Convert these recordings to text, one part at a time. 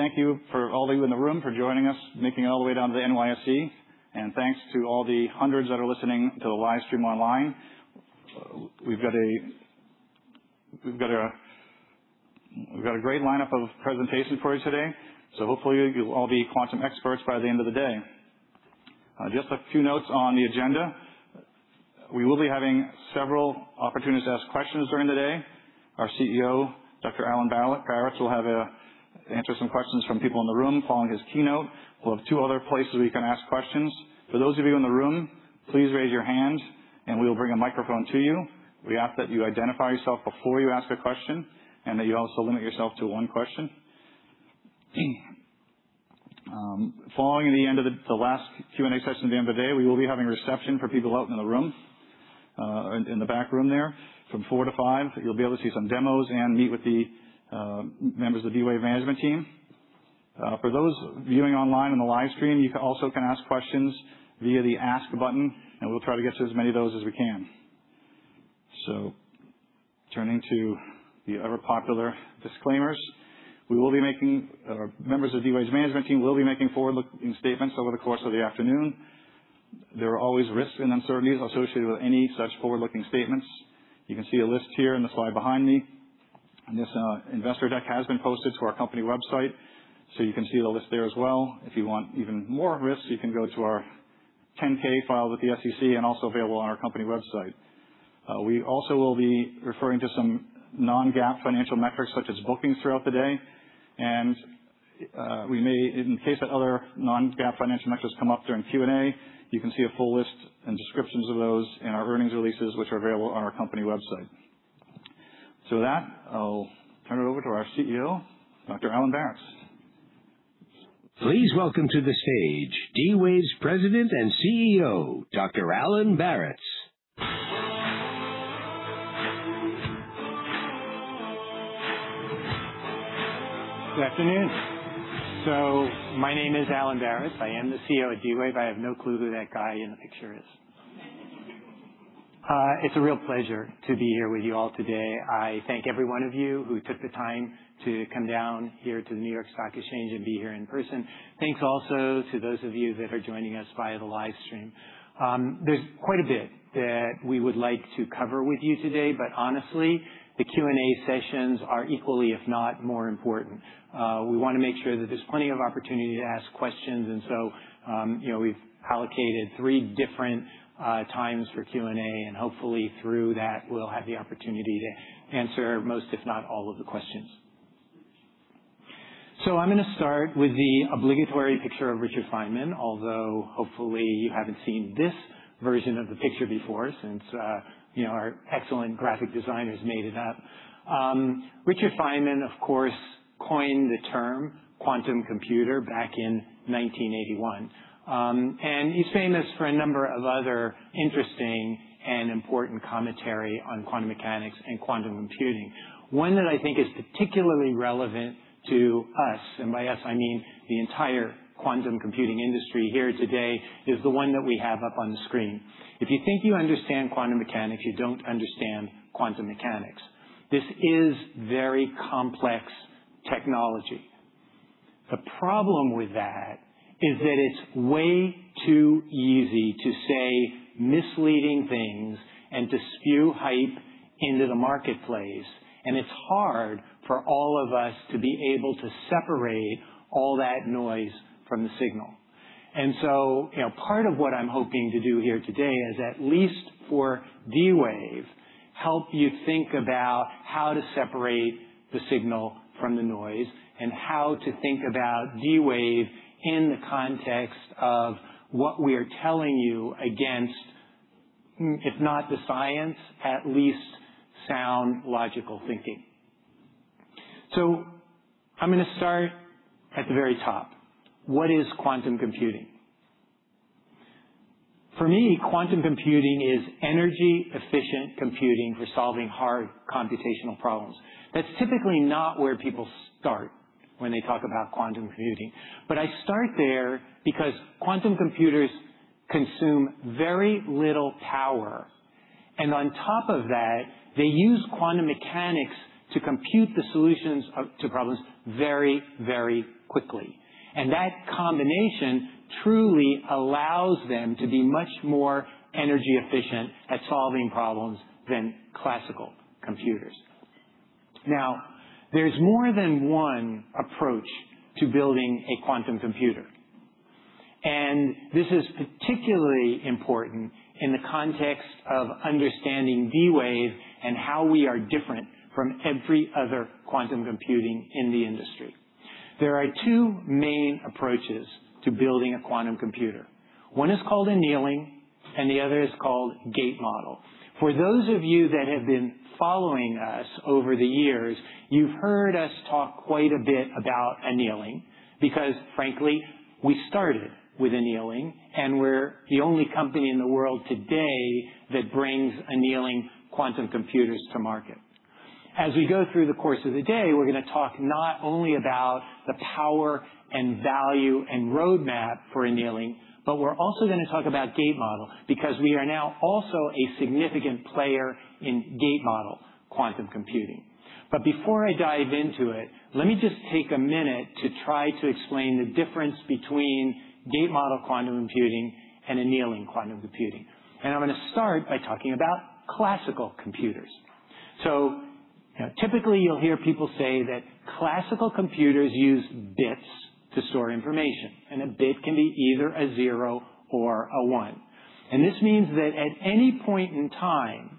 Thank you for all of you in the room for joining us, making it all the way down to the NYSE. Thanks to all the hundreds that are listening to the live stream online. We've got a great lineup of presentations for you today. Hopefully you'll all be quantum experts by the end of the day. Just a few notes on the agenda. We will be having several opportunities to ask questions during the day. Our CEO, Dr. Alan Baratz, will answer some questions from people in the room following his keynote. We'll have two other places where you can ask questions. For those of you in the room, please raise your hand, and we will bring a microphone to you. We ask that you identify yourself before you ask a question, and that you also limit yourself to one question. Following the end of the last Q&A session at the end of the day, we will be having a reception for people out in the room, in the back room there from 4:00 P.M. to 5:00 P.M. You'll be able to see some demos and meet with the members of D-Wave management team. For those viewing online on the live stream, you also can ask questions via the Ask button, and we'll try to get to as many of those as we can. Turning to the ever-popular disclaimers. Members of D-Wave's management team will be making forward-looking statements over the course of the afternoon. There are always risks and uncertainties associated with any such forward-looking statements. You can see a list here in the slide behind me, and this investor deck has been posted to our company website, so you can see the list there as well. If you want even more risks, you can go to our 10-K filed with the SEC and also available on our company website. We also will be referring to some non-GAAP financial metrics, such as bookings, throughout the day, and in case that other non-GAAP financial metrics come up during Q&A, you can see a full list and descriptions of those in our earnings releases, which are available on our company website. With that, I'll turn it over to our CEO, Dr. Alan Baratz. Please welcome to the stage D-Wave's President and CEO, Dr. Alan Baratz. Good afternoon. My name is Alan Baratz. I am the CEO of D-Wave. I have no clue who that guy in the picture is. It's a real pleasure to be here with you all today. I thank every one of you who took the time to come down here to the New York Stock Exchange and be here in person. Thanks also to those of you that are joining us via the live stream. There's quite a bit that we would like to cover with you today, honestly, the Q&A sessions are equally, if not more important. We want to make sure that there's plenty of opportunity to ask questions, we've allocated three different times for Q&A, hopefully through that, we'll have the opportunity to answer most, if not all of the questions. I'm going to start with the obligatory picture of Richard Feynman, although hopefully you haven't seen this version of the picture before since our excellent graphic designers made it up. Richard Feynman, of course, coined the term quantum computer back in 1981. He's famous for a number of other interesting and important commentary on quantum mechanics and quantum computing. One that I think is particularly relevant to us, and by us, I mean the entire quantum computing industry here today is the one that we have up on the screen. If you think you understand quantum mechanics, you don't understand quantum mechanics. This is very complex technology. The problem with that is that it's way too easy to say misleading things and to spew hype into the marketplace. It's hard for all of us to be able to separate all that noise from the signal. Part of what I'm hoping to do here today is, at least for D-Wave, help you think about how to separate the signal from the noise and how to think about D-Wave in the context of what we are telling you against, if not the science, at least sound logical thinking. I'm going to start at the very top. What is quantum computing? For me, quantum computing is energy-efficient computing for solving hard computational problems. That's typically not where people start when they talk about quantum computing. I start there because quantum computers consume very little power, and on top of that, they use quantum mechanics to compute the solutions to problems very quickly. That combination truly allows them to be much more energy efficient at solving problems than classical computers. There's more than one approach to building a quantum computer, and this is particularly important in the context of understanding D-Wave and how we are different from every other quantum computing in the industry. There are two main approaches to building a quantum computer. One is called annealing, and the other is called gate model. For those of you that have been following us over the years, you've heard us talk quite a bit about annealing because frankly, we started with annealing, and we're the only company in the world today that brings annealing quantum computers to market. As we go through the course of the day, we're going to talk not only about the power and value and roadmap for annealing, but we're also going to talk about gate-model because we are now also a significant player in gate-model quantum computing. Before I dive into it, let me just take a minute to try to explain the difference between gate-model quantum computing and annealing quantum computing. I'm going to start by talking about classical computers. Typically, you'll hear people say that classical computers use bits to store information, and a bit can be either a zero or a one. This means that at any point in time,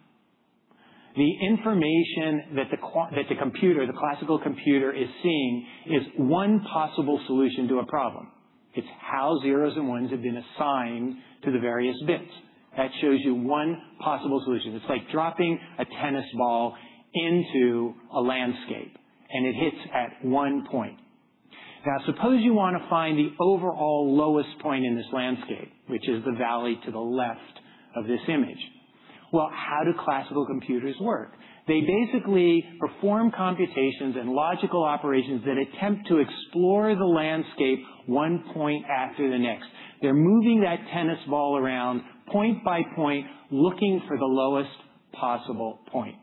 the information that the classical computer is seeing is one possible solution to a problem. It's how zeros and ones have been assigned to the various bits. That shows you one possible solution. It's like dropping a tennis ball into a landscape, and it hits at one point. Now, suppose you want to find the overall lowest point in this landscape, which is the valley to the left of this image. Well, how do classical computers work? They basically perform computations and logical operations that attempt to explore the landscape one point after the next. They're moving that tennis ball around point by point, looking for the lowest possible point.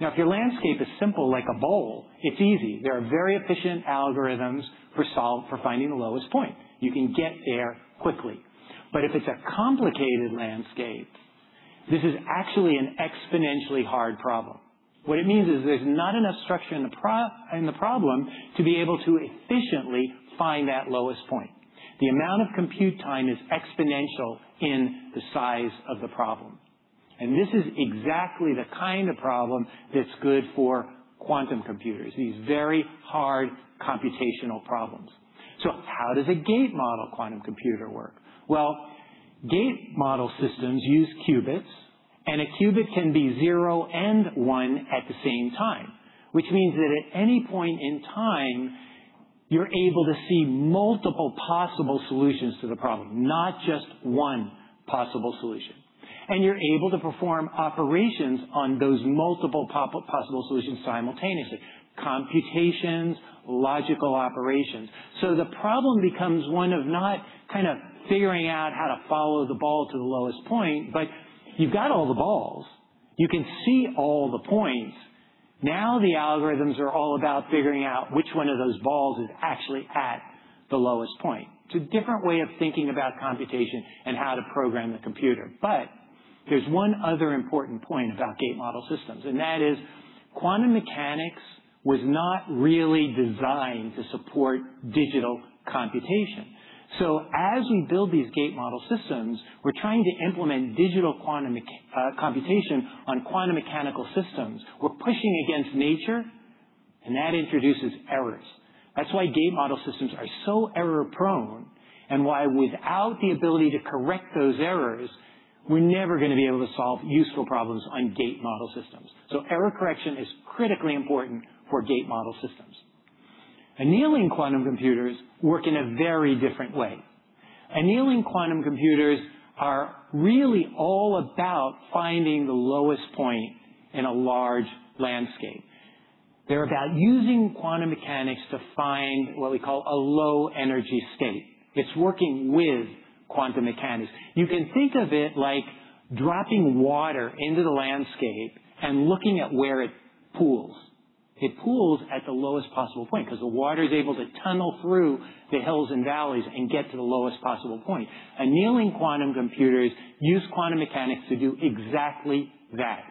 Now, if your landscape is simple, like a bowl, it's easy. There are very efficient algorithms for finding the lowest point. You can get there quickly. If it's a complicated landscape, this is actually an exponentially hard problem. What it means is there's not enough structure in the problem to be able to efficiently find that lowest point. The amount of compute time is exponential in the size of the problem. This is exactly the kind of problem that's good for quantum computers, these very hard computational problems. How does a gate model quantum computer work? Well, gate model systems use qubits, and a qubit can be zero and one at the same time, which means that at any point in time, you're able to see multiple possible solutions to the problem, not just one possible solution. You're able to perform operations on those multiple possible solutions simultaneously. Computations, logical operations. The problem becomes one of not kind of figuring out how to follow the ball to the lowest point, but you've got all the balls. You can see all the points. Now, the algorithms are all about figuring out which one of those balls is actually at the lowest point. It's a different way of thinking about computation and how to program the computer. There's one other important point about gate model systems, and that is quantum mechanics was not really designed to support digital computation. As we build these gate model systems, we're trying to implement digital quantum computation on quantum mechanical systems. We're pushing against nature, and that introduces errors. That's why gate model systems are so error-prone and why without the ability to correct those errors, we're never going to be able to solve useful problems on gate model systems. Error correction is critically important for gate model systems. Annealing quantum computers work in a very different way. Annealing quantum computers are really all about finding the lowest point in a large landscape. They're about using quantum mechanics to find what we call a low-energy state. It's working with quantum mechanics. You can think of it like dropping water into the landscape and looking at where it pools. It pools at the lowest possible point because the water is able to tunnel through the hills and valleys and get to the lowest possible point. Annealing quantum computers use quantum mechanics to do exactly that.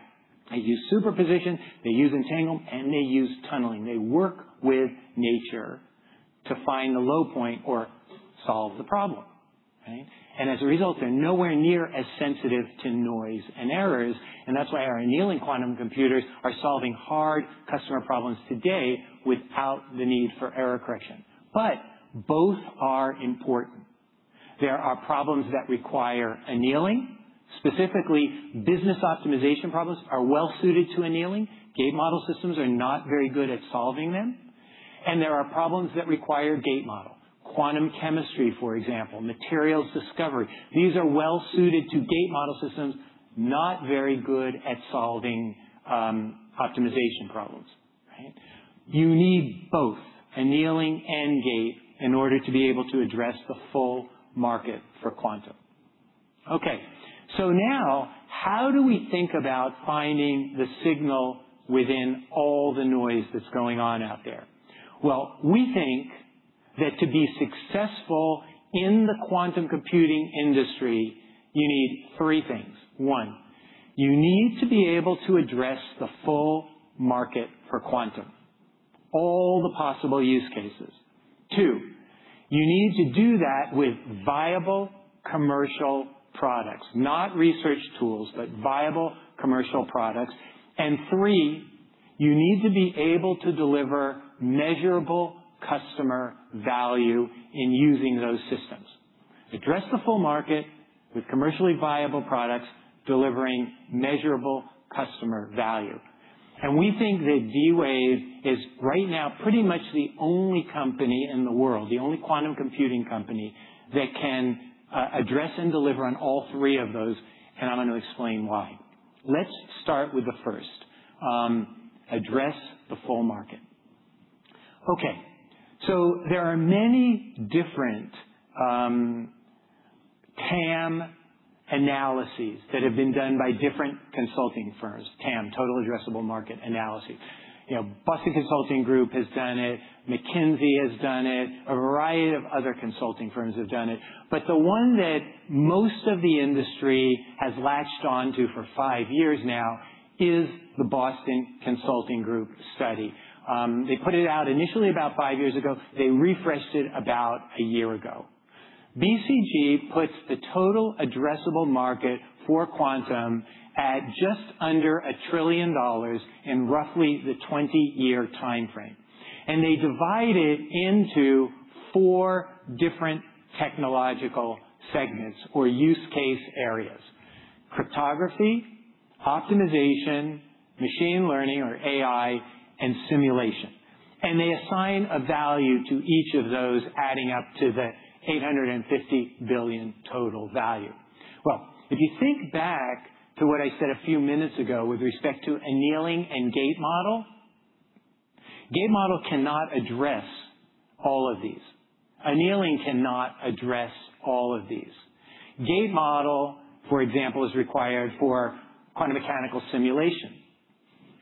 They use superposition, they use entanglement, and they use tunneling. They work with nature to find the low point or solve the problem. As a result, they're nowhere near as sensitive to noise and errors, and that's why our annealing quantum computers are solving hard customer problems today without the need for error correction. Both are important. There are problems that require annealing. Specifically, business optimization problems are well suited to annealing. Gate model systems are not very good at solving them. There are problems that require gate model, quantum chemistry, for example, materials discovery. These are well suited to gate-model systems, not very good at solving optimization problems, right? You need both annealing and gate in order to be able to address the full market for quantum. Okay. Now how do we think about finding the signal within all the noise that's going on out there? Well, we think that to be successful in the quantum computing industry, you need three things. One, you need to be able to address the full market for quantum, all the possible use cases. Two, you need to do that with viable commercial products, not research tools, but viable commercial products. Three, you need to be able to deliver measurable customer value in using those systems. Address the full market with commercially viable products, delivering measurable customer value. We think that D-Wave is right now pretty much the only company in the world, the only quantum computing company, that can address and deliver on all three of those, and I'm going to explain why. Let's start with the first, address the full market. There are many different TAM analyses that have been done by different consulting firms. TAM, total addressable market analysis. Boston Consulting Group has done it, McKinsey has done it, a variety of other consulting firms have done it. The one that most of the industry has latched onto for five years now is the Boston Consulting Group study. They put it out initially about five years ago. They refreshed it about a year ago. BCG puts the total addressable market for quantum at just under $1 trillion in roughly the 20-year timeframe. They divide it into four different technological segments or use case areas, cryptography, optimization, machine learning or AI, and simulation. They assign a value to each of those, adding up to the $850 billion total value. Well, if you think back to what I said a few minutes ago with respect to annealing and gate model, gate model cannot address all of these. Annealing cannot address all of these. Gate model, for example, is required for quantum mechanical simulation,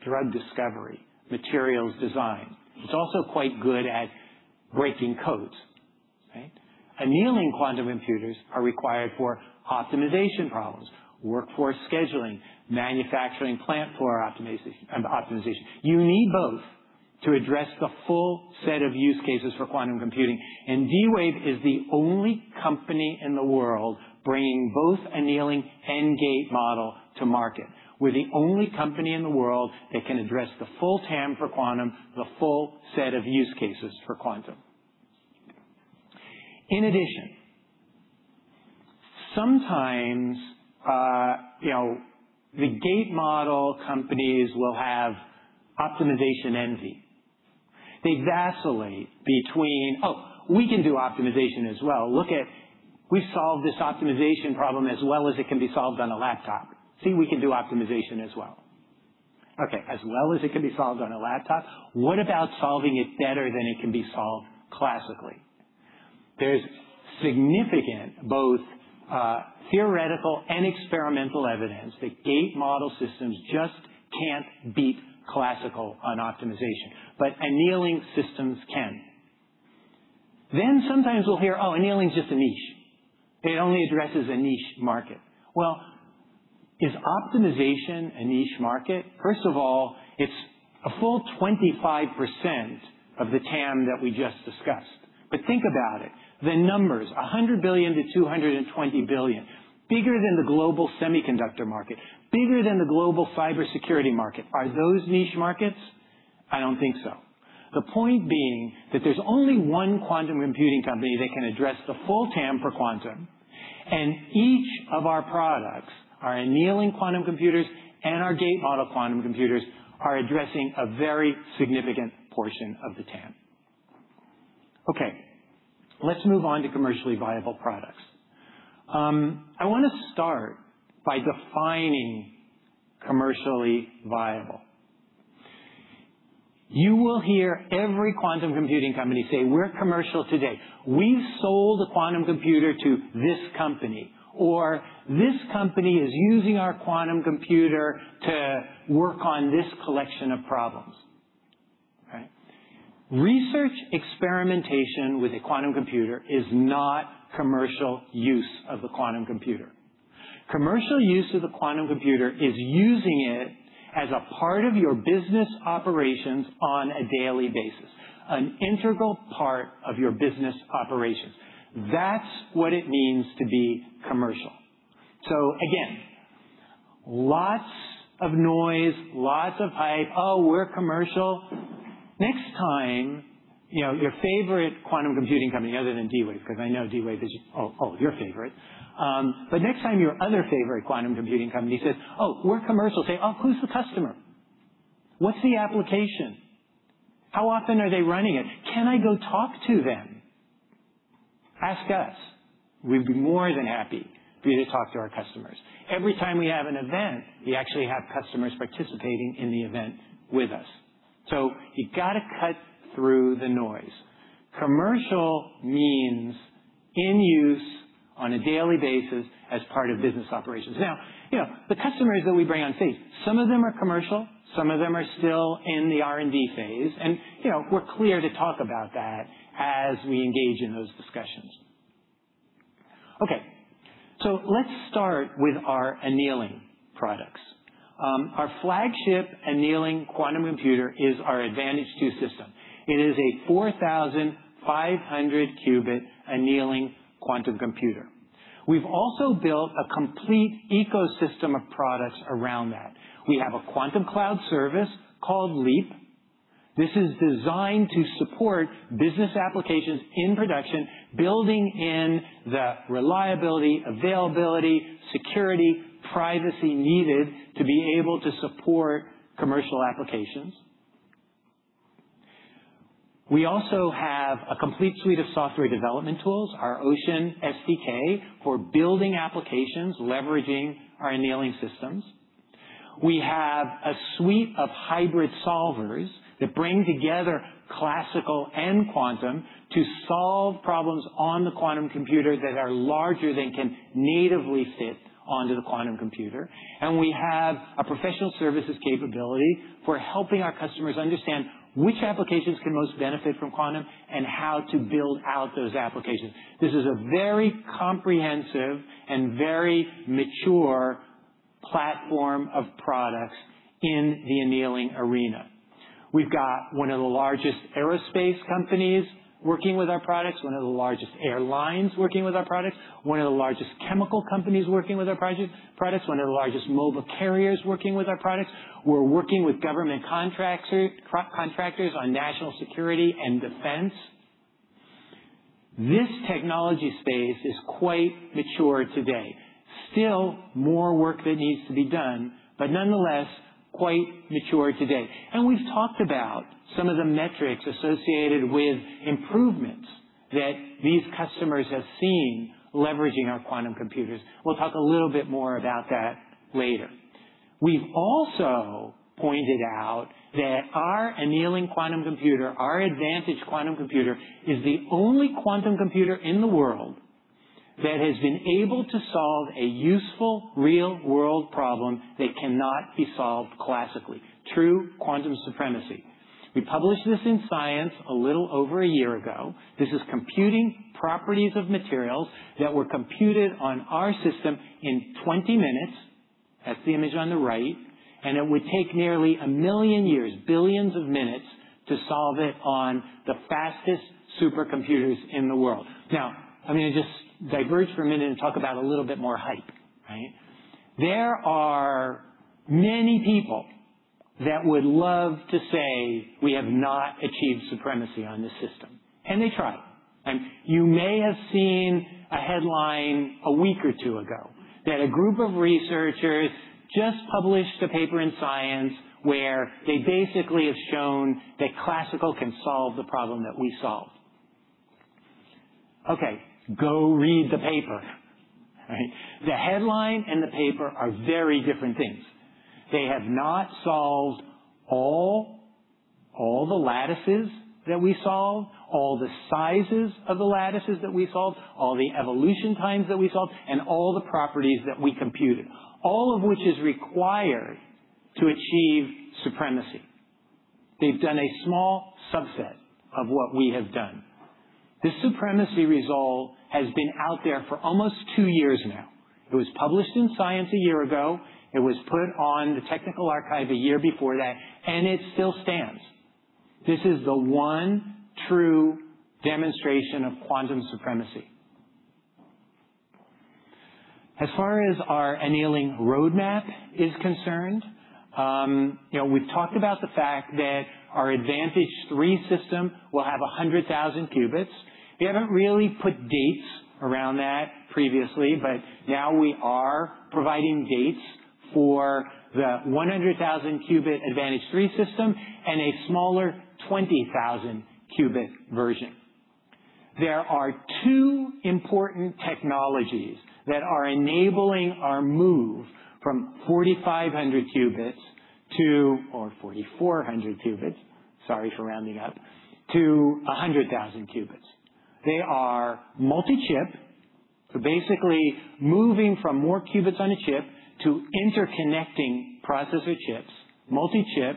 drug discovery, materials design. It's also quite good at breaking codes, right? Annealing quantum computers are required for optimization problems, workforce scheduling, manufacturing plant floor optimization. You need both to address the full set of use cases for quantum computing, and D-Wave is the only company in the world bringing both annealing and gate model to market. We're the only company in the world that can address the full TAM for quantum, the full set of use cases for quantum. In addition, sometimes the gate model companies will have optimization envy. They vacillate between, "Oh, we can do optimization as well. We solved this optimization problem as well as it can be solved on a laptop. See, we can do optimization as well." Okay, as well as it can be solved on a laptop? What about solving it better than it can be solved classically? There's significant, both theoretical and experimental evidence that gate model systems just can't beat classical on optimization, but annealing systems can. Sometimes we'll hear, "Oh, annealing is just a niche. It only addresses a niche market." Well, is optimization a niche market? First of all, it's a full 25% of the TAM that we just discussed. Think about it, the numbers, $100 billion-$220 billion, bigger than the global semiconductor market, bigger than the global cybersecurity market. Are those niche markets? I don't think so. The point being that there's only one quantum computing company that can address the full TAM for quantum, and each of our products, our annealing quantum computers and our gate model quantum computers, are addressing a very significant portion of the TAM. Okay, let's move on to commercially viable products. I want to start by defining commercially viable. You will hear every quantum computing company say, "We're commercial today. We've sold a quantum computer to this company," or, "This company is using our quantum computer to work on this collection of problems." Right? Research experimentation with a quantum computer is not commercial use of the quantum computer. Commercial use of the quantum computer is using it as a part of your business operations on a daily basis, an integral part of your business operations. That's what it means to be commercial. Again, lots of noise, lots of hype, "Oh, we're commercial." Next time, your favorite quantum computing company other than D-Wave, because I know D-Wave is your favorite. Next time your other favorite quantum computing company says, "Oh, we're commercial," say, "Oh, who's the customer? What's the application? How often are they running it? Can I go talk to them?" Ask us. We'd be more than happy for you to talk to our customers. Every time we have an event, we actually have customers participating in the event with us. You got to cut through the noise. Commercial means in use on a daily basis as part of business operations. The customers that we bring on stage, some of them are commercial, some of them are still in the R&D phase, and we're clear to talk about that as we engage in those discussions. Let's start with our annealing products. Our flagship annealing quantum computer is our Advantage2 system. It is a 4,500 qubit annealing quantum computer. We've also built a complete ecosystem of products around that. We have a quantum cloud service called Leap. This is designed to support business applications in production, building in the reliability, availability, security, privacy needed to be able to support commercial applications. We also have a complete suite of software development tools, our Ocean SDK, for building applications leveraging our annealing systems. We have a suite of hybrid solvers that bring together classical and quantum to solve problems on the quantum computer that are larger than can natively fit onto the quantum computer. We have a professional services capability for helping our customers understand which applications can most benefit from quantum and how to build out those applications. This is a very comprehensive and very mature platform of products in the annealing arena. We've got one of the largest aerospace companies working with our products, one of the largest airlines working with our products, one of the largest chemical companies working with our products, one of the largest mobile carriers working with our products. We're working with government contractors on national security and defense. This technology space is quite mature today. Still more work that needs to be done, but nonetheless, quite mature today. We've talked about some of the metrics associated with improvements that these customers have seen leveraging our quantum computers. We'll talk a little bit more about that later. We've also pointed out that our annealing quantum computer, our Advantage quantum computer, is the only quantum computer in the world that has been able to solve a useful, real-world problem that cannot be solved classically. True quantum supremacy. We published this in Science a little over a year ago. This is computing properties of materials that were computed on our system in 20 minutes. That's the image on the right, and it would take nearly 1 million years, billions of minutes, to solve it on the fastest supercomputers in the world. Now, I'm going to just diverge for a minute and talk about a little bit more hype, right? There are many people that would love to say we have not achieved supremacy on this system, and they try. You may have seen a headline a week or two ago that a group of researchers just published a paper in Science where they basically have shown that classical can solve the problem that we solved. Okay, go read the paper, right? The headline and the paper are very different things. They have not solved all the lattices that we solved, all the sizes of the lattices that we solved, all the evolution times that we solved, and all the properties that we computed, all of which is required to achieve supremacy. They've done a small subset of what we have done. This supremacy result has been out there for almost two years now. It was published in Science a year ago. It was put on the technical archive a year before that. It still stands. This is the one true demonstration of quantum supremacy. As far as our annealing roadmap is concerned, we've talked about the fact that our Advantage 3 system will have 100,000 qubits. We haven't really put dates around that previously. Now we are providing dates for the 100,000 qubit Advantage 3 system and a smaller 20,000 qubit version. There are two important technologies that are enabling our move from 4,500 qubits to or 4,400 qubits, sorry for rounding up, to 100,000 qubits. They are multi-chip, basically moving from more qubits on a chip to interconnecting processor chips, multi-chip,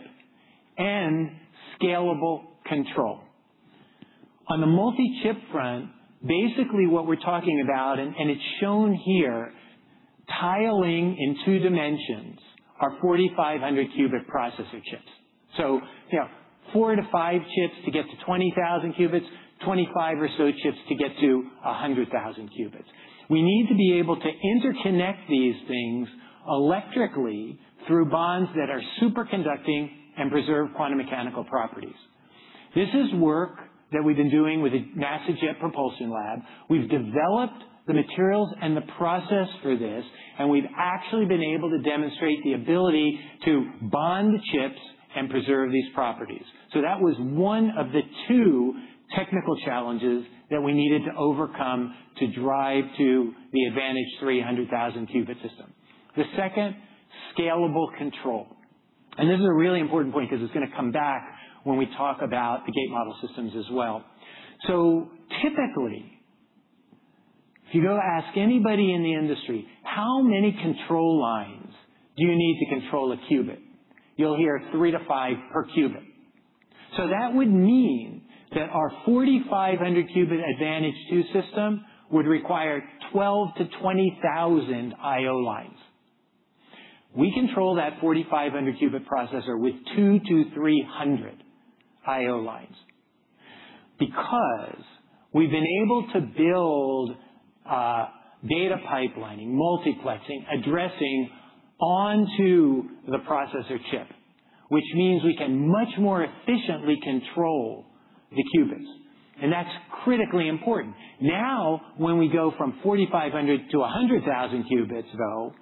and scalable control. On the multi-chip front, basically what we're talking about, and it's shown here, tiling in two dimensions are 4,500 qubit processor chips. Four to five chips to get to 20,000 qubits, 25 or so chips to get to 100,000 qubits. We need to be able to interconnect these things electrically through bonds that are superconducting and preserve quantum mechanical properties. This is work that we've been doing with NASA Jet Propulsion Lab. We've developed the materials and the process for this, and we've actually been able to demonstrate the ability to bond the chips and preserve these properties. That was one of the two technical challenges that we needed to overcome to drive to the Advantage 3100,000 qubit system. The second, scalable control. This is a really important point because it's going to come back when we talk about the gate model systems as well. Typically, if you go ask anybody in the industry, how many control lines do you need to control a qubit? You'll hear three to five per qubit. That would mean that our 4,500 qubit Advantage2 system would require 12,000 to 20,000 I/O lines. We control that 4,500 qubit processor with two to 300 I/O lines because we've been able to build data pipelining, multiplexing, addressing onto the processor chip, which means we can much more efficiently control the qubits, and that's critically important. When we go from 4,500 to 100,000 qubits, though,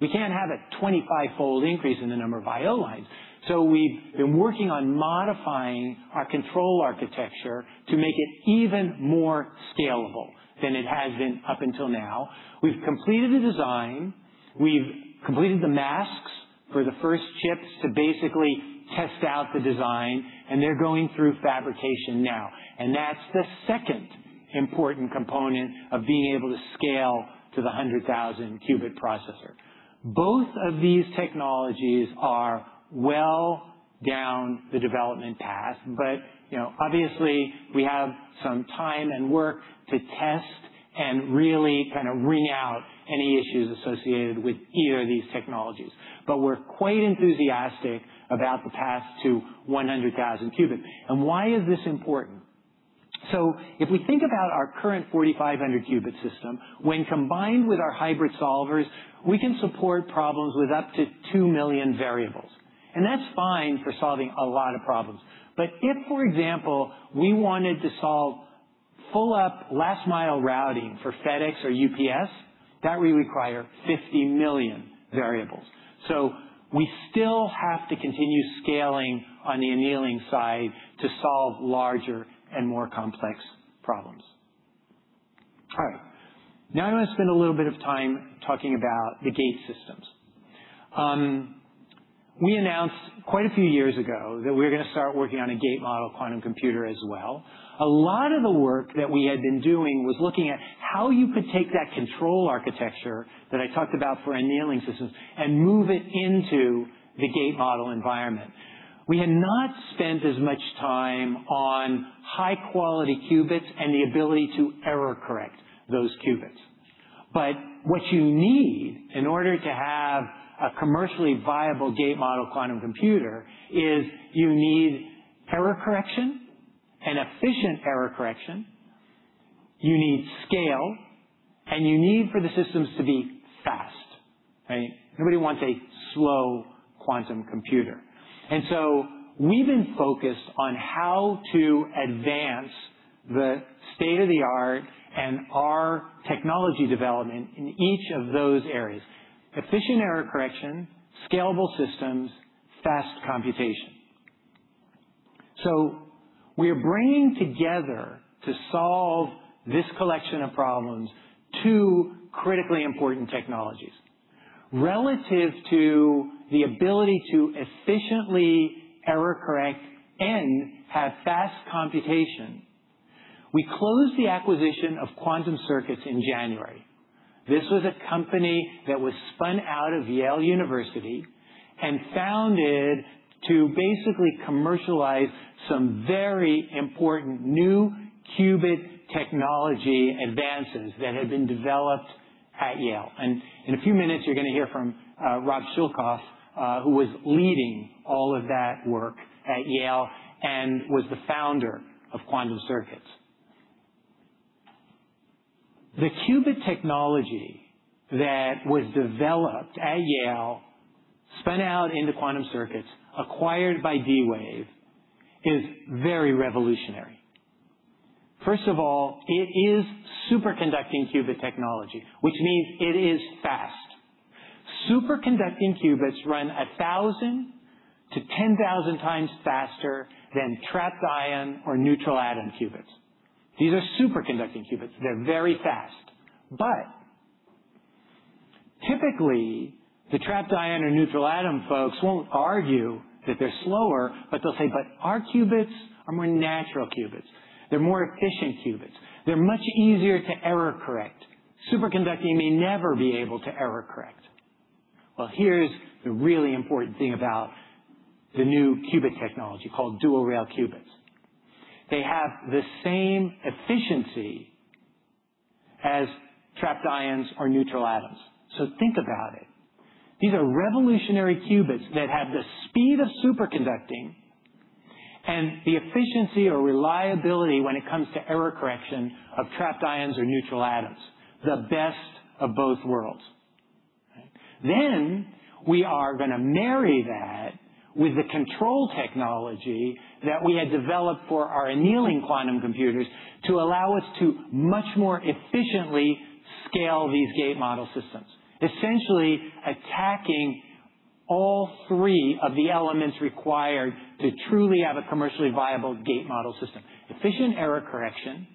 we can't have a 25-fold increase in the number of I/O lines. We've been working on modifying our control architecture to make it even more scalable than it has been up until now. We've completed the design. We've completed the masks for the first chips to basically test out the design, they're going through fabrication now. That's the second important component of being able to scale to the 100,000 qubit processor. Both of these technologies are well down the development path, but obviously we have some time and work to test and really kind of wring out any issues associated with either of these technologies. We're quite enthusiastic about the path to 100,000 qubit. Why is this important? If we think about our current 4,500 qubit system, when combined with our hybrid solvers, we can support problems with up to two million variables, and that's fine for solving a lot of problems. If, for example, we wanted to solve full up last mile routing for FedEx or UPS, that would require 50 million variables. We still have to continue scaling on the annealing side to solve larger and more complex problems. All right. I'm going to spend a little bit of time talking about the gate systems. We announced quite a few years ago that we were going to start working on a gate model quantum computer as well. A lot of the work that we had been doing was looking at how you could take that control architecture that I talked about for annealing systems and move it into the gate model environment. We had not spent as much time on high-quality qubits and the ability to error-correct those qubits. What you need in order to have a commercially viable gate model quantum computer is you need error correction and efficient error correction, you need scale, and you need for the systems to be fast, right? Nobody wants a slow quantum computer. We've been focused on how to advance the state-of-the-art and our technology development in each of those areas. Efficient error correction, scalable systems, fast computation. We are bringing together to solve this collection of problems, two critically important technologies. Relative to the ability to efficiently error-correct and have fast computation, we closed the acquisition of Quantum Circuits in January. This was a company that was spun out of Yale University and founded to basically commercialize some very important new qubit technology advances that had been developed at Yale. In a few minutes, you're going to hear from Rob Schoelkopf, who was leading all of that work at Yale and was the founder of Quantum Circuits. The qubit technology that was developed at Yale, spun out into Quantum Circuits, acquired by D-Wave, is very revolutionary. First of all, it is superconducting qubit technology, which means it is fast. Superconducting qubits run 1,000-10,000x faster than trapped ion or neutral atom qubits. These are superconducting qubits. They're very fast. Typically, the trapped ion or neutral atom folks won't argue that they're slower, they'll say, "Our qubits are more natural qubits. They're more efficient qubits. They're much easier to error-correct. Superconducting may never be able to error-correct." Here's the really important thing about the new qubit technology called dual-rail qubits. They have the same efficiency as trapped ions or neutral atoms. Think about it. These are revolutionary qubits that have the speed of superconducting and the efficiency or reliability when it comes to error correction of trapped ions or neutral atoms, the best of both worlds. We are going to marry that with the control technology that we had developed for our annealing quantum computers to allow us to much more efficiently scale these gate model systems, essentially attacking all three of the elements required to truly have a commercially viable gate model system. Efficient error correction,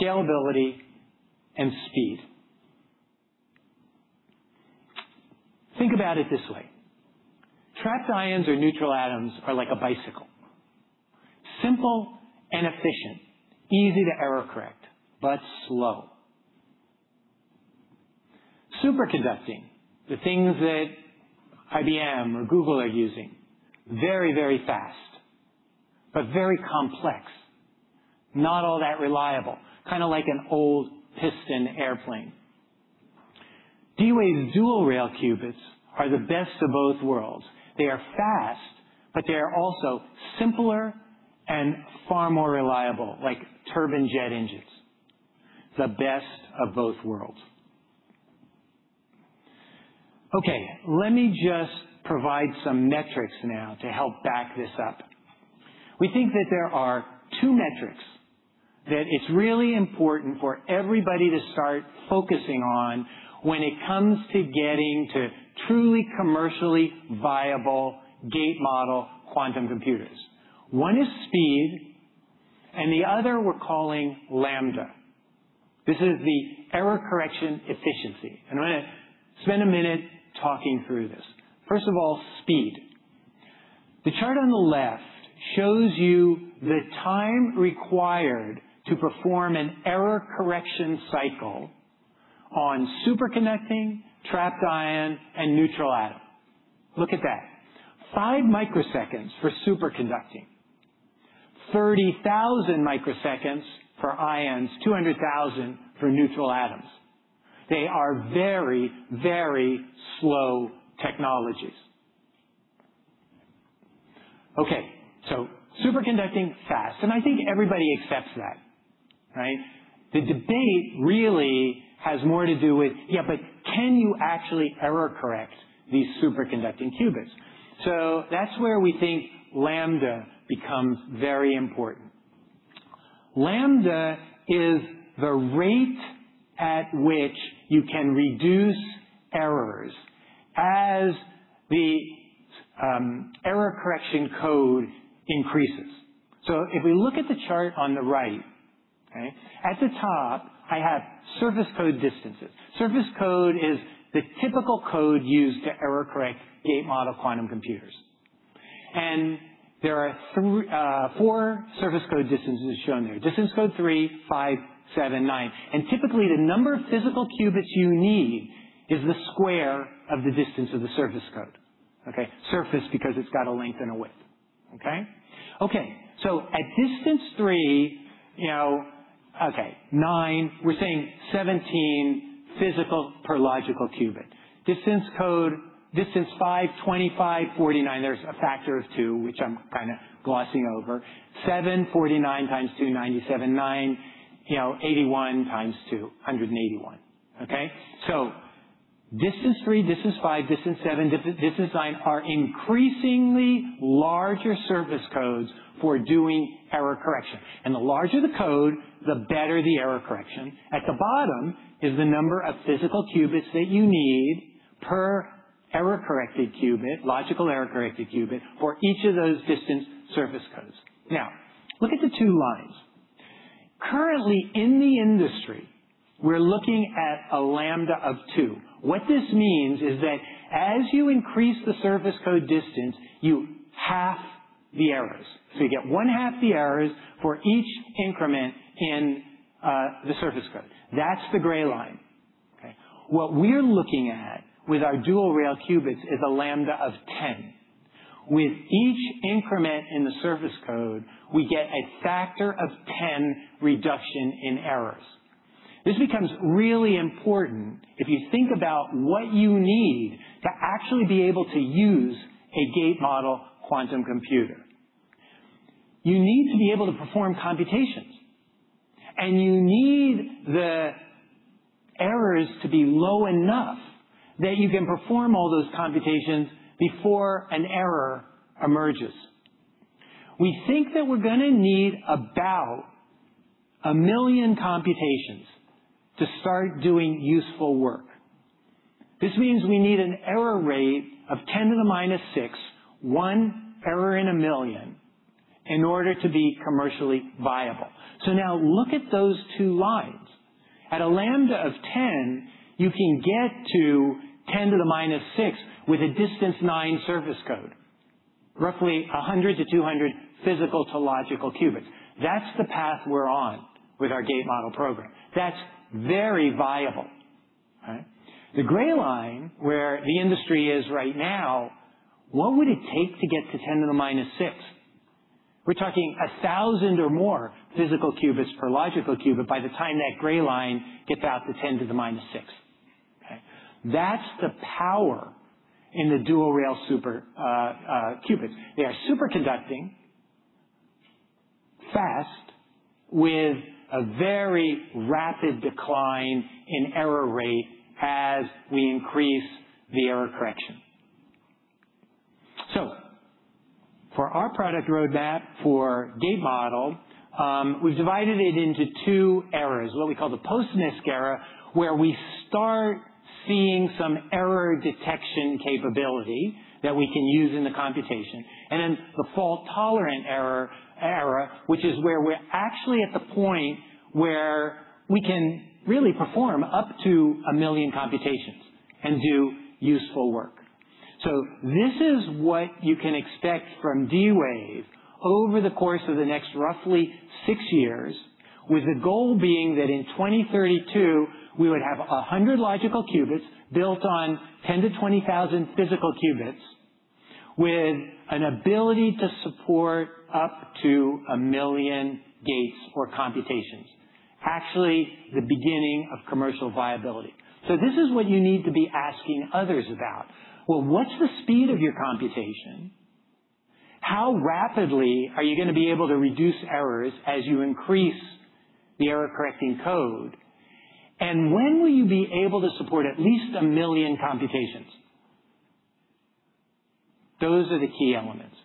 scalability, and speed. Think about it this way. Trapped ions or neutral atoms are like a bicycle, simple and efficient, easy to error-correct, but slow. Superconducting, the things that IBM or Google are using, very, very fast, but very complex. Not all that reliable. Kind of like an old piston airplane. D-Wave dual-rail qubits are the best of both worlds. They are fast, but they are also simpler and far more reliable, like turbine jet engines, the best of both worlds. Okay, let me just provide some metrics now to help back this up. We think that there are two metrics that it's really important for everybody to start focusing on when it comes to getting to truly commercially viable gate model quantum computers. One is speed. The other we're calling lambda. This is the error correction efficiency. I'm going to spend a minute talking through this. First of all, speed. The chart on the left shows you the time required to perform an error correction cycle on superconducting, trapped ion, and neutral atom. Look at that. Five microseconds for superconducting, 30,000 microseconds for ions, 200,000 for neutral atoms. They are very slow technologies. Okay. Superconducting fast, and I think everybody accepts that. Right? The debate really has more to do with, yeah, but can you actually error-correct these superconducting qubits? That's where we think lambda becomes very important. Lambda is the rate at which you can reduce errors as the error correction code increases. If we look at the chart on the right, at the top, I have surface code distances. surface code is the typical code used to error-correct gate model quantum computers. There are four surface code distances shown there. Distance code 3, 5, 7, 9. Typically, the number of physical qubits you need is the square of the distance of the surface code. Okay? Surface because it's got a length and a width. Okay? At distance three, okay, nine, we're saying 17 physical per logical qubit. Distance code, distance 5, 25, 49, there's a factor of two, which I'm kind of glossing over. 7, 49 times two, 97. 9, 81 times two, 181. Okay? Distance 3, distance 5, distance 7, distance 9 are increasingly larger surface codes for doing error correction. The larger the code, the better the error correction. At the bottom is the number of physical qubits that you need per error-corrected qubit, logical error-corrected qubit, for each of those distance surface codes. Look at the two lines. Currently, in the industry, we're looking at a lambda of two. What this means is that as you increase the surface code distance, you half the errors. You get one half the errors for each increment in the surface code. That's the gray line. Okay. What we're looking at with our dual-rail qubits is a lambda of 10. With each increment in the surface code, we get a factor of 10 reduction in errors. This becomes really important if you think about what you need to actually be able to use a gate-model quantum computer. You need to be able to perform computations, and you need the errors to be low enough that you can perform all those computations before an error emerges. We think that we're going to need about a million computations to start doing useful work. This means we need an error rate of 10 to the minus 6, one error in a million, in order to be commercially viable. Now look at those two lines. At a lambda of 10, you can get to 10 to the minus 6 with a distance 9 surface code, roughly 100 to 200 physical to logical qubits. That's the path we're on with our gate-model program. That's very viable. Right? The gray line, where the industry is right now, what would it take to get to 10 to the minus 6? We're talking 1,000 or more physical qubits per logical qubit by the time that gray line gets out to 10 to the minus 6. Okay. That's the power in the dual-rail super qubits. They are superconducting fast with a very rapid decline in error rate as we increase the error correction. For our product roadmap for gate model, we've divided it into two eras, what we call the post-NISQ era, where we start seeing some error detection capability that we can use in the computation, and then the fault-tolerant era, which is where we're actually at the point where we can really perform up to a million computations and do useful work. This is what you can expect from D-Wave over the course of the next roughly six years, with the goal being that in 2032, we would have 100 logical qubits built on 10,000 to 20,000 physical qubits with an ability to support up to 1 million gates or computations. Actually, the beginning of commercial viability. This is what you need to be asking others about. Well, what's the speed of your computation? How rapidly are you going to be able to reduce errors as you increase the error-correcting code? When will you be able to support at least 1 million computations? Those are the key elements.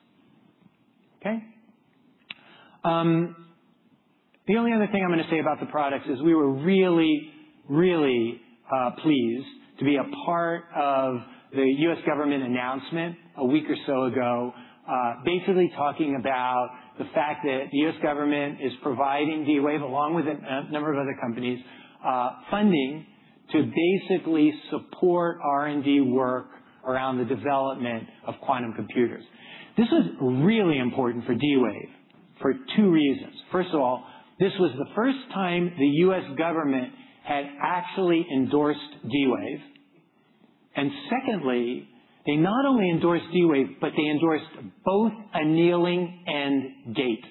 Okay. The only other thing I'm going to say about the products is we were really, really pleased to be a part of the U.S. government announcement a week or so ago, basically talking about the fact that the U.S. government is providing D-Wave, along with a number of other companies, funding to basically support R&D work around the development of quantum computers. This was really important for D-Wave for two reasons. This was the first time the U.S. government had actually endorsed D-Wave. Secondly, they not only endorsed D-Wave, but they endorsed both annealing and gate.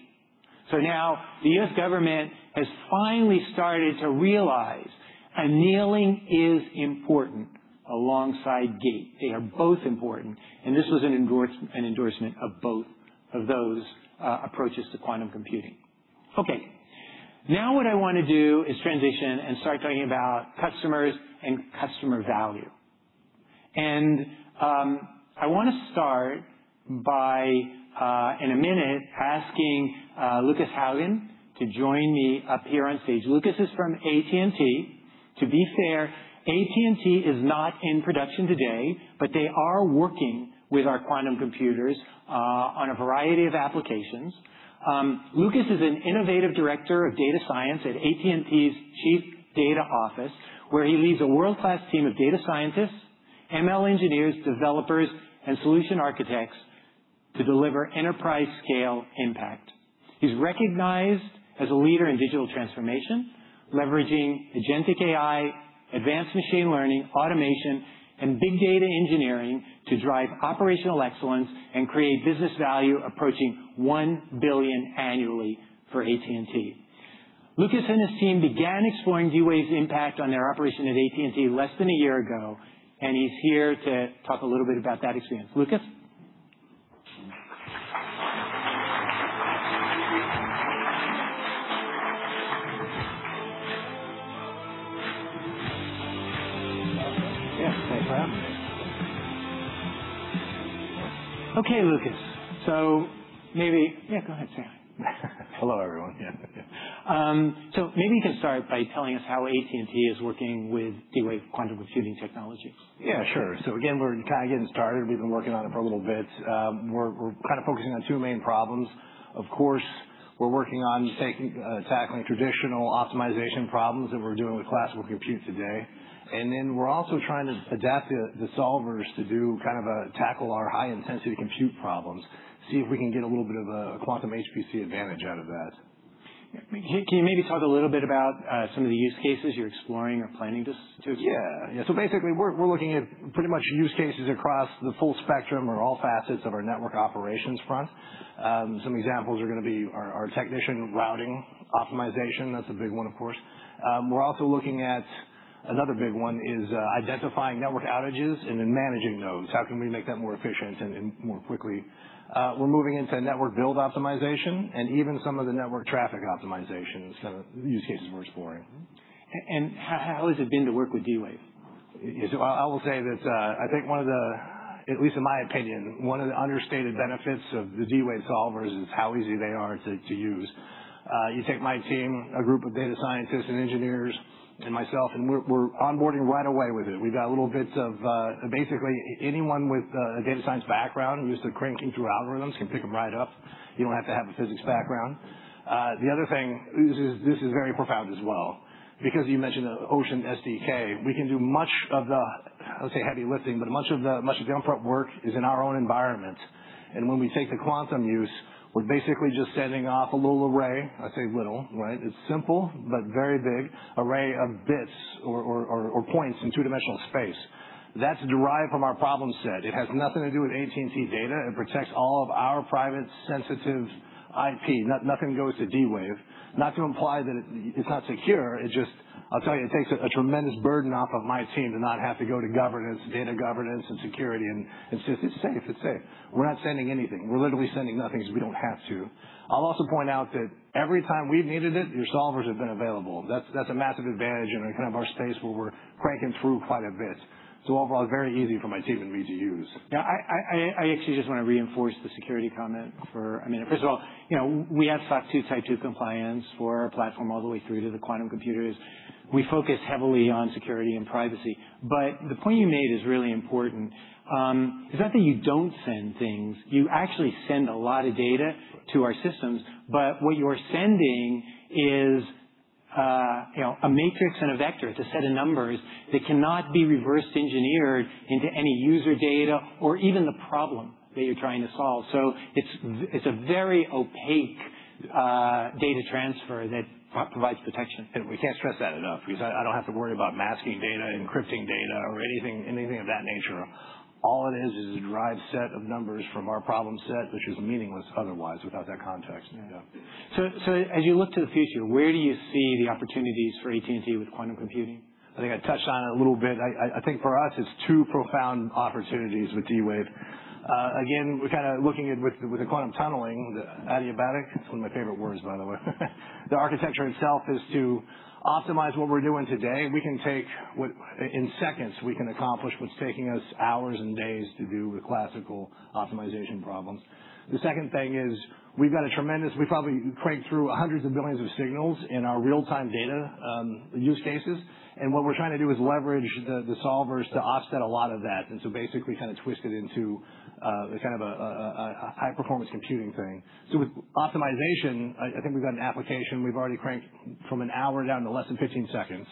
Now the U.S. government has finally started to realize annealing is important alongside gate. They are both important, and this was an endorsement of both of those approaches to quantum computing. Okay, now what I want to do is transition and start talking about customers and customer value. I want to start by, in a minute, asking Lucus Haugen to join me up here on stage. Lucus is from AT&T. To be fair, AT&T is not in production today, but they are working with our quantum computers on a variety of applications. Lucus is an innovative director of data science at AT&T's Chief Data Office, where he leads a world-class team of data scientists, ML engineers, developers, and solution architects to deliver enterprise scale impact. He's recognized as a leader in digital transformation, leveraging agentic AI, advanced machine learning, automation, and big data engineering to drive operational excellence and create business value approaching $1 billion annually for AT&T. Lucus and his team began exploring D-Wave's impact on their operation at AT&T less than a year ago, he's here to talk a little bit about that experience. Lucus? Yeah. Thanks for having me. Okay, Lucus. Maybe Yeah, go ahead. Say hi. Hello, everyone. Yeah. maybe you can start by telling us how AT&T is working with D-Wave Quantum computing technology. Yeah, sure. Again, we're kind of getting started. We've been working on it for a little bit. We're focusing on two main problems. Of course, we're working on tackling traditional optimization problems that we're doing with classical compute today. We're also trying to adapt the solvers to tackle our high intensity compute problems, see if we can get a little bit of a quantum HPC advantage out of that. Can you maybe talk a little bit about some of the use cases you're exploring or planning? Basically, we're looking at pretty much use cases across the full spectrum or all facets of our network operations front. Some examples are going to be our technician routing optimization. That's a big one, of course. We're also looking at another big one, is identifying network outages and then managing those. How can we make that more efficient and more quickly? We're moving into network build optimization and even some of the network traffic optimization. Those use cases we're exploring. How has it been to work with D-Wave? I will say that I think one of the, at least in my opinion, one of the understated benefits of the D-Wave solvers is how easy they are to use. You take my team, a group of data scientists and engineers, and myself, and we're onboarding right away with it. We've got little bits of basically anyone with a data science background who's used to cranking through algorithms can pick them right up. You don't have to have a physics background. The other thing, this is very profound as well, because you mentioned the Ocean SDK, we can do much of the, I would say heavy lifting, but much of the upfront work is in our own environment. When we take the quantum use, we're basically just sending off a little array. I say little, right? It's simple, but very big array of bits or points in two-dimensional space. That's derived from our problem set. It has nothing to do with AT&T data. It protects all of our private sensitive IP. Nothing goes to D-Wave. Not to imply that it's not secure, it's just, I'll tell you, it takes a tremendous burden off of my team to not have to go to governance, data governance, and security, and it's safe. We're not sending anything. We're literally sending nothing, so we don't have to. I'll also point out that every time we've needed it, your solvers have been available. That's a massive advantage in our space where we're cranking through quite a bit. Overall, it's very easy for my team and me to use. I actually just want to reinforce the security comment. First of all, we have SOC 2 Type 2 compliance for our platform all the way through to the quantum computers. We focus heavily on security and privacy, the point you made is really important. It's not that you don't send things. You actually send a lot of data to our systems, but what you're sending is a matrix and a vector. It's a set of numbers that cannot be reverse engineered into any user data or even the problem that you're trying to solve. It's a very opaque data transfer that provides protection. We can't stress that enough because I don't have to worry about masking data, encrypting data, or anything of that nature. All it is is a derived set of numbers from our problem set, which is meaningless otherwise without that context. Yeah. As you look to the future, where do you see the opportunities for AT&T with quantum computing? I think I touched on it a little bit. I think for us, it's two profound opportunities with D-Wave. We're looking at with the quantum tunneling, the adiabatic, it's one of my favorite words, by the way. The architecture itself is to optimize what we're doing today. In seconds, we can accomplish what's taking us hours and days to do with classical optimization problems. The second thing is we've got. We probably crank through hundreds of billions of signals in our real-time data use cases, and what we're trying to do is leverage the solvers to offset a lot of that. Basically twist it into a high-performance computing thing. With optimization, I think we've got an application we've already cranked from an hour down to less than 15 seconds,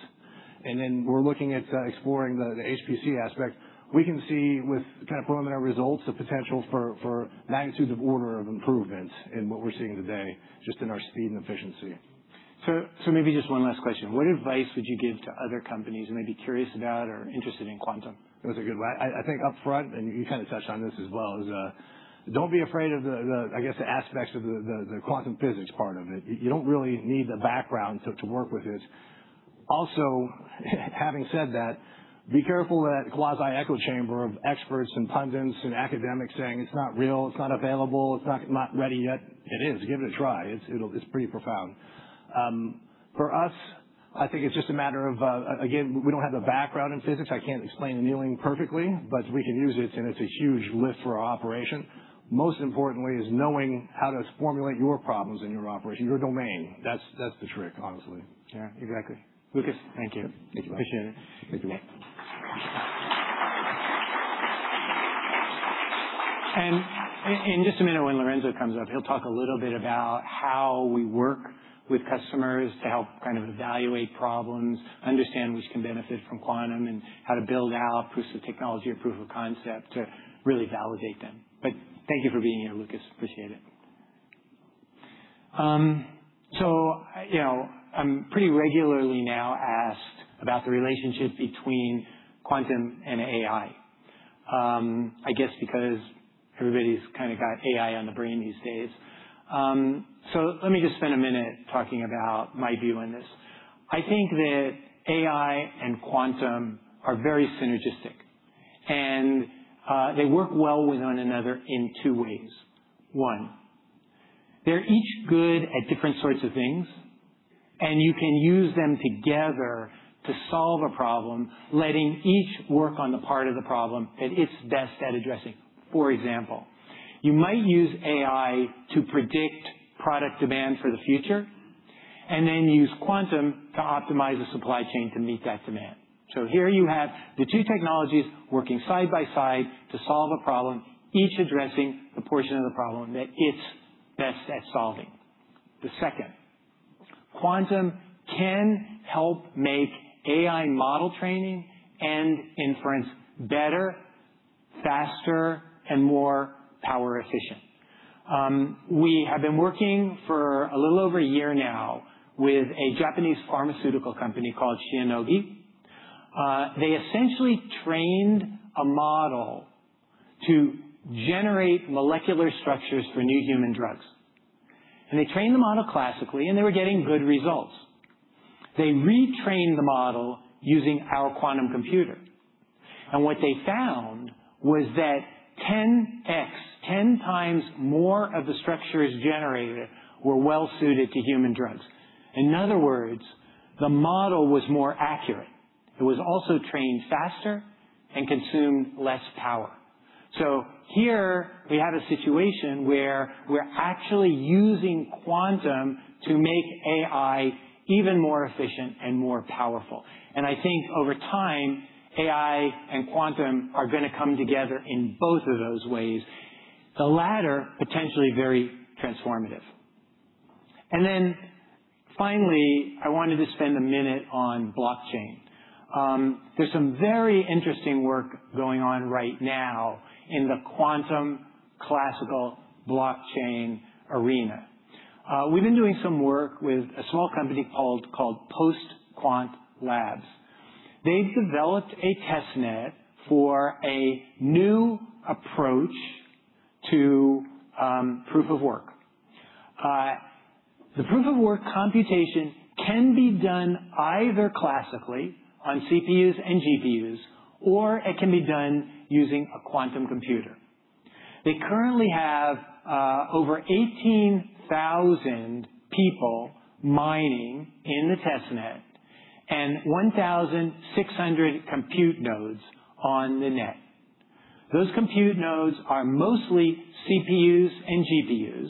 and then we're looking at exploring the HPC aspect. We can see with preliminary results, the potential for magnitudes of order of improvement in what we're seeing today, just in our speed and efficiency. Maybe just one last question. What advice would you give to other companies who may be curious about or interested in quantum? That was a good one. I think upfront, and you kind of touched on this as well, is don't be afraid of the aspects of the quantum physics part of it. You don't really need the background to work with this. Having said that, be careful of that quasi-echo chamber of experts and pundits and academics saying it's not real, it's not available, it's not ready yet. It is. Give it a try. It's pretty profound. For us, I think it's just a matter of, again, we don't have the background in physics. I can't explain annealing perfectly, but we can use it and it's a huge lift for our operation. Most importantly is knowing how to formulate your problems in your operation, your domain. That's the trick, honestly. Yeah, exactly. Lucus, thank you. Thank you. Appreciate it. Thank you. In just a minute when Lorenzo comes up, he'll talk a little bit about how we work with customers to help evaluate problems, understand which can benefit from quantum, and how to build out proofs of technology or proof of concept to really validate them. Thank you for being here, Lucus. Appreciate it. I'm pretty regularly now asked about the relationship between quantum and AI. I guess because everybody's kind of got AI on the brain these days. Let me just spend a minute talking about my view on this. I think that AI and quantum are very synergistic, and they work well with one another in two ways. One, they're each good at different sorts of things, and you can use them together to solve a problem, letting each work on the part of the problem that it's best at addressing. You might use AI to predict product demand for the future and then use quantum to optimize the supply chain to meet that demand. Here you have the two technologies working side by side to solve a problem, each addressing the portion of the problem that it's best at solving. The second, quantum can help make AI model training and inference better, faster, and more power efficient. We have been working for a little over a year now with a Japanese pharmaceutical company called Shionogi. They essentially trained a model to generate molecular structures for new human drugs. They trained the model classically, and they were getting good results. They retrained the model using our quantum computer. What they found was that 10x, 10x more of the structures generated were well-suited to human drugs. In other words, the model was more accurate. It was also trained faster and consumed less power. Here we have a situation where we're actually using quantum to make AI even more efficient and more powerful. I think over time, AI and quantum are going to come together in both of those ways, the latter potentially very transformative. Finally, I wanted to spend a minute on blockchain. There's some very interesting work going on right now in the quantum classical blockchain arena. We've been doing some work with a small company called Post Quant Labs. They've developed a test net for a new approach to proof of work. The proof of work computation can be done either classically on CPUs and GPUs, or it can be done using a quantum computer. They currently have over 18,000 people mining in the test net and 1,600 compute nodes on the net. Those compute nodes are mostly CPUs and GPUs,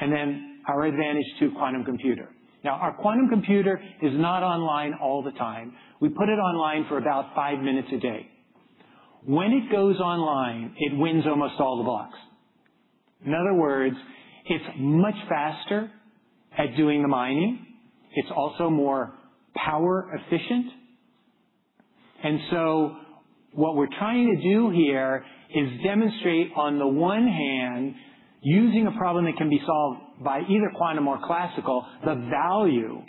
and then our Advantage2 quantum computer. Our quantum computer is not online all the time. We put it online for about five minutes a day. When it goes online, it wins almost all the blocks. In other words, it's much faster at doing the mining. It's also more power efficient. What we're trying to do here is demonstrate, on the one hand, using a problem that can be solved by either quantum or classical, the value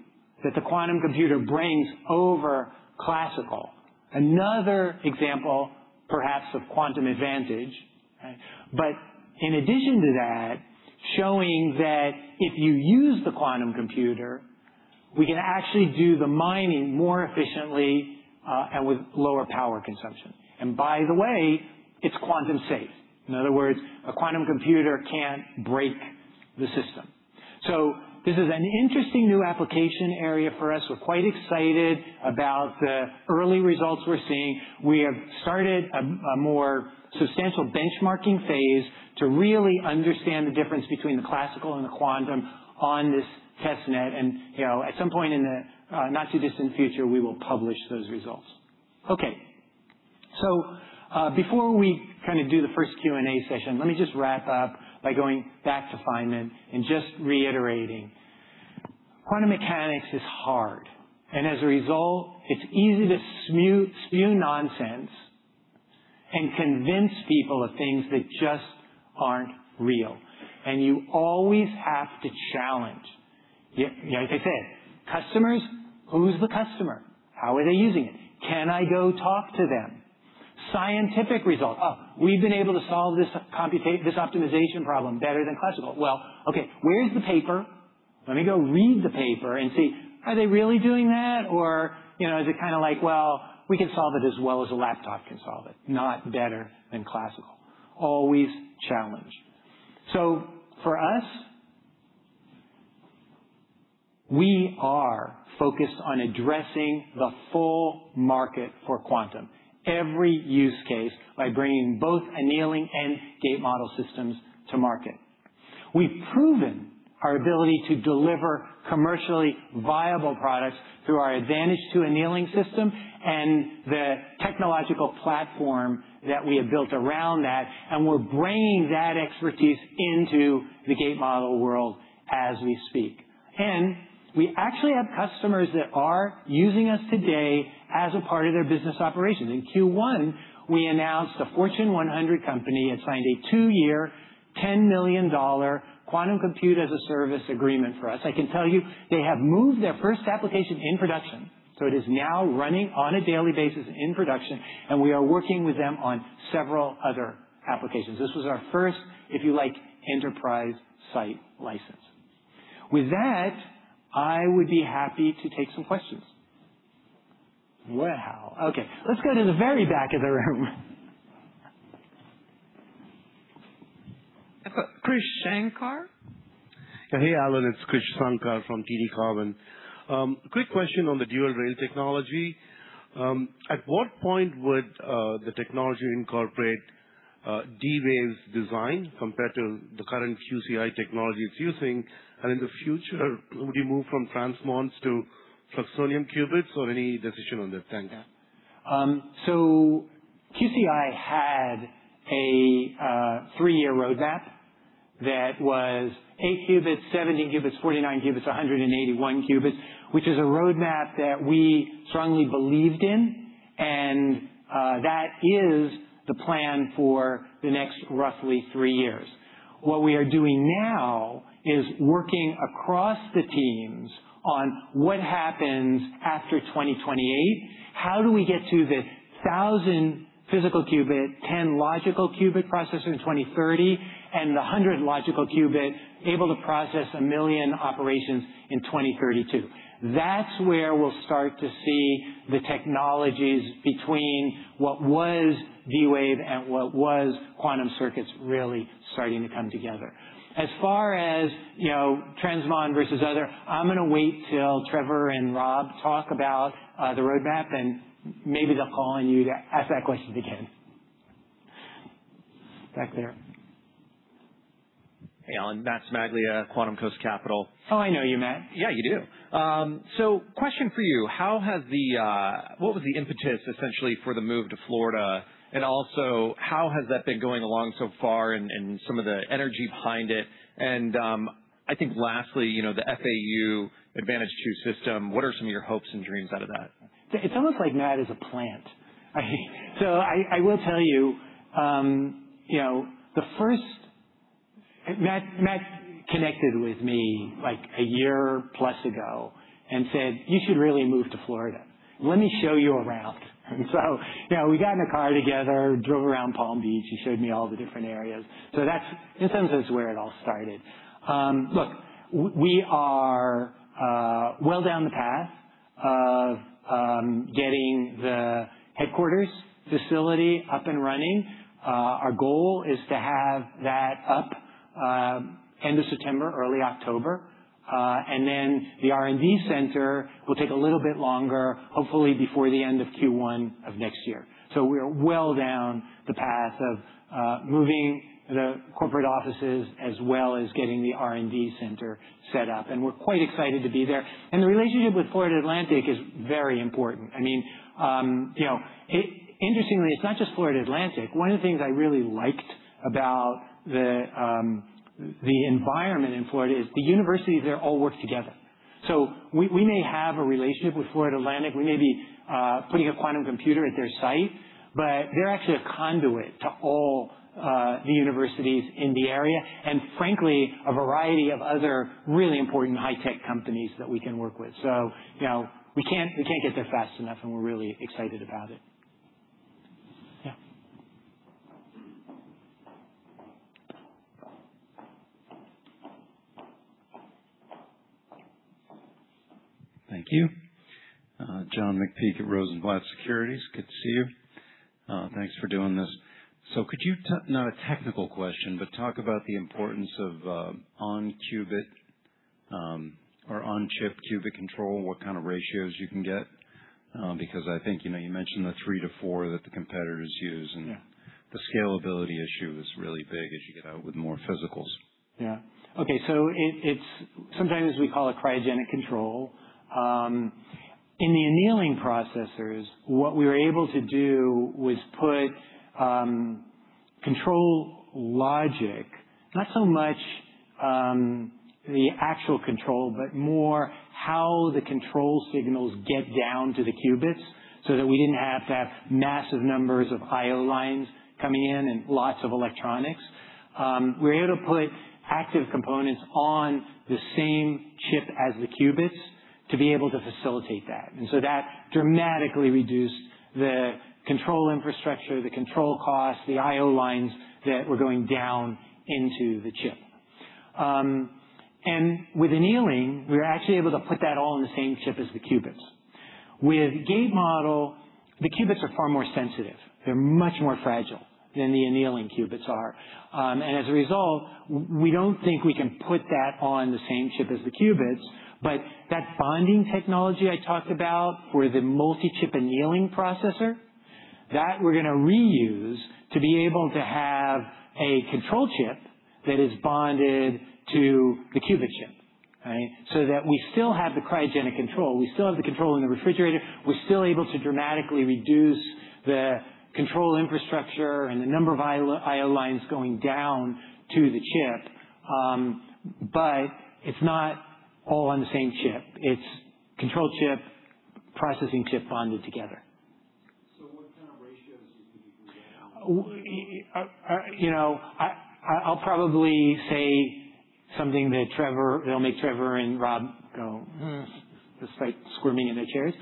that the quantum computer brings over classical. Another example, perhaps, of quantum advantage. In addition to that, showing that if you use the quantum computer, we can actually do the mining more efficiently, and with lower power consumption. By the way, it's quantum safe. In other words, a quantum computer can't break the system. This is an interesting new application area for us. We're quite excited about the early results we're seeing. We have started a more substantial benchmarking phase to really understand the difference between the classical and the quantum on this test net. At some point in the not-too-distant future, we will publish those results. Okay. Before we do the first Q&A session, let me just wrap up by going back to Feynman and just reiterating, quantum mechanics is hard, and as a result, it's easy to spew nonsense and convince people of things that just aren't real. You always have to challenge. Like I said, customers, who's the customer? How are they using it? Can I go talk to them? Scientific results. We've been able to solve this optimization problem better than classical. Well, okay, where is the paper? Let me go read the paper and see, are they really doing that? Or is it like, well, we can solve it as well as a laptop can solve it, not better than classical. Always challenge. For us, we are focused on addressing the full market for quantum, every use case by bringing both annealing and gate model systems to market. We've proven our ability to deliver commercially viable products through our Advantage2 Annealing system and the technological platform that we have built around that, and we're bringing that expertise into the gate model world as we speak. We actually have customers that are using us today as a part of their business operations. In Q1, we announced a Fortune 100 company had signed a two-year, $10 million quantum compute as a service agreement for us. I can tell you they have moved their first application in production. It is now running on a daily basis in production. We are working with them on several other applications. This was our first, if you like, enterprise site license. With that, I would be happy to take some questions. Wow. Okay. Let's go to the very back of the room. I've got Krish Sankar. Hey, Alan, it's Krish Sankar from TD Cowen. Quick question on the dual-rail technology. At what point would the technology incorporate D-Wave's design compared to the current QCI technology it's using? In the future, would you move from transmons to fluxonium qubits or any decision on that? Thank you. QCI had a three-year roadmap that was eight qubits, 17 qubits, 49 qubits, 181 qubits, which is a roadmap that we strongly believed in, and that is the plan for the next roughly three years. What we are doing now is working across the teams on what happens after 2028. How do we get to the 1,000 physical qubit, 10 logical qubit processor in 2030, and the 100 logical qubit able to process a million operations in 2032? That's where we'll start to see the technologies between what was D-Wave and what was Quantum Circuits really starting to come together. As far as transmon versus other, I'm going to wait till Trevor and Rob talk about the roadmap, and maybe they'll call on you to ask that question again. Back there. Hey, Alan. Matt Smaglia, Quantum Coast Capital. Oh, I know you, Matt. Yeah, you do. Question for you: what was the impetus essentially for the move to Florida, and also how has that been going along so far and some of the energy behind it? I think lastly, the FAU Advantage2 system, what are some of your hopes and dreams out of that? It's almost like Matt is a plant. I will tell you, Matt connected with me a year plus ago and said, "You should really move to Florida. Let me show you around." We got in a car together, drove around Palm Beach. He showed me all the different areas. That, in some sense, is where it all started. Look, we are well down the path of getting the headquarters facility up and running. Our goal is to have that up end of September, early October. The R&D center will take a little bit longer, hopefully before the end of Q1 of next year. We are well down the path of moving the corporate offices as well as getting the R&D center set up, and we're quite excited to be there. The relationship with Florida Atlantic is very important. Interestingly, it's not just Florida Atlantic. One of the things I really liked about the environment in Florida is the universities there all work together. We may have a relationship with Florida Atlantic. We may be putting a quantum computer at their site, but they're actually a conduit to all the universities in the area and frankly, a variety of other really important high-tech companies that we can work with. We can't get there fast enough, and we're really excited about it. Yeah. Thank you. John McPeake at Rosenblatt Securities. Good to see you. Thanks for doing this. Could you, not a technical question, but talk about the importance of on-qubit or on-chip qubit control, what kind of ratios you can get? Because I think you mentioned the three to four that the competitors use. Yeah. The scalability issue is really big as you get out with more physicals. Yeah. Okay. Sometimes we call it cryogenic control. In the annealing processors, what we were able to do was put control logic, not so much the actual control, but more how the control signals get down to the qubits so that we didn't have to have massive numbers of IO lines coming in and lots of electronics. We were able to put active components on the same chip as the qubits to be able to facilitate that. That dramatically reduced the control infrastructure, the control costs, the IO lines that were going down into the chip. With annealing, we were actually able to put that all in the same chip as the qubits. With gate model, the qubits are far more sensitive. They're much more fragile than the annealing qubits are. As a result, we don't think we can put that on the same chip as the qubits, but that bonding technology I talked about for the multi-chip annealing processor, that we're going to reuse to be able to have a control chip that is bonded to the qubit chip. That we still have the cryogenic control, we still have the control in the refrigerator, we're still able to dramatically reduce the control infrastructure and the number of IO lines going down to the chip, but it's not all on the same chip. It's control chip, processing chip bonded together. What kind of ratios are you looking to get down to? I'll probably say something that'll make Trevor and Rob go, "Hmm," just start squirming in their chairs.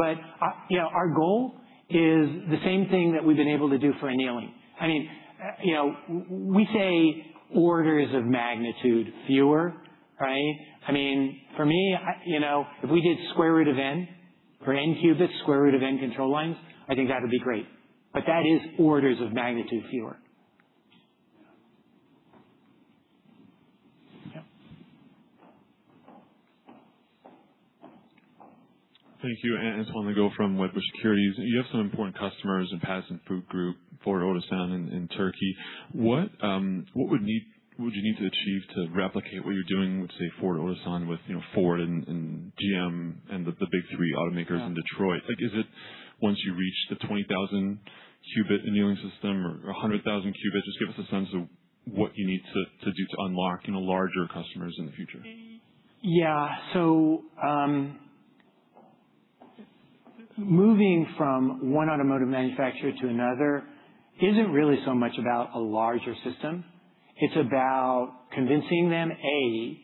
Our goal is the same thing that we've been able to do for annealing. We say orders of magnitude fewer. For me, if we did square root of N for N qubits, square root of N control lines, I think that would be great. That is orders of magnitude fewer. Yeah. Yeah. Thank you. Antoine Legault from Wedbush Securities. You have some important customers in Pattison Food Group, Ford Otosan in Turkey. What would you need to achieve to replicate what you're doing with, say, Ford Otosan with Ford and GM and the big three automakers in Detroit? Like is it once you reach the 20,000 qubit annealing system or 100,000 qubits? Just give us a sense of what you need to do to unlock larger customers in the future. Yeah. Moving from one automotive manufacturer to another isn't really so much about a larger system. It's about convincing them, A,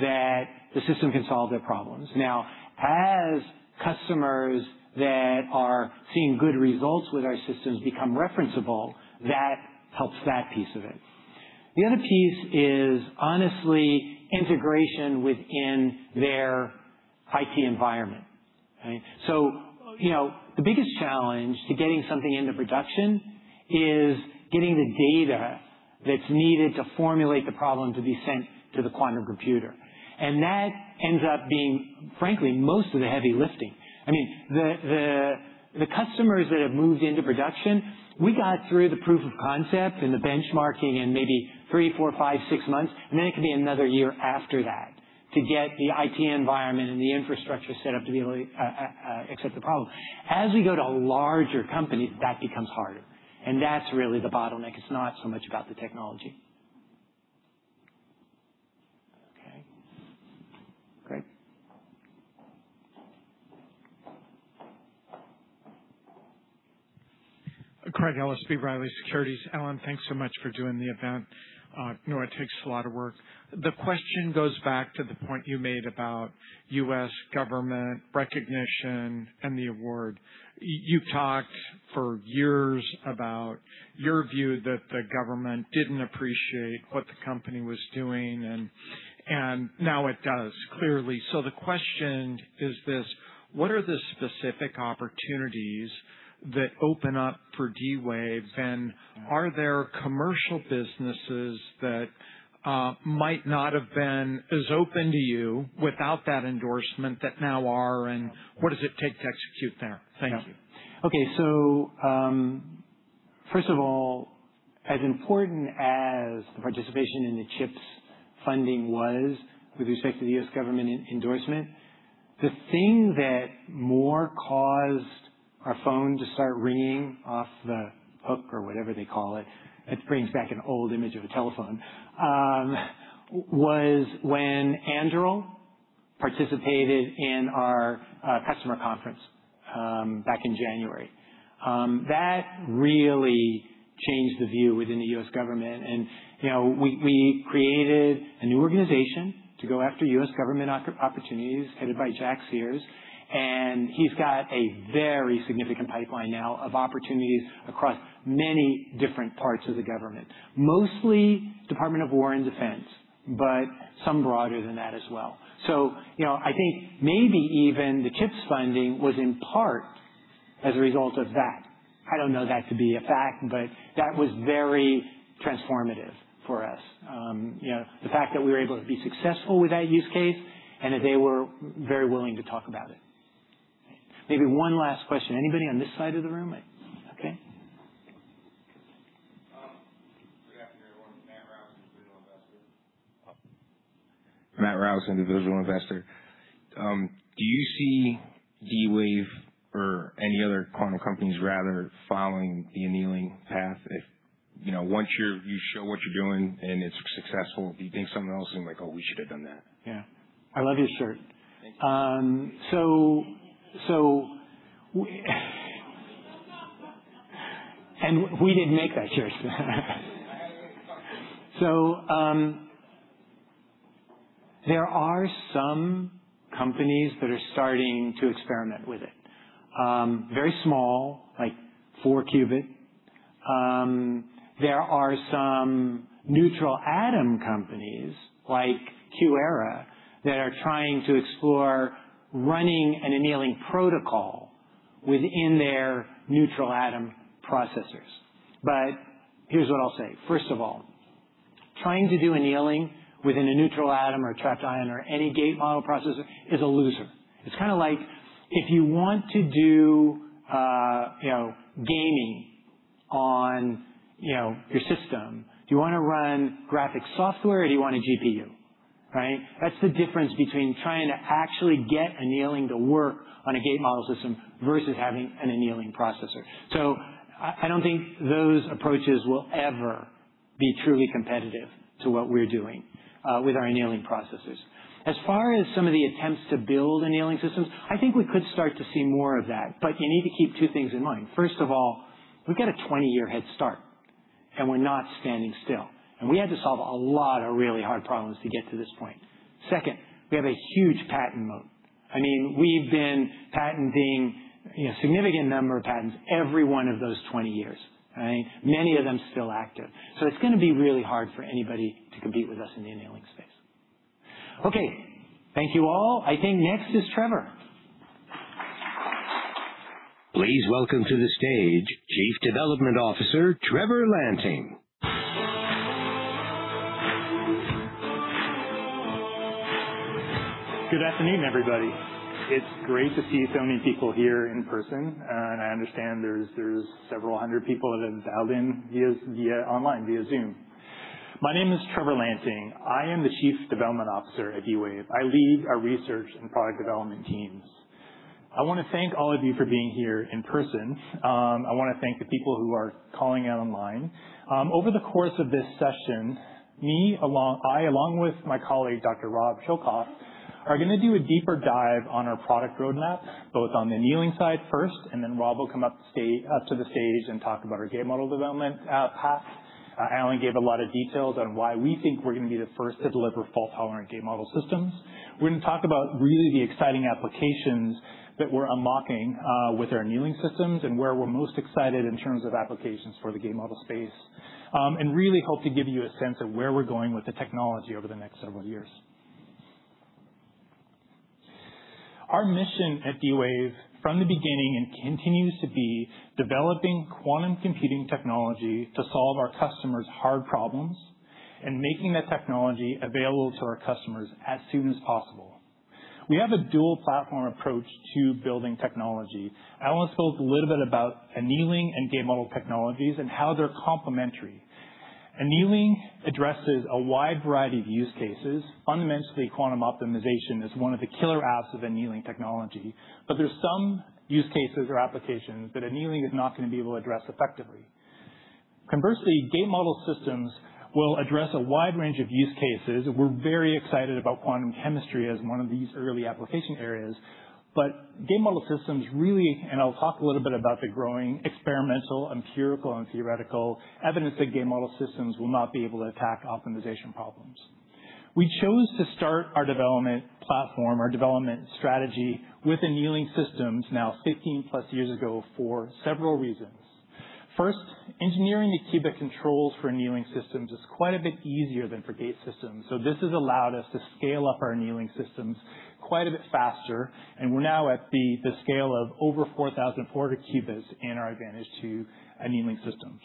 that the system can solve their problems. Now, as customers that are seeing good results with our systems become referenceable, that helps that piece of it. The other piece is honestly integration within their IT environment. The biggest challenge to getting something into production is getting the data that's needed to formulate the problem to be sent to the quantum computer. That ends up being, frankly, most of the heavy lifting. The customers that have moved into production, we got through the proof of concept and the benchmarking in maybe three, four, five, six months, and then it can be another year after that to get the IT environment and the infrastructure set up to be able to accept the problem. As we go to larger companies, that becomes harder, and that's really the bottleneck. It's not so much about the technology. Okay. Craig. Craig Ellis, B. Riley Securities. Alan, thanks so much for doing the event. I know it takes a lot of work. The question goes back to the point you made about U.S. government recognition and the award. You talked for years about your view that the government didn't appreciate what the company was doing, and now it does, clearly. The question is this: what are the specific opportunities that open up for D-Wave, and are there commercial businesses that might not have been as open to you without that endorsement that now are, and what does it take to execute there? Thank you. Okay. First of all, as important as the participation in the CHIPS funding was with respect to the U.S. government endorsement, the thing that more caused our phone to start ringing off the hook or whatever they call it brings back an old image of a telephone, was when Anduril participated in our customer conference back in January. That really changed the view within the U.S. government, and we created a new organization to go after U.S. government opportunities headed by Jack Sears. He's got a very significant pipeline now of opportunities across many different parts of the government, mostly Department of War and Defense, but some broader than that as well. I think maybe even the CHIPS funding was in part as a result of that. I don't know that to be a fact, but that was very transformative for us. The fact that we were able to be successful with that use case and that they were very willing to talk about it. Maybe one last question. Anybody on this side of the room? Okay. Good afternoon, everyone. Matt Rouse, individual investor. Do you see D-Wave or any other quantum companies, rather, following the annealing path? If once you show what you're doing and it's successful, do you think someone else is going to be like, "Oh, we should have done that? Yeah. I love your shirt. Thank you. We didn't make that shirt. I already up. There are some companies that are starting to experiment with it. Very small, like four qubit. There are some neutral atom companies like QuEra that are trying to explore running an annealing protocol within their neutral atom processors. Here's what I'll say. First of all, trying to do annealing within a neutral atom or trapped ion or any gate-model processor is a loser. It's kind of like if you want to do gaming on your system, do you want to run graphic software or do you want a GPU, right? That's the difference between trying to actually get annealing to work on a gate-model system versus having an annealing processor. I don't think those approaches will ever be truly competitive to what we're doing with our annealing processes. As far as some of the attempts to build annealing systems, I think we could start to see more of that, but you need to keep two things in mind. First of all, we've got a 20-year head start, and we're not standing still. We had to solve a lot of really hard problems to get to this point. Second, we have a huge patent moat. We've been patenting significant number of patents every one of those 20 years, right? Many of them still active. It's going to be really hard for anybody to compete with us in the annealing space. Okay, thank you all. I think next is Trevor. Please welcome to the stage Chief Development Officer Trevor Lanting. Good afternoon, everybody. I understand there's several hundred people that have dialed in via online, via Zoom. My name is Trevor Lanting. I am the Chief Development Officer at D-Wave. I lead our research and product development teams. I want to thank all of you for being here in person. I want to thank the people who are calling in online. Over the course of this session, I along with my colleague, Dr. Rob Schoelkop f, are going to do a deeper dive on our product roadmap, both on the annealing side first then Rob will come up to the stage and talk about our gate model development path. Alan gave a lot of details on why we think we're going to be the first to deliver fault-tolerant gate model systems. We're going to talk about really the exciting applications that we're unlocking with our annealing systems and where we're most excited in terms of applications for the gate model space. Really hope to give you a sense of where we're going with the technology over the next several years. Our mission at D-Wave from the beginning and continues to be developing quantum computing technology to solve our customers' hard problems and making that technology available to our customers as soon as possible. We have a dual platform approach to building technology. Alan spoke a little bit about annealing and gate model technologies and how they're complementary. Annealing addresses a wide variety of use cases. Fundamentally, quantum optimization is one of the killer apps of annealing technology, but there's some use cases or applications that annealing is not going to be able to address effectively. Conversely, gate model systems will address a wide range of use cases. We're very excited about quantum chemistry as one of these early application areas, but gate model systems really, and I'll talk a little bit about the growing experimental, empirical, and theoretical evidence that gate model systems will not be able to attack optimization problems. We chose to start our development platform, our development strategy with annealing systems now 15 plus years ago for several reasons. First, engineering the qubit controls for annealing systems is quite a bit easier than for gate systems. This has allowed us to scale up our annealing systems quite a bit faster, and we're now at the scale of over 4,000 guarded qubits in our Advantage2 annealing systems.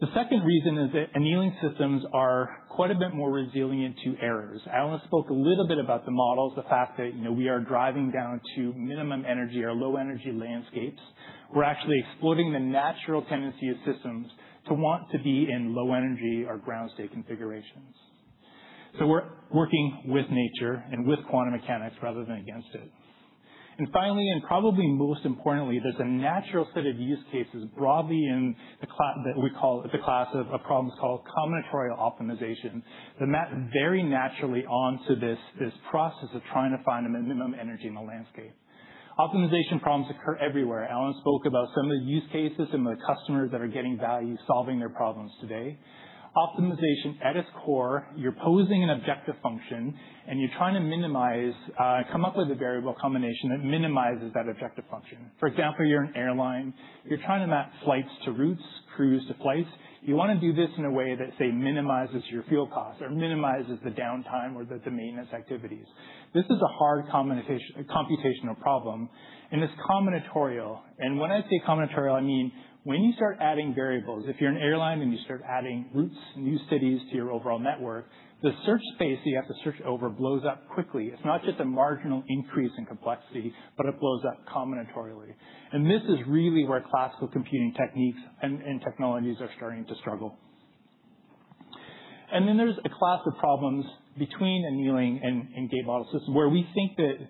The second reason is that annealing systems are quite a bit more resilient to errors. Alan spoke a little bit about the models, the fact that we are driving down to minimum energy or low energy landscapes. We're actually exploiting the natural tendency of systems to want to be in low energy or ground state configurations. We're working with nature and with quantum mechanics rather than against it. Finally, probably most importantly, there's a natural set of use cases broadly in the class of problems called combinatorial optimization that map very naturally onto this process of trying to find a minimum energy in the landscape. Optimization problems occur everywhere. Alan spoke about some of the use cases and the customers that are getting value solving their problems today. Optimization at its core, you're posing an objective function and you're trying to come up with a variable combination that minimizes that objective function. For example, you're an airline, you're trying to map flights to routes, crews to flights. You want to do this in a way that, say, minimizes your fuel costs or minimizes the downtime or the maintenance activities. This is a hard computational problem, and it's combinatorial. When I say combinatorial, I mean when you start adding variables, if you're an airline and you start adding routes, new cities to your overall network, the search space you have to search over blows up quickly. It's not just a marginal increase in complexity, but it blows up combinatorially. This is really where classical computing techniques and technologies are starting to struggle. There's a class of problems between annealing and gate model systems where we think that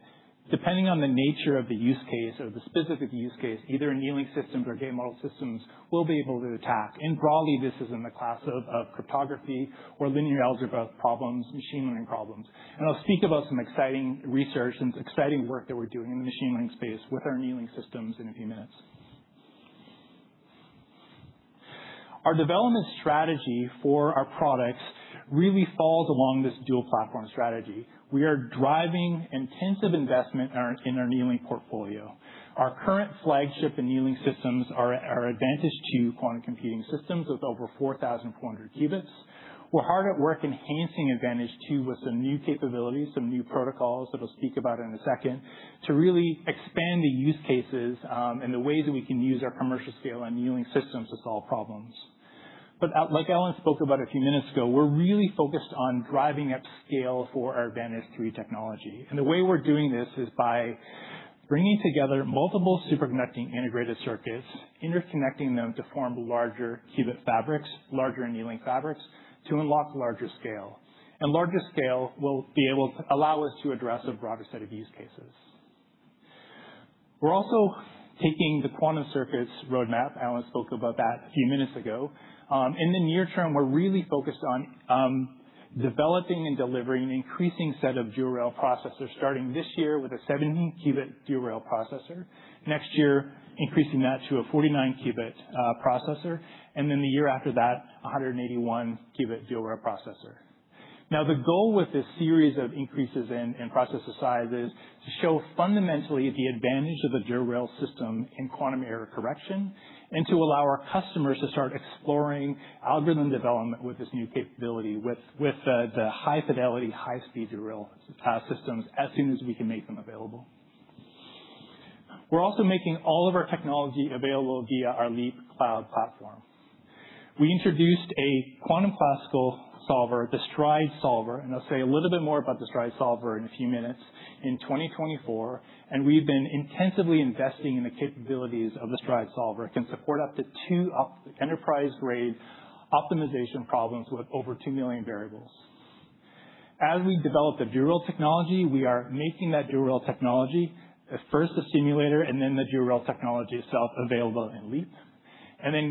depending on the nature of the use case or the specific use case, either annealing systems or gate model systems will be able to attack. Broadly, this is in the class of cryptography or linear algebra problems, machine learning problems. I'll speak about some exciting research and some exciting work that we're doing in the machine learning space with our annealing systems in a few minutes. Our development strategy for our products really falls along this dual platform strategy. We are driving intensive investment in our annealing portfolio. Our current flagship annealing systems are our Advantage2 quantum computing systems with over 4,400 qubits. We're hard at work enhancing Advantage2 with some new capabilities, some new protocols that I'll speak about in a second, to really expand the use cases, and the ways that we can use our commercial scale annealing systems to solve problems. Like Alan spoke about a few minutes ago, we're really focused on driving up scale for our Advantage3 technology. The way we're doing this is by bringing together multiple superconducting integrated circuits, interconnecting them to form larger qubit fabrics, larger annealing fabrics, to unlock larger scale. Larger scale will be able to allow us to address a broader set of use cases. We're also taking the quantum circuits roadmap, Alan spoke about that a few minutes ago. In the near term, we're really focused on developing and delivering an increasing set of dual-rail processors, starting this year with a 17 qubit dual-rail processor. Next year, increasing that to a 49 qubit processor, the year after that, a 181 qubit dual-rail processor. The goal with this series of increases in processor size is to show fundamentally the advantage of the dual-rail system in quantum error correction, and to allow our customers to start exploring algorithm development with this new capability, with the high fidelity, high speed dual-rail systems as soon as we can make them available. We're also making all of our technology available via our Leap cloud platform. We introduced a quantum classical solver, the Stride solver, I'll say a little bit more about the Stride solver in a few minutes, in 2024, we've been intensively investing in the capabilities of the Stride solver. It can support up to two enterprise-grade optimization problems with up to two million variables As we develop the dual-rail technology, we are making that dual-rail technology, at first a simulator, and then the dual-rail technology itself available in Leap.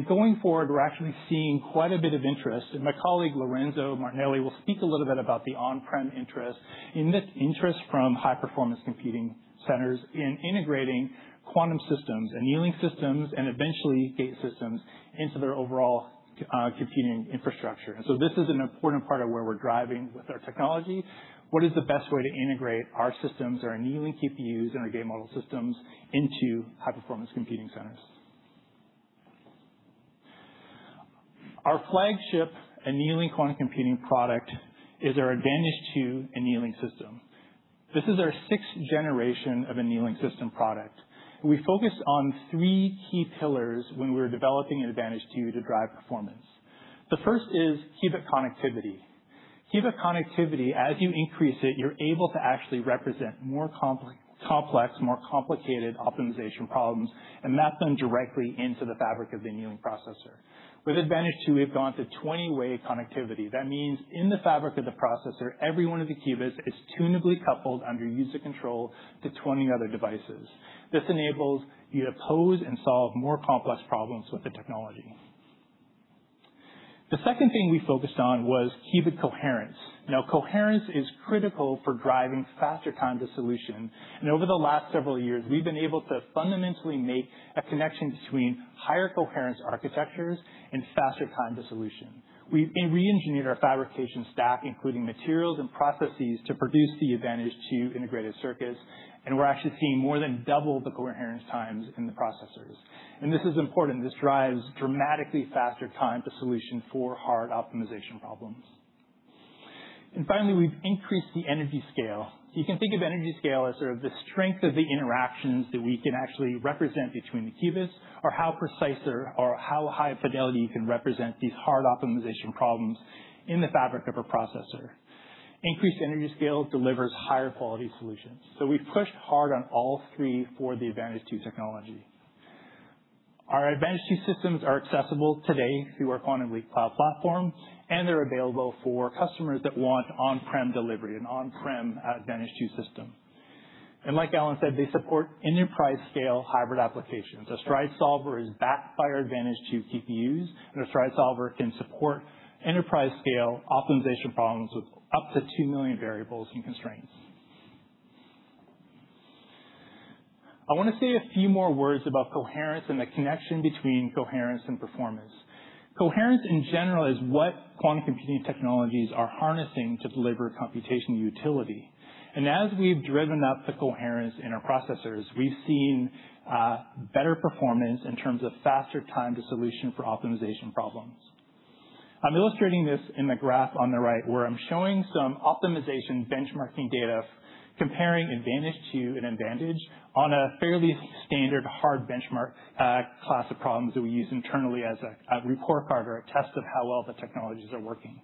Going forward, we're actually seeing quite a bit of interest, and my colleague Lorenzo Martinelli will speak a little bit about the on-prem interest, in this interest from high-performance computing centers in integrating quantum systems, annealing systems, and eventually gate systems into their overall computing infrastructure. This is an important part of where we're driving with our technology. What is the best way to integrate our systems or our annealing QPUs and our gate-model systems into high-performance computing centers? Our flagship annealing quantum computing product is our Advantage2 annealing system. This is our sixth generation of annealing system product. We focused on three key pillars when we were developing an Advantage2 to drive performance. The first is qubit connectivity. Qubit connectivity, as you increase it, you're able to actually represent more complex, more complicated optimization problems and map them directly into the fabric of the annealing processor. With Advantage2, we have gone to 20-way connectivity. That means in the fabric of the processor, every one of the qubits is tunably coupled under user control to 20 other devices. This enables you to pose and solve more complex problems with the technology. The second thing we focused on was qubit coherence. Coherence is critical for driving faster time to solution, and over the last several years, we've been able to fundamentally make a connection between higher coherence architectures and faster time to solution. We've reengineered our fabrication stack, including materials and processes, to produce the Advantage2 integrated circuits, and we're actually seeing more than double the coherence times in the processors. This is important. This drives dramatically faster time to solution for hard optimization problems. Finally, we've increased the energy scale. You can think of energy scale as sort of the strength of the interactions that we can actually represent between the qubits, or how precise or how high fidelity you can represent these hard optimization problems in the fabric of a processor. Increased energy scale delivers higher quality solutions. We've pushed hard on all three for the Advantage2 technology. Our Advantage2 systems are accessible today through our Leap cloud platform, and they're available for customers that want on-prem delivery, an on-prem Advantage2 system. Like Alan said, they support enterprise-scale hybrid applications. A Stride solver is backed by our Advantage2 QPUs. A Stride solver can support enterprise scale optimization problems with up to 2 million variables and constraints. I want to say a few more words about coherence and the connection between coherence and performance. Coherence in general is what quantum computing technologies are harnessing to deliver computation utility. As we've driven up the coherence in our processors, we've seen better performance in terms of faster time to solution for optimization problems. I'm illustrating this in the graph on the right where I'm showing some optimization benchmarking data comparing Advantage2 and Advantage on a fairly standard hard benchmark class of problems that we use internally as a report card or a test of how well the technologies are working.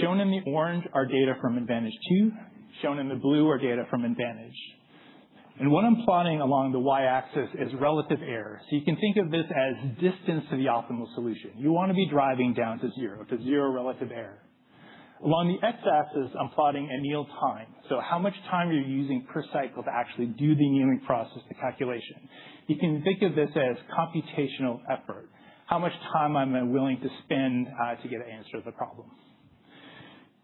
Shown in the orange are data from Advantage2, shown in the blue are data from Advantage. What I'm plotting along the Y-axis is relative error. You can think of this as distance to the optimal solution. You want to be driving down to 0, to 0 relative error. Along the X-axis, I'm plotting anneal time, so how much time you're using per cycle to actually do the annealing process, the calculation. You can think of this as computational effort, how much time am I willing to spend to get an answer to the problem?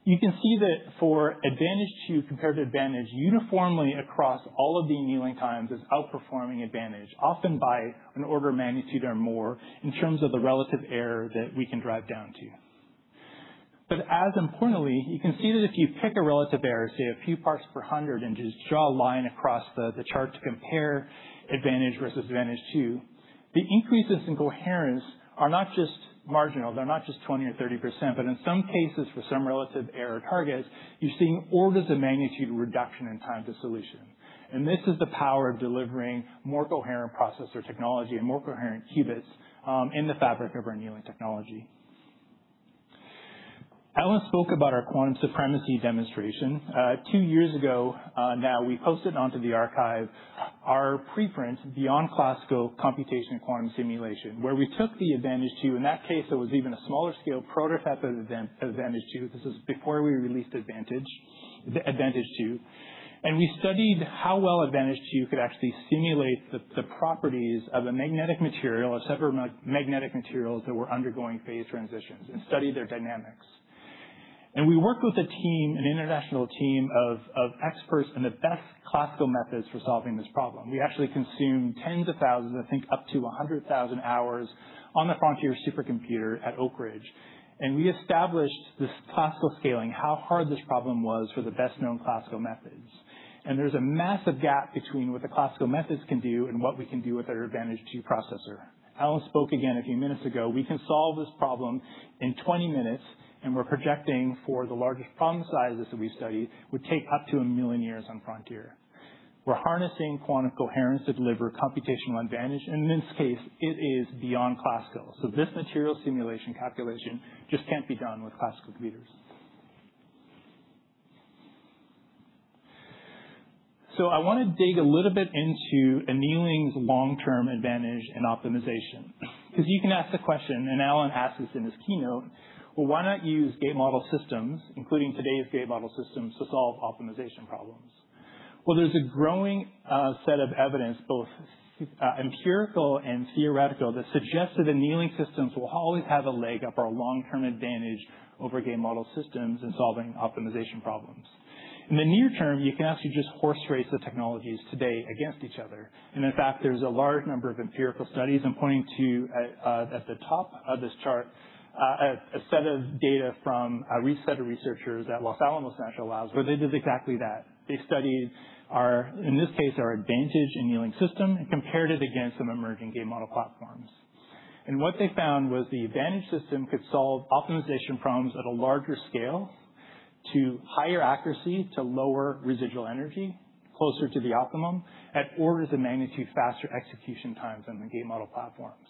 You can see that for Advantage2 compared to Advantage uniformly across all of the annealing times is outperforming Advantage, often by an order of magnitude or more in terms of the relative error that we can drive down to. As importantly, you can see that if you pick a relative error, say a few parts per hundred, and just draw a line across the chart to compare Advantage versus Advantage 2, the increases in coherence are not just marginal, they're not just 20% or 30%, but in some cases, for some relative error targets, you're seeing orders of magnitude reduction in time to solution. This is the power of delivering more coherent processor technology and more coherent qubits in the fabric of our annealing technology. Alan spoke about our quantum supremacy demonstration. Two years ago now, we posted onto the archive our preprint, Beyond Classical Computation Quantum Simulation, where we took the Advantage 2. In that case, it was even a smaller scale prototype of Advantage 2. This is before we released Advantage 2. We studied how well Advantage2 could actually simulate the properties of a magnetic material, several magnetic materials that were undergoing phase transitions, and studied their dynamics. We worked with a team, an international team of experts in the best classical methods for solving this problem. We actually consumed tens of thousands, I think up to 100,000 hours on the Frontier supercomputer at Oak Ridge. We established this classical scaling, how hard this problem was for the best-known classical methods. There's a massive gap between what the classical methods can do and what we can do with our Advantage2 processor. Alan spoke again a few minutes ago. We can solve this problem in 20 minutes, and we're projecting for the largest problem sizes that we studied would take up to 1 million years on Frontier. We're harnessing quantum coherence to deliver computational advantage, and in this case, it is beyond classical. This material simulation calculation just can't be done with classical computers. I want to dig a little bit into annealing's long-term advantage in optimization. You can ask the question, and Alan asked this in his keynote, well, why not use gate model systems, including today's gate model systems, to solve optimization problems? There's a growing set of evidence, both empirical and theoretical, that suggests that annealing systems will always have a leg up or a long-term advantage over gate model systems in solving optimization problems. In the near term, you can actually just horse race the technologies today against each other. In fact, there's a large number of empirical studies I'm pointing to at the top of this chart, a set of data from a set of researchers at Los Alamos National Labs, where they did exactly that. They studied our, in this case, our Advantage annealing system and compared it against some emerging gate model platforms. What they found was the Advantage system could solve optimization problems at a larger scale to higher accuracy, to lower residual energy, closer to the optimum at orders of magnitude faster execution times than the gate model platforms.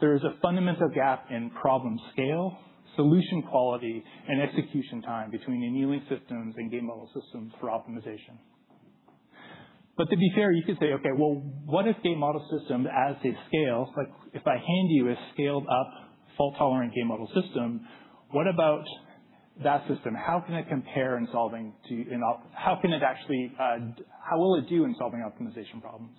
There is a fundamental gap in problem scale, solution quality, and execution time between annealing systems and gate model systems for optimization. To be fair, you could say, okay, well, what if gate model systems as they scale, like if I hand you a scaled-up fault-tolerant gate model system, what about that system? How will it do in solving optimization problems?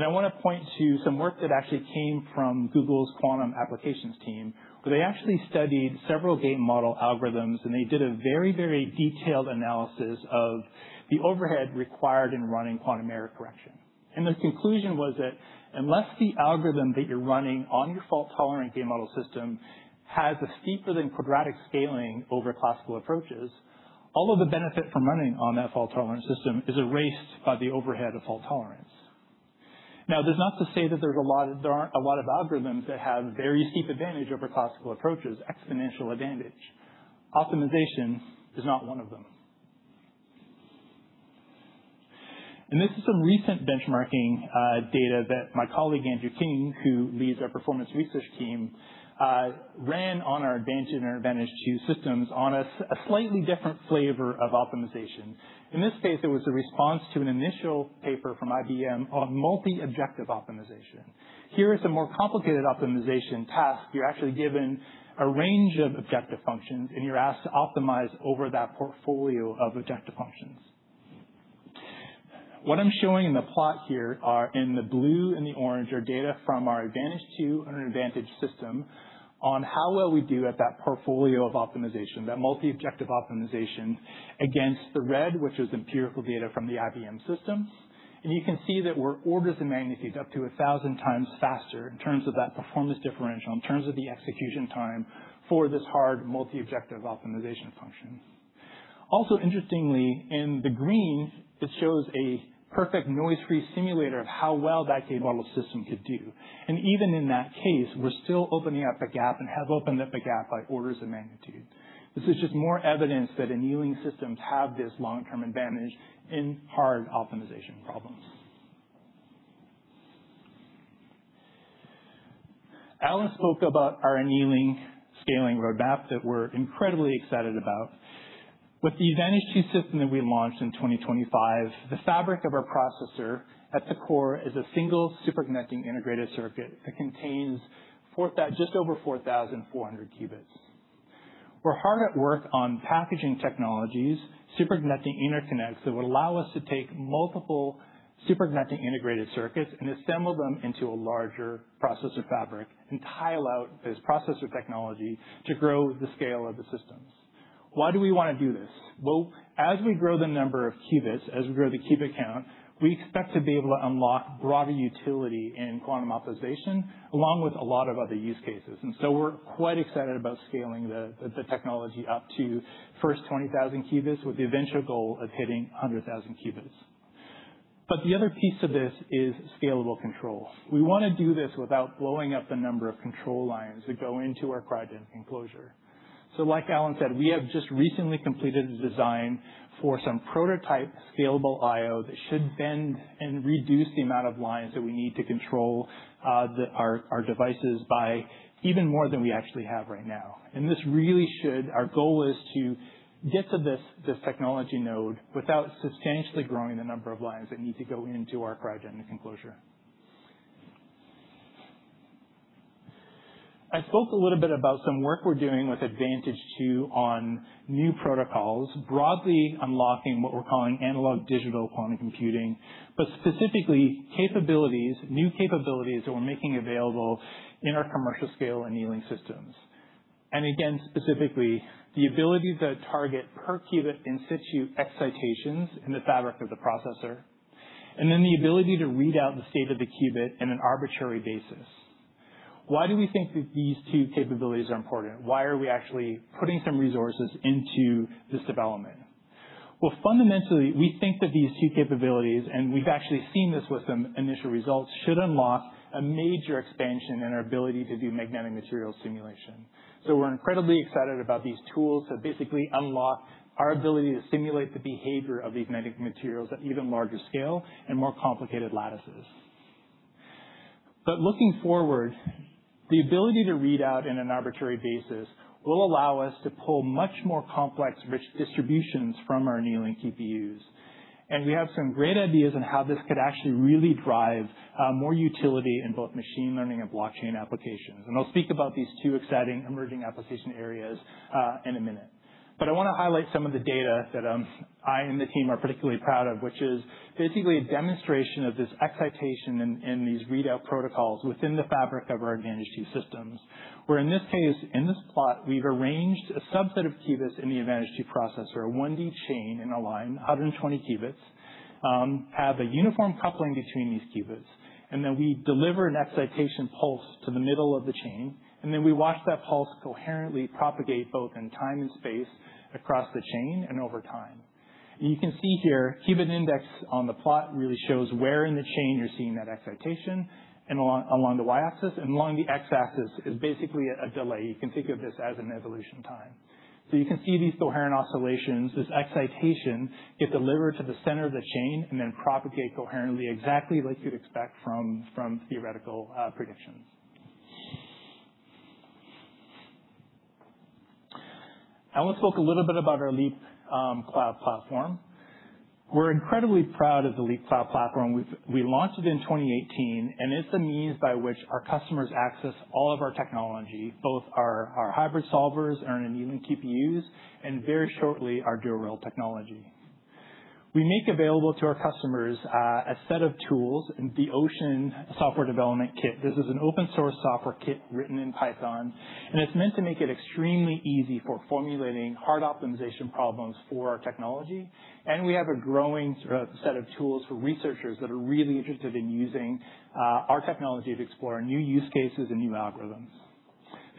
I want to point to some work that actually came from Google's quantum applications team, where they actually studied several gate-model algorithms, and they did a very detailed analysis of the overhead required in running quantum error correction. The conclusion was that unless the algorithm that you're running on your fault-tolerant gate-model system has a steeper than quadratic scaling over classical approaches, all of the benefit from running on that fault-tolerant system is erased by the overhead of fault tolerance. Now, that's not to say that there aren't a lot of algorithms that have very steep advantage over classical approaches, exponential advantage. Optimization is not one of them. This is some recent benchmarking data that my colleague, Andrew King, who leads our performance research team ran on our Advantage and our Advantage2 systems on a slightly different flavor of optimization. In this case, it was a response to an initial paper from IBM on multi-objective optimization. Here is a more complicated optimization task. You're actually given a range of objective functions, and you're asked to optimize over that portfolio of objective functions. What I'm showing in the plot here are in the blue and the orange are data from our Advantage2 and our Advantage system. On how well we do at that portfolio of optimization, that multi-objective optimization against the red, which is empirical data from the IBM system. You can see that we're orders of magnitude up to 1,000x faster in terms of that performance differential, in terms of the execution time for this hard multi-objective optimization function. Also interestingly, in the green, it shows a perfect noise-free simulator of how well that gate model system could do. Even in that case, we're still opening up a gap and have opened up a gap by orders of magnitude. This is just more evidence that annealing systems have this long-term advantage in hard optimization problems. Alan spoke about our annealing scaling roadmap that we're incredibly excited about. With the Advantage2 system that we launched in 2025, the fabric of our processor at the core is a single superconducting integrated circuit that contains just over 4,400 qubits. We're hard at work on packaging technologies, superconducting interconnects that would allow us to take multiple superconducting integrated circuits and assemble them into a larger processor fabric and tile out this processor technology to grow the scale of the systems. Why do we wanna do this? Well, as we grow the number of qubits, as we grow the qubit count, we expect to be able to unlock broader utility in quantum optimization, along with a lot of other use cases. We're quite excited about scaling the technology up to first 20,000 qubits with the eventual goal of hitting 100,000 qubits. The other piece of this is scalable control. We wanna do this without blowing up the number of control lines that go into our cryogenic enclosure. Like Alan said, we have just recently completed a design for some prototype scalable IO that should bend and reduce the amount of lines that we need to control, our devices by even more than we actually have right now. Our goal is to get to this technology node without substantially growing the number of lines that need to go into our cryogenic enclosure. I spoke a little bit about some work we're doing with Advantage2 on new protocols, broadly unlocking what we're calling analog digital quantum computing, but specifically capabilities, new capabilities that we're making available in our commercial scale annealing systems. Again, specifically, the ability to target per qubit in situ excitations in the fabric of the processor, and then the ability to read out the state of the qubit in an arbitrary basis. Why do we think that these two capabilities are important? Why are we actually putting some resources into this development? Well, fundamentally, we think that these two capabilities, we've actually seen this with some initial results, should unlock a major expansion in our ability to do magnetic material simulation. We're incredibly excited about these tools that basically unlock our ability to simulate the behavior of these magnetic materials at even larger scale and more complicated lattices. Looking forward, the ability to read out in an arbitrary basis will allow us to pull much more complex rich distributions from our annealing QPUs. We have some great ideas on how this could actually really drive more utility in both machine learning and blockchain applications. I'll speak about these two exciting emerging application areas in a minute. I wanna highlight some of the data that I and the team are particularly proud of, which is basically a demonstration of this excitation in these readout protocols within the fabric of our Advantage2 systems, where in this case, in this plot, we've arranged a subset of qubits in the Advantage2 processor, a 1D chain in a line, 120 qubits, have a uniform coupling between these qubits, and then we deliver an excitation pulse to the middle of the chain, and then we watch that pulse coherently propagate both in time and space across the chain and over time. You can see here, qubit index on the plot really shows where in the chain you're seeing that excitation and along the Y-axis. Along the X-axis is basically a delay. You can think of this as an evolution time. You can see these coherent oscillations, this excitation, get delivered to the center of the chain and then propagate coherently exactly like you'd expect from theoretical predictions. Alan spoke a little bit about our Leap cloud platform. We're incredibly proud of the Leap cloud platform. We launched it in 2018, and it's the means by which our customers access all of our technology, both our hybrid solvers and our annealing QPUs, and very shortly, our dual-rail technology. We make available to our customers, a set of tools, the Ocean software development kit. This is an open source software kit written in Python, and it's meant to make it extremely easy for formulating hard optimization problems for our technology. We have a growing set of tools for researchers that are really interested in using our technology to explore new use cases and new algorithms.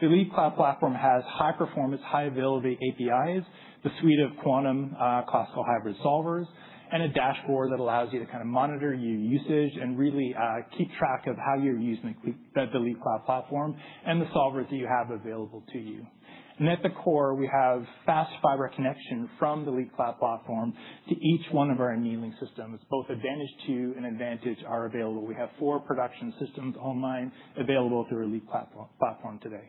The Leap cloud platform has high performance, high availability APIs, the suite of quantum-classical hybrid solvers, and a dashboard that allows you to kind of monitor your usage and really keep track of how you're using the Leap cloud platform and the solvers that you have available to you. At the core, we have fast fiber connection from the Leap cloud platform to each one of our annealing systems. Both Advantage2 and Advantage are available. We have four production systems online available through our Leap platform today.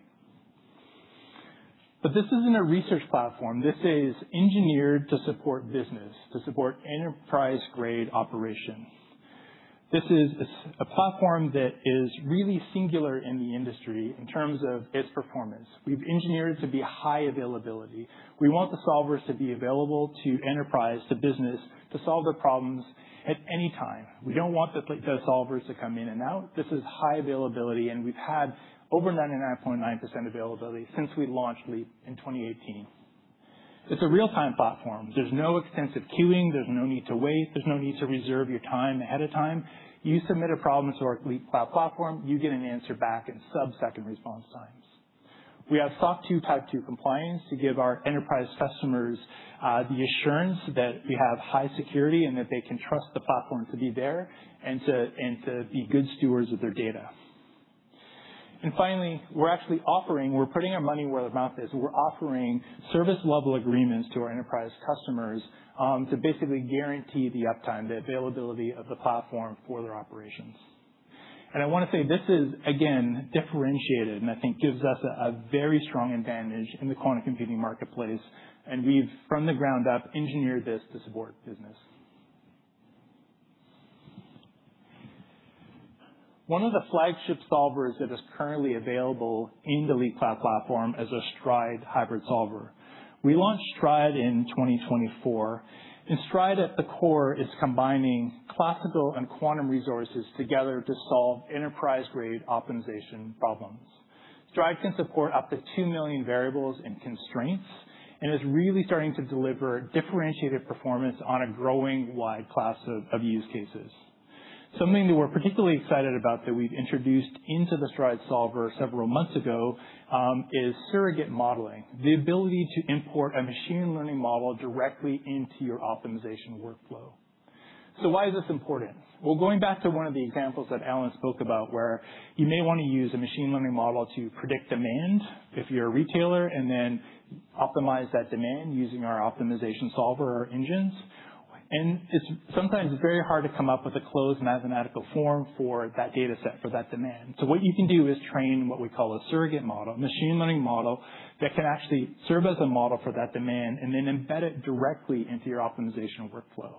This isn't a research platform. This is engineered to support business, to support enterprise-grade operations. This is a platform that is really singular in the industry in terms of its performance. We've engineered it to be high availability. We want the solvers to be available to enterprise, to business, to solve their problems at any time. We don't want the solvers to come in and out. This is high availability, and we've had over 99.9% availability since we launched Leap in 2018. It's a real-time platform. There's no extensive queuing, there's no need to wait, there's no need to reserve your time ahead of time. You submit a problem to our Leap cloud platform, you get an answer back in sub-second response times. We have SOC 2 Type 2 compliance to give our enterprise customers the assurance that we have high security and that they can trust the platform to be there and to be good stewards of their data. Finally, we're actually offering, we're putting our money where their mouth is. We're offering service level agreements to our enterprise customers, to basically guarantee the uptime, the availability of the platform for their operations. I want to say this is, again, differentiated and I think gives us a very strong advantage in the quantum computing marketplace. We've, from the ground up, engineered this to support business. One of the flagship solvers that is currently available in the Leap Cloud platform is our Stride Hybrid Solver. We launched Stride in 2024. Stride at the core is combining classical and quantum resources together to solve enterprise-grade optimization problems. Stride can support up to 2 million variables and constraints, is really starting to deliver differentiated performance on a growing wide class of use cases. Something that we're particularly excited about that we've introduced into the Stride solver several months ago, is surrogate modeling. The ability to import a machine learning model directly into your optimization workflow. Why is this important? Well, going back to one of the examples that Alan spoke about, where you may want to use a machine learning model to predict demand, if you're a retailer, and then optimize that demand using our optimization solver engines. It's sometimes very hard to come up with a closed mathematical form for that data set for that demand. What you can do is train what we call a surrogate model, machine learning model, that can actually serve as a model for that demand, and then embed it directly into your optimizational workflow.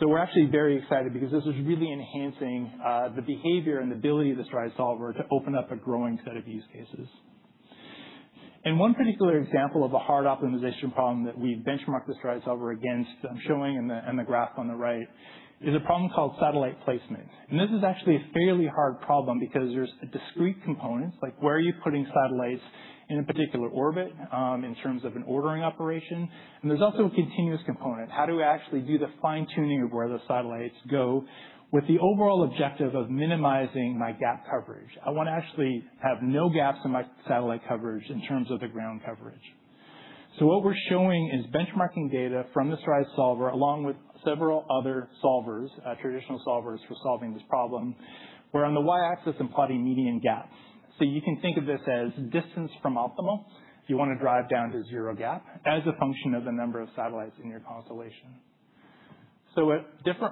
We're actually very excited because this is really enhancing the behavior and ability of the Stride solver to open up a growing set of use cases. One particular example of a hard optimization problem that we benchmark the Stride solver against, I'm showing in the graph on the right, is a problem called satellite placement. This is actually a fairly hard problem because there's a discrete component, like where are you putting satellites in a particular orbit, in terms of an ordering operation. There's also a continuous component. How do we actually do the fine-tuning of where the satellites go with the overall objective of minimizing my gap coverage? I want to actually have no gaps in my satellite coverage in terms of the ground coverage. What we're showing is benchmarking data from the Stride solver along with several other solvers, traditional solvers for solving this problem, where on the Y-axis I'm plotting median gaps. You can think of this as distance from optimal, if you want to drive down to zero gap, as a function of the number of satellites in your constellation. At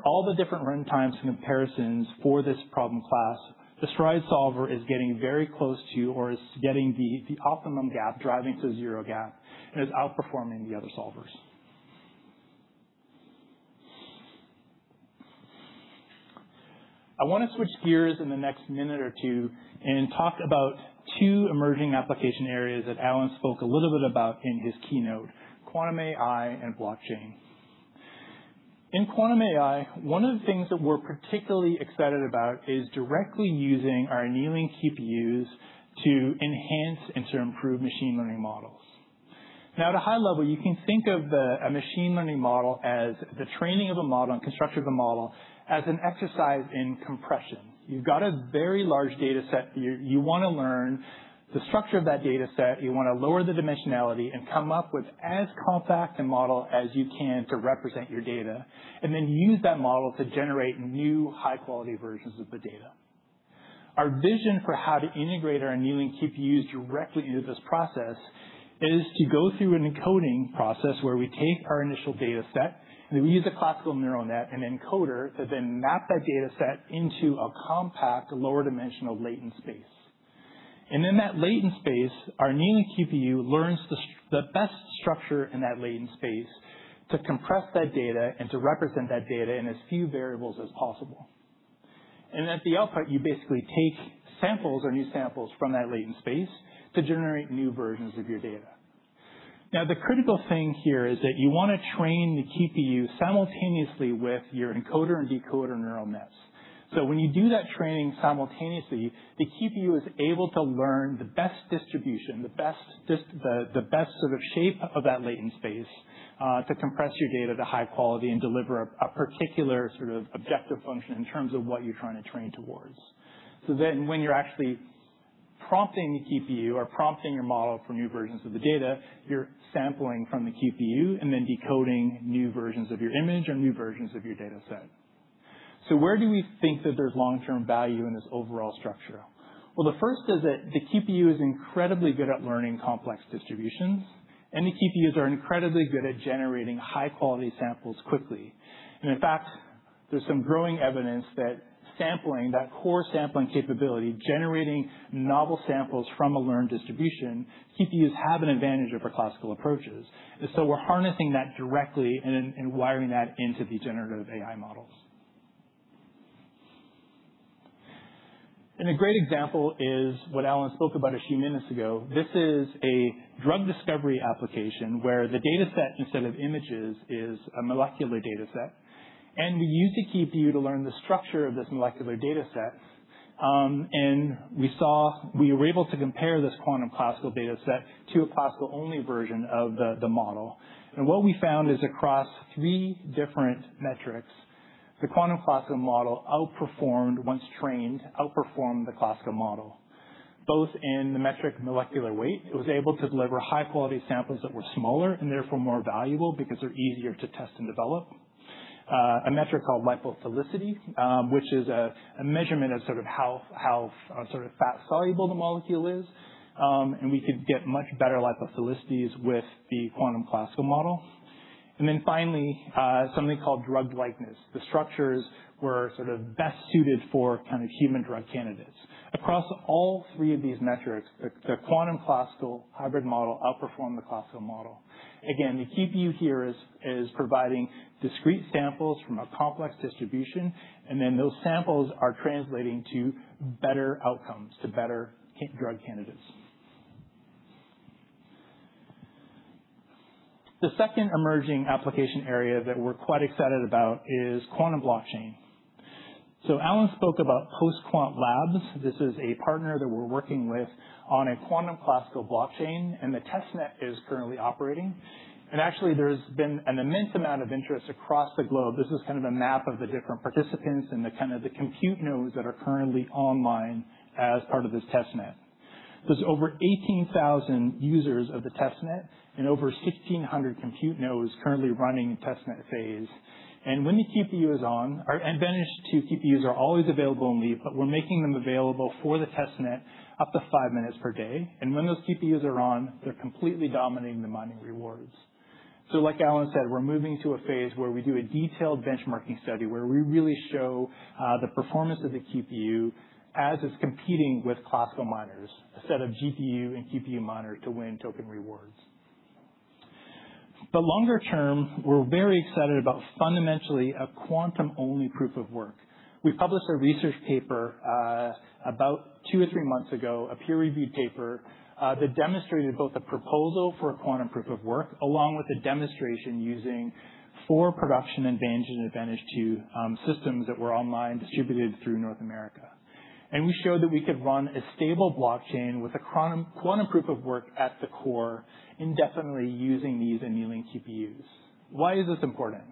all the different run times and comparisons for this problem class, the Stride solver is getting very close to, or is getting the optimum gap, driving to zero gap, and is outperforming the other solvers. I want to switch gears in the next minute or two and talk about two emerging application areas that Alan spoke a little bit about in his keynote, quantum AI and blockchain. In quantum AI, one of the things that we're particularly excited about is directly using our annealing QPUs to enhance and to improve machine learning models. At a high level, you can think of a machine learning model as the training of a model and construction of the model as an exercise in compression. You've got a very large data set. You want to learn the structure of that data set, you want to lower the dimensionality and come up with as compact a model as you can to represent your data, then use that model to generate new high-quality versions of the data. Our vision for how to integrate our annealing QPUs directly into this process is to go through an encoding process where we take our initial data set, then we use a classical neural net and encoder to then map that data set into a compact lower dimensional latent space. In that latent space, our annealing QPU learns the best structure in that latent space to compress that data and to represent that data in as few variables as possible. At the output, you basically take samples or new samples from that latent space to generate new versions of your data. Now, the critical thing here is that you want to train the QPU simultaneously with your encoder and decoder neural nets. When you do that training simultaneously, the QPU is able to learn the best distribution, the best sort of shape of that latent space, to compress your data to high quality and deliver a particular sort of objective function in terms of what you're trying to train towards. When you're actually prompting the QPU or prompting your model for new versions of the data, you're sampling from the QPU and then decoding new versions of your image or new versions of your data set. Where do we think that there's long-term value in this overall structure? Well, the first is that the TPU is incredibly good at learning complex distributions, and the QPUs are incredibly good at generating high-quality samples quickly. In fact, there's some growing evidence that sampling, that core sampling capability, generating novel samples from a learned distribution, QPUs have an advantage over classical approaches. We're harnessing that directly and wiring that into the generative AI models. A great example is what Alan spoke about a few minutes ago. This is a drug discovery application where the data set instead of images is a molecular data set. We use the QPU to learn the structure of this molecular data set. We were able to compare this quantum classical data set to a classical-only version of the model. What we found is across three different metrics, the quantum classical model, once trained, outperformed the classical model, both in the metric molecular weight. It was able to deliver high-quality samples that were smaller and therefore more valuable because they're easier to test and develop. A metric called lipophilicity, which is a measurement of how fat soluble the molecule is. We could get much better lipophilicity with the quantum classical model. Finally, something called drug likeness. The structures were sort of best suited for kind of human drug candidates. Across all three of these metrics, the quantum classical hybrid model outperformed the classical model. The QPU here is providing discrete samples from a complex distribution, and then those samples are translating to better outcomes, to better drug candidates. Alan spoke about Post Quant Labs. This is a partner that we're working with on a quantum classical blockchain. The test net is currently operating. Actually, there's been an immense amount of interest across the globe. This is kind of a map of the different participants and the kind of the compute nodes that are currently online as part of this test net. There's over 18,000 users of the test net and over 1,600 compute nodes currently running in test net phase. Advantage2 QPUs are always available online, but we're making them available for the test net up to five minutes per day. When those QPUs are on, they're completely dominating the mining rewards. Like Alan said, we're moving to a phase where we do a detailed benchmarking study where we really show the performance of the QPU as it's competing with classical miners instead of GPU and QPU miners to win token rewards. Longer term, we're very excited about fundamentally a quantum-only proof of work. We published a research paper about two or three months ago, a peer-reviewed paper, that demonstrated both a proposal for a quantum proof of work along with a demonstration using four production Advantage and Advantage2 systems that were online distributed through North America. We showed that we could run a stable blockchain with a quantum proof of work at the core indefinitely using these annealing QPUs. Why is this important?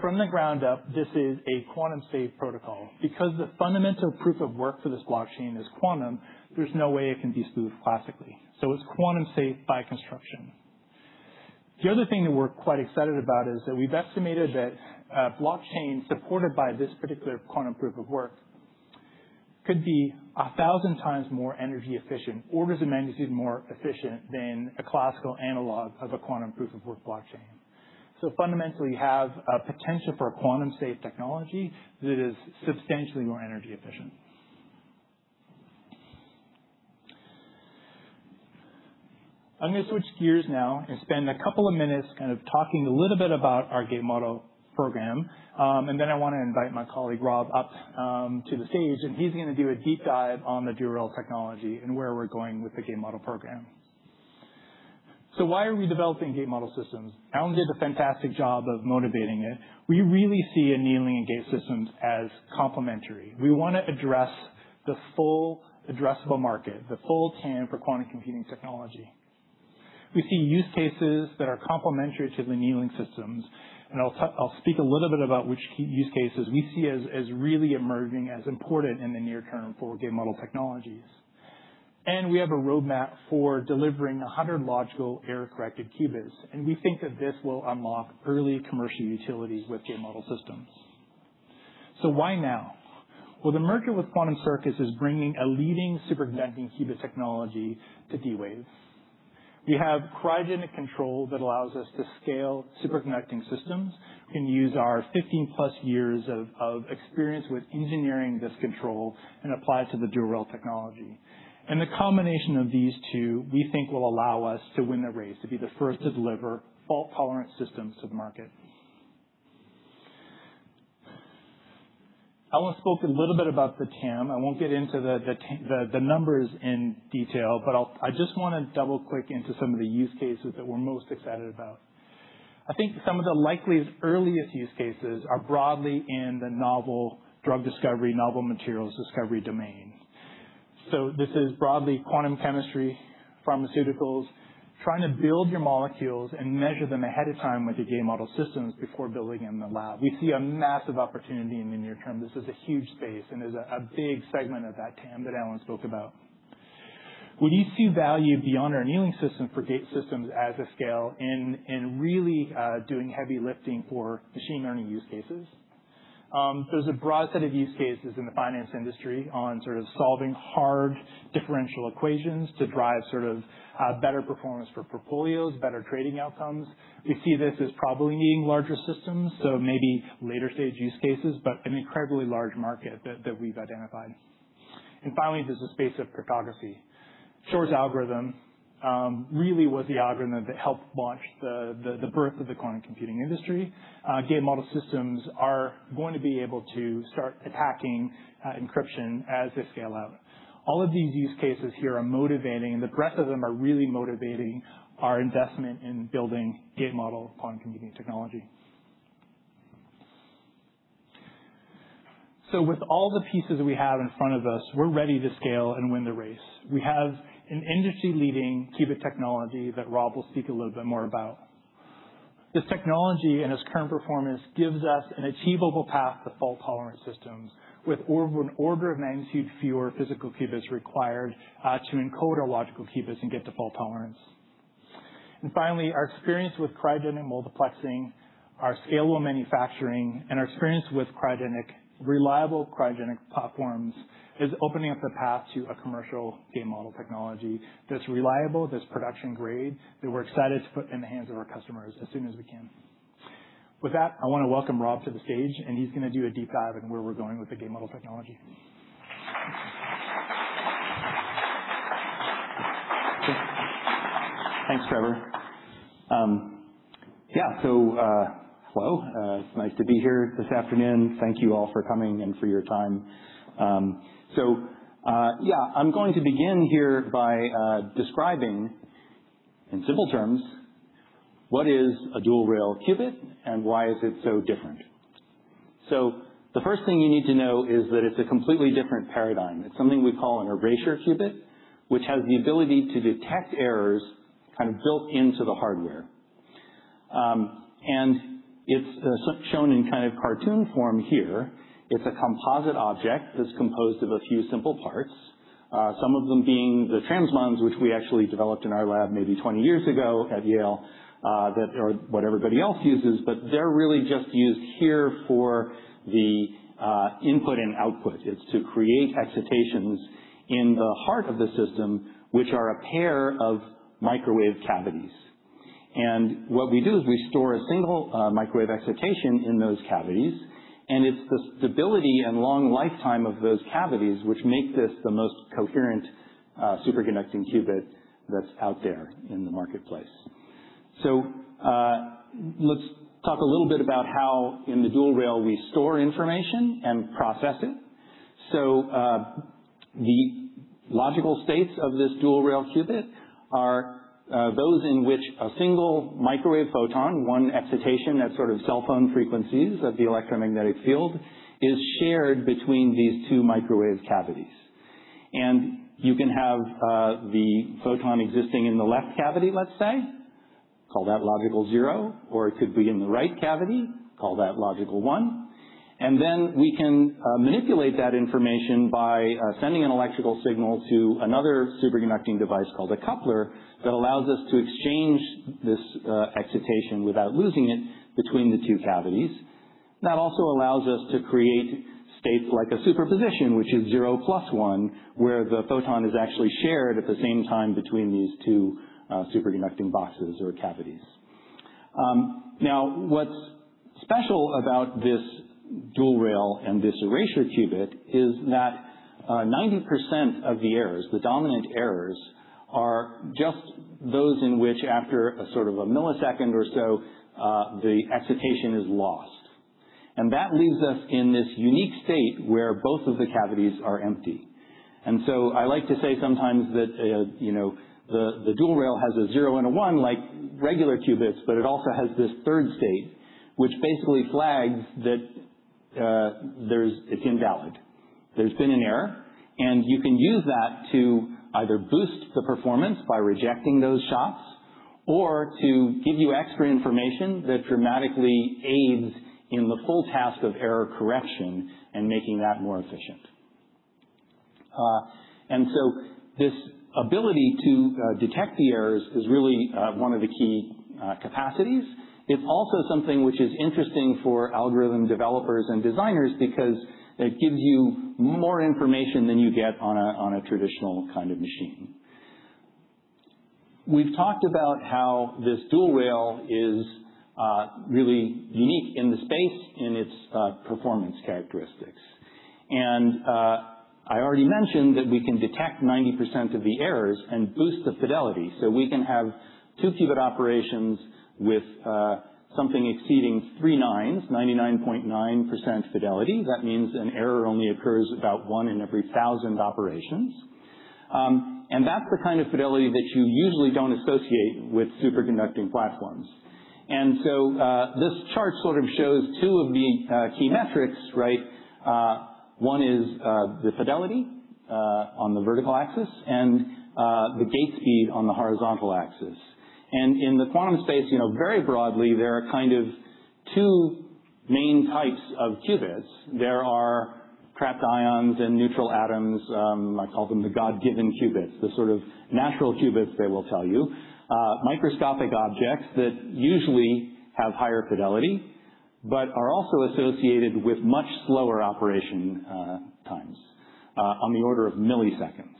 From the ground up, this is a quantum-safe protocol. The fundamental proof of work for this blockchain is quantum, there's no way it can be spoofed classically. It's quantum-safe by construction. The other thing that we're quite excited about is that we've estimated that a blockchain supported by this particular quantum proof of work could be 1,000 times more energy efficient, orders of magnitude more efficient than a classical analog of a quantum proof of work blockchain. Fundamentally, you have a potential for a quantum-safe technology that is substantially more energy efficient. I'm going to switch gears now and spend a couple of minutes kind of talking a little bit about our gate model program. I want to invite my colleague, Rob, up to the stage, and he's going to do a deep dive on the dual-rail technology and where we're going with the gate model program. Why are we developing gate model systems? Alan did a fantastic job of motivating it. We really see annealing and gate systems as complementary. We want to address the full addressable market, the full TAM for quantum computing technology. We see use cases that are complementary to the annealing systems, and I'll speak a little bit about which use cases we see as really emerging as important in the near term for gate model technologies. We have a roadmap for delivering 100 logical error-corrected qubits, and we think that this will unlock early commercial utilities with gate model systems. Why now? Well, the merger with Quantum Circuits is bringing a leading superconducting qubit technology to D-Wave. We have cryogenic control that allows us to scale superconducting systems. We can use our 15 plus years of experience with engineering this control and apply it to the dual-rail technology. The combination of these two, we think will allow us to win the race, to be the first to deliver fault-tolerant systems to the market. Alan spoke a little bit about the TAM. I won't get into the numbers in detail, but I just want to double-click into some of the use cases that we're most excited about. I think some of the likeliest earliest use cases are broadly in the novel drug discovery, novel materials discovery domain. This is broadly quantum chemistry, pharmaceuticals, trying to build your molecules and measure them ahead of time with the gate model systems before building in the lab. We see a massive opportunity in the near term. This is a huge space and is a big segment of that TAM that Alan spoke about. We do see value beyond our annealing system for gate systems as they scale and really doing heavy lifting for machine learning use cases. There's a broad set of use cases in the finance industry on sort of solving hard differential equations to drive sort of better performance for portfolios, better trading outcomes. We see this as probably needing larger systems, so maybe later-stage use cases, but an incredibly large market that we've identified. Finally, there's the space of cryptography. Shor's algorithm really was the algorithm that helped launch the birth of the quantum computing industry. Gate model systems are going to be able to start attacking encryption as they scale out. All of these use cases here are motivating, the breadth of them are really motivating our investment in building gate model quantum computing technology. With all the pieces we have in front of us, we're ready to scale and win the race. We have an industry-leading qubit technology that Rob will speak a little bit more about. This technology and its current performance gives us an achievable path to fault-tolerant systems with an order of magnitude fewer physical qubits required to encode our logical qubits and get to fault tolerance. Finally, our experience with cryogenic multiplexing, our scalable manufacturing, and our experience with reliable cryogenic platforms is opening up the path to a commercial gate-model technology that's reliable, that's production-grade, that we're excited to put in the hands of our customers as soon as we can. With that, I want to welcome Rob to the stage, and he's going to do a deep dive in where we're going with the gate-model technology. Thanks, Trevor. Hello. It's nice to be here this afternoon. Thank you all for coming and for your time. I'm going to begin here by describing, in simple terms, what is a dual-rail qubit, and why is it so different? The first thing you need to know is that it's a completely different paradigm. It's something we call an erasure qubit, which has the ability to detect errors built into the hardware. It's shown in cartoon form here. It's a composite object that's composed of a few simple parts, some of them being the transmons, which we actually developed in our lab maybe 20 years ago at Yale, that everybody else uses. They're really just used here for the input and output. It's to create excitations in the heart of the system, which are a pair of microwave cavities. What we do is we store a single microwave excitation in those cavities, and it's the stability and long lifetime of those cavities which make this the most coherent superconducting qubit that's out there in the marketplace. Let's talk a little bit about how in the dual-rail we store information and process it. The logical states of this dual-rail qubit are those in which a single microwave photon, one excitation at sort of cellphone frequencies of the electromagnetic field, is shared between these two microwave cavities. You can have the photon existing in the left cavity, let's say, call that logical zero, or it could be in the right cavity, call that logical one. We can manipulate that information by sending an electrical signal to another superconducting device called a coupler that allows us to exchange this excitation without losing it between the two cavities. That also allows us to create states like a superposition, which is zero plus one, where the photon is actually shared at the same time between these two superconducting boxes or cavities. What's special about this dual-rail and this erasure qubit is that 90% of the errors, the dominant errors, are just those in which after a sort of a millisecond or so, the excitation is lost. That leaves us in this unique state where both of the cavities are empty. I like to say sometimes that the dual-rail has a zero and a one like regular qubits, but it also has this third state, which basically flags that it's invalid. There's been an error, and you can use that to either boost the performance by rejecting those shots or to give you extra information that dramatically aids in the full task of error correction and making that more efficient. This ability to detect the errors is really one of the key capacities. It's also something which is interesting for algorithm developers and designers because it gives you more information than you get on a traditional kind of machine. We've talked about how this dual-rail is really unique in the space in its performance characteristics. I already mentioned that we can detect 90% of the errors and boost the fidelity. We can have two-qubit operations with something exceeding three nines, 99.9% fidelity. That means an error only occurs about one in every thousand operations. That's the kind of fidelity that you usually don't associate with superconducting platforms. This chart sort of shows two of the key metrics, right? One is the fidelity on the vertical axis and the gate speed on the horizontal axis. In the quantum space, very broadly, there are two main types of qubits. There are trapped ions and neutral atoms. I call them the God-given qubits, the sort of natural qubits they will tell you. Microscopic objects that usually have higher fidelity but are also associated with much slower operation times on the order of milliseconds.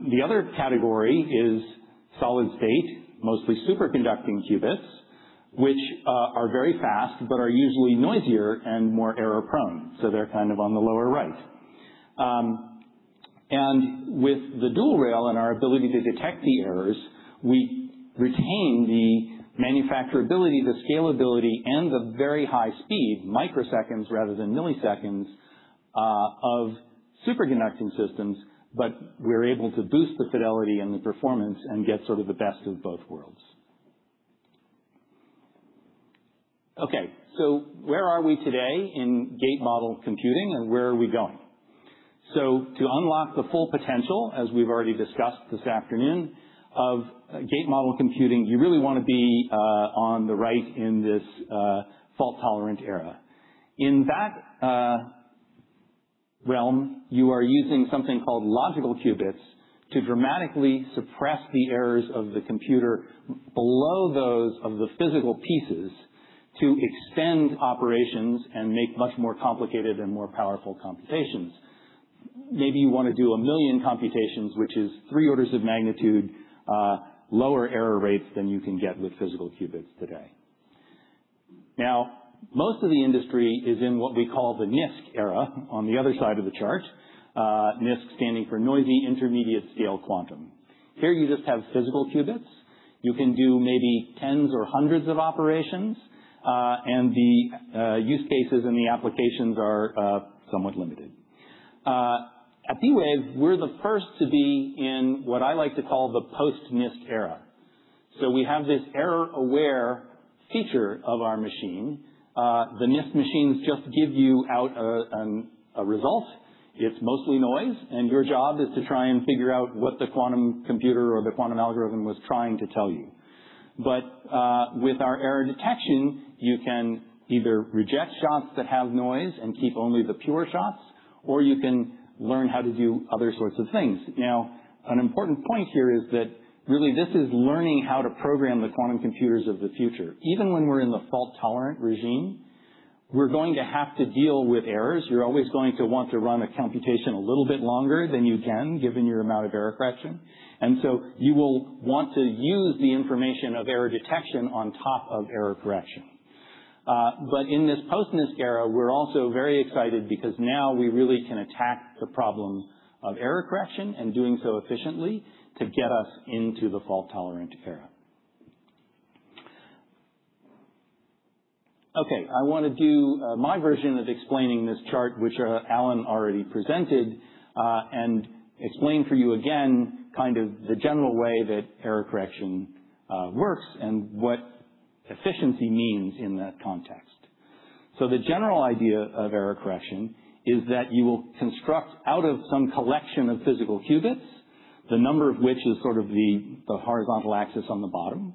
The other category is solid state, mostly superconducting qubits, which are very fast but are usually noisier and more error-prone. They're kind of on the lower right. With the dual-rail and our ability to detect the errors, we retain the manufacturability, the scalability, and the very high speed, microseconds rather than milliseconds, of superconducting systems, but we're able to boost the fidelity and the performance and get sort of the best of both worlds. Okay. Where are we today in gate model computing, and where are we going? To unlock the full potential, as we've already discussed this afternoon, of gate model computing, you really want to be on the right in this fault-tolerant era. In that realm, you are using something called logical qubits to dramatically suppress the errors of the computer below those of the physical pieces to extend operations and make much more complicated and more powerful computations. Maybe you want to do a million computations, which is three orders of magnitude lower error rates than you can get with physical qubits today. Most of the industry is in what we call the NISQ era on the other side of the chart, NISQ standing for Noisy Intermediate-Scale Quantum. Here, you just have physical qubits. You can do maybe tens or hundreds of operations, and the use cases and the applications are somewhat limited. At D-Wave, we're the first to be in what I like to call the post-NISQ era. We have this error-aware feature of our machine. The NISQ machines just give you out a result. It's mostly noise, and your job is to try and figure out what the quantum computer or the quantum algorithm was trying to tell you. With our error detection, you can either reject shots that have noise and keep only the pure shots, or you can learn how to do other sorts of things. Now, an important point here is that really this is learning how to program the quantum computers of the future. Even when we're in the fault-tolerant regime, we're going to have to deal with errors. You're always going to want to run a computation a little bit longer than you can, given your amount of error correction. You will want to use the information of error detection on top of error correction. In this post-NISQ era, we're also very excited because now we really can attack the problem of error correction and doing so efficiently to get us into the fault-tolerant era. Okay. I want to do my version of explaining this chart, which Alan already presented, and explain for you again kind of the general way that error correction works and what efficiency means in that context. The general idea of error correction is that you will construct out of some collection of physical qubits, the number of which is sort of the horizontal axis on the bottom.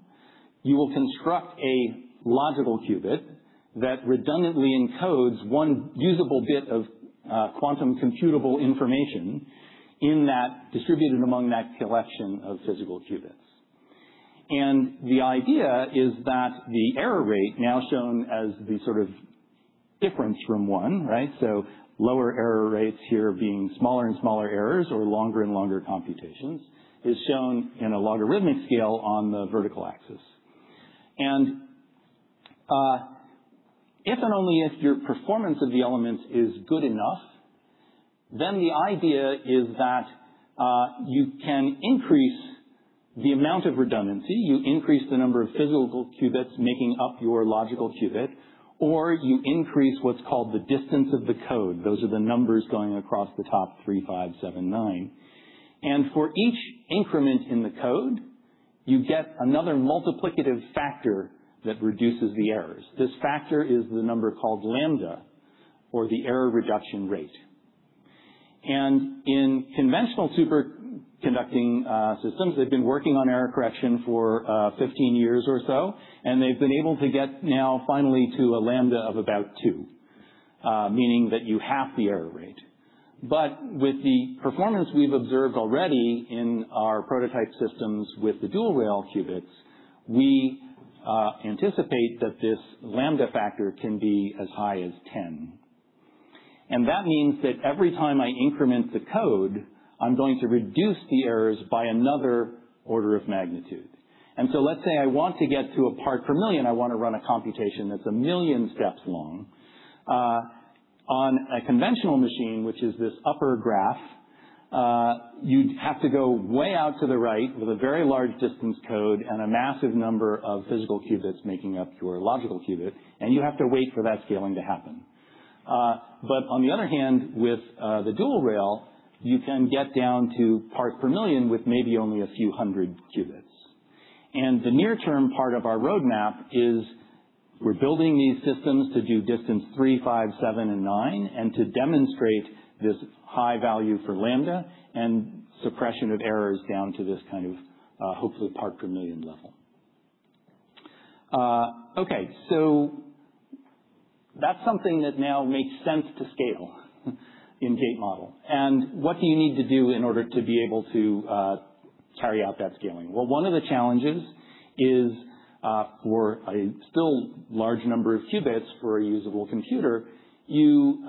You will construct a logical qubit that redundantly encodes one usable bit of quantum computable information in that, distributed among that collection of physical qubits. The idea is that the error rate, now shown as the sort of difference from one, right? Lower error rates here being smaller and smaller errors or longer and longer computations, is shown in a logarithmic scale on the vertical axis. If and only if your performance of the elements is good enough, the idea is that you can increase the amount of redundancy. You increase the number of physical qubits making up your logical qubit, or you increase what's called the distance of the code. Those are the numbers going across the top, three, five, seven, nine. For each increment in the code, you get another multiplicative factor that reduces the errors. This factor is the number called lambda or the error reduction rate. In conventional superconducting systems, they've been working on error correction for 15 years or so, they've been able to get now finally to a lambda of about two, meaning that you half the error rate. With the performance we've observed already in our prototype systems with the dual-rail qubits, we anticipate that this lambda factor can be as high as 10. That means that every time I increment the code, I'm going to reduce the errors by another order of magnitude. So let's say I want to get to a part per million, I want to run a computation that's 1 million steps long. On a conventional machine, which is this upper graph, you'd have to go way out to the right with a very large distance code and a massive number of physical qubits making up your logical qubit, and you have to wait for that scaling to happen. On the other hand, with the dual-rail, you can get down to parts per million with maybe only a few hundred qubits. The near-term part of our roadmap is we're building these systems to do distance three, five, seven, and nine, and to demonstrate this high value for lambda and suppression of errors down to this kind of, hopefully, part per million level. Okay. So that's something that now makes sense to scale in gate model. What do you need to do in order to be able to carry out that scaling? Well, one of the challenges is for a still large number of qubits for a usable computer, you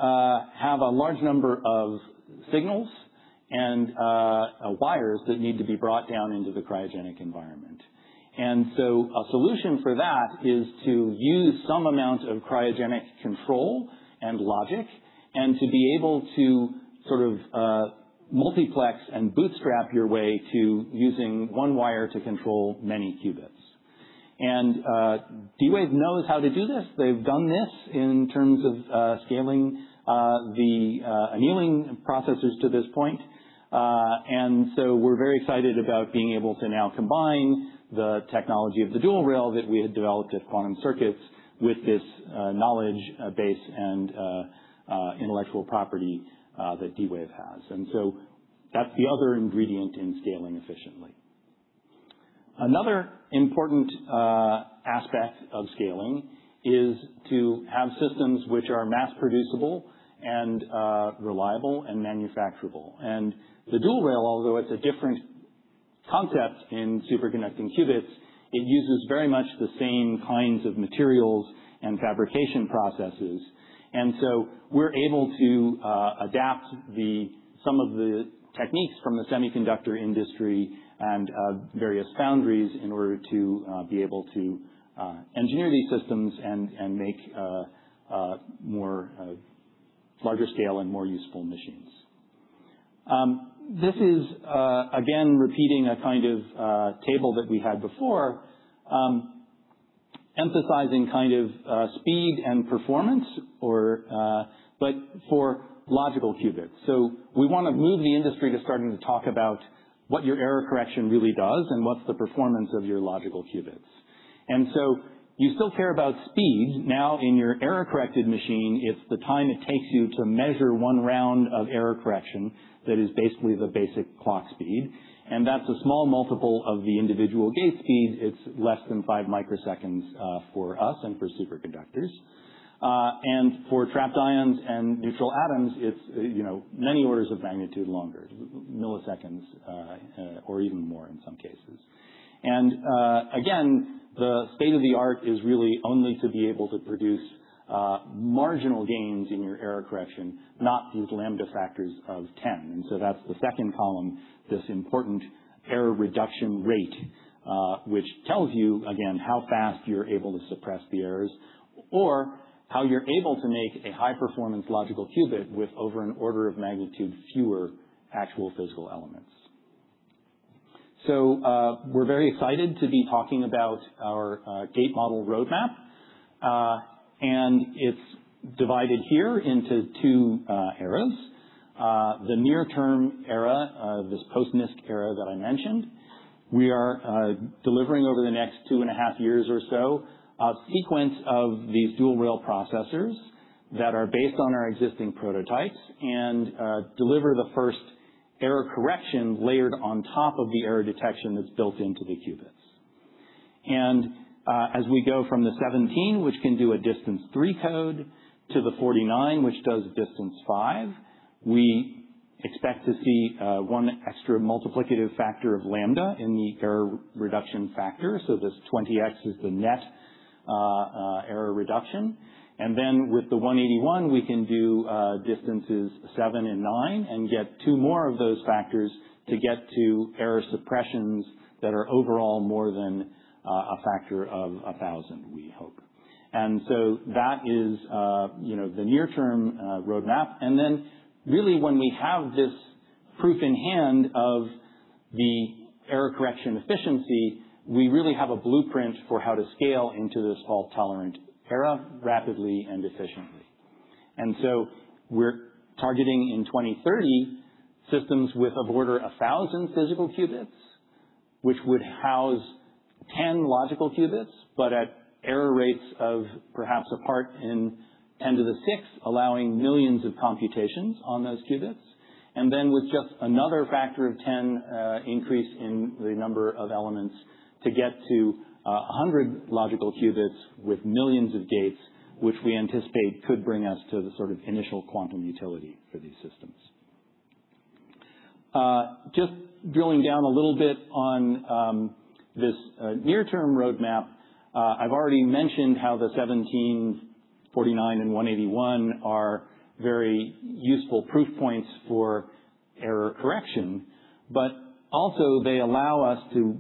have a large number of signals and wires that need to be brought down into the cryogenic environment. A solution for that is to use some amount of cryogenic control and logic, and to be able to sort of multiplex and bootstrap your way to using one wire to control many qubits. D-Wave knows how to do this. They've done this in terms of scaling the annealing processes to this point. We're very excited about being able to now combine the technology of the dual-rail that we had developed at Quantum Circuits with this knowledge base and intellectual property that D-Wave has. That's the other ingredient in scaling efficiently. Another important aspect of scaling is to have systems which are mass producible and reliable and manufacturable. The dual-rail, although it's a different concept in superconducting qubits, it uses very much the same kinds of materials and fabrication processes. We're able to adapt some of the techniques from the semiconductor industry and various foundries in order to be able to engineer these systems and make larger scale and more useful machines. This is again repeating a kind of table that we had before, emphasizing speed and performance, but for logical qubits. We want to move the industry to starting to talk about what your error correction really does and what's the performance of your logical qubits. You still care about speed. Now in your error-corrected machine, it's the time it takes you to measure one round of error correction that is basically the basic clock speed, and that's a small multiple of the individual gate speed. It's less than five microseconds for us and for superconductors. For trapped ions and neutral atoms, it's many orders of magnitude longer, milliseconds or even more in some cases. Again, the state-of-the-art is really only to be able to produce marginal gains in your error correction, not these Lambda factors of 10. That's the second column, this important error reduction rate, which tells you, again, how fast you're able to suppress the errors or how you're able to make a high-performance logical qubit with over an order of magnitude fewer actual physical elements. We're very excited to be talking about our gate-model roadmap. It's divided here into two eras. The near-term era, this post-NISQ era that I mentioned, we are delivering over the next two and a half years or so, a sequence of these dual-rail processors that are based on our existing prototypes and deliver the first error correction layered on top of the error detection that's built into the qubits. As we go from the 17, which can do a distance-3 code, to the 49, which does distance 5, we expect to see one extra multiplicative factor of lambda in the error reduction factor. This 20x is the net error reduction. With the 181, we can do distances seven and nine and get two more of those factors to get to error suppressions that are overall more than a factor of 1,000, we hope. That is the near-term roadmap. Really when we have this proof in hand of the error correction efficiency, we really have a blueprint for how to scale into this fault-tolerant era rapidly and efficiently. We're targeting in 2030, systems with of order 1,000 physical qubits, which would house 10 logical qubits, but at error rates of perhaps a part in 10 to the sixth, allowing millions of computations on those qubits. With just another factor of 10 increase in the number of elements to get to 100 logical qubits with millions of gates, which we anticipate could bring us to the sort of initial quantum utility for these systems. Just drilling down a little bit on this near-term roadmap. I've already mentioned how the 17, 49, and 181 are very useful proof points for error correction, also they allow us to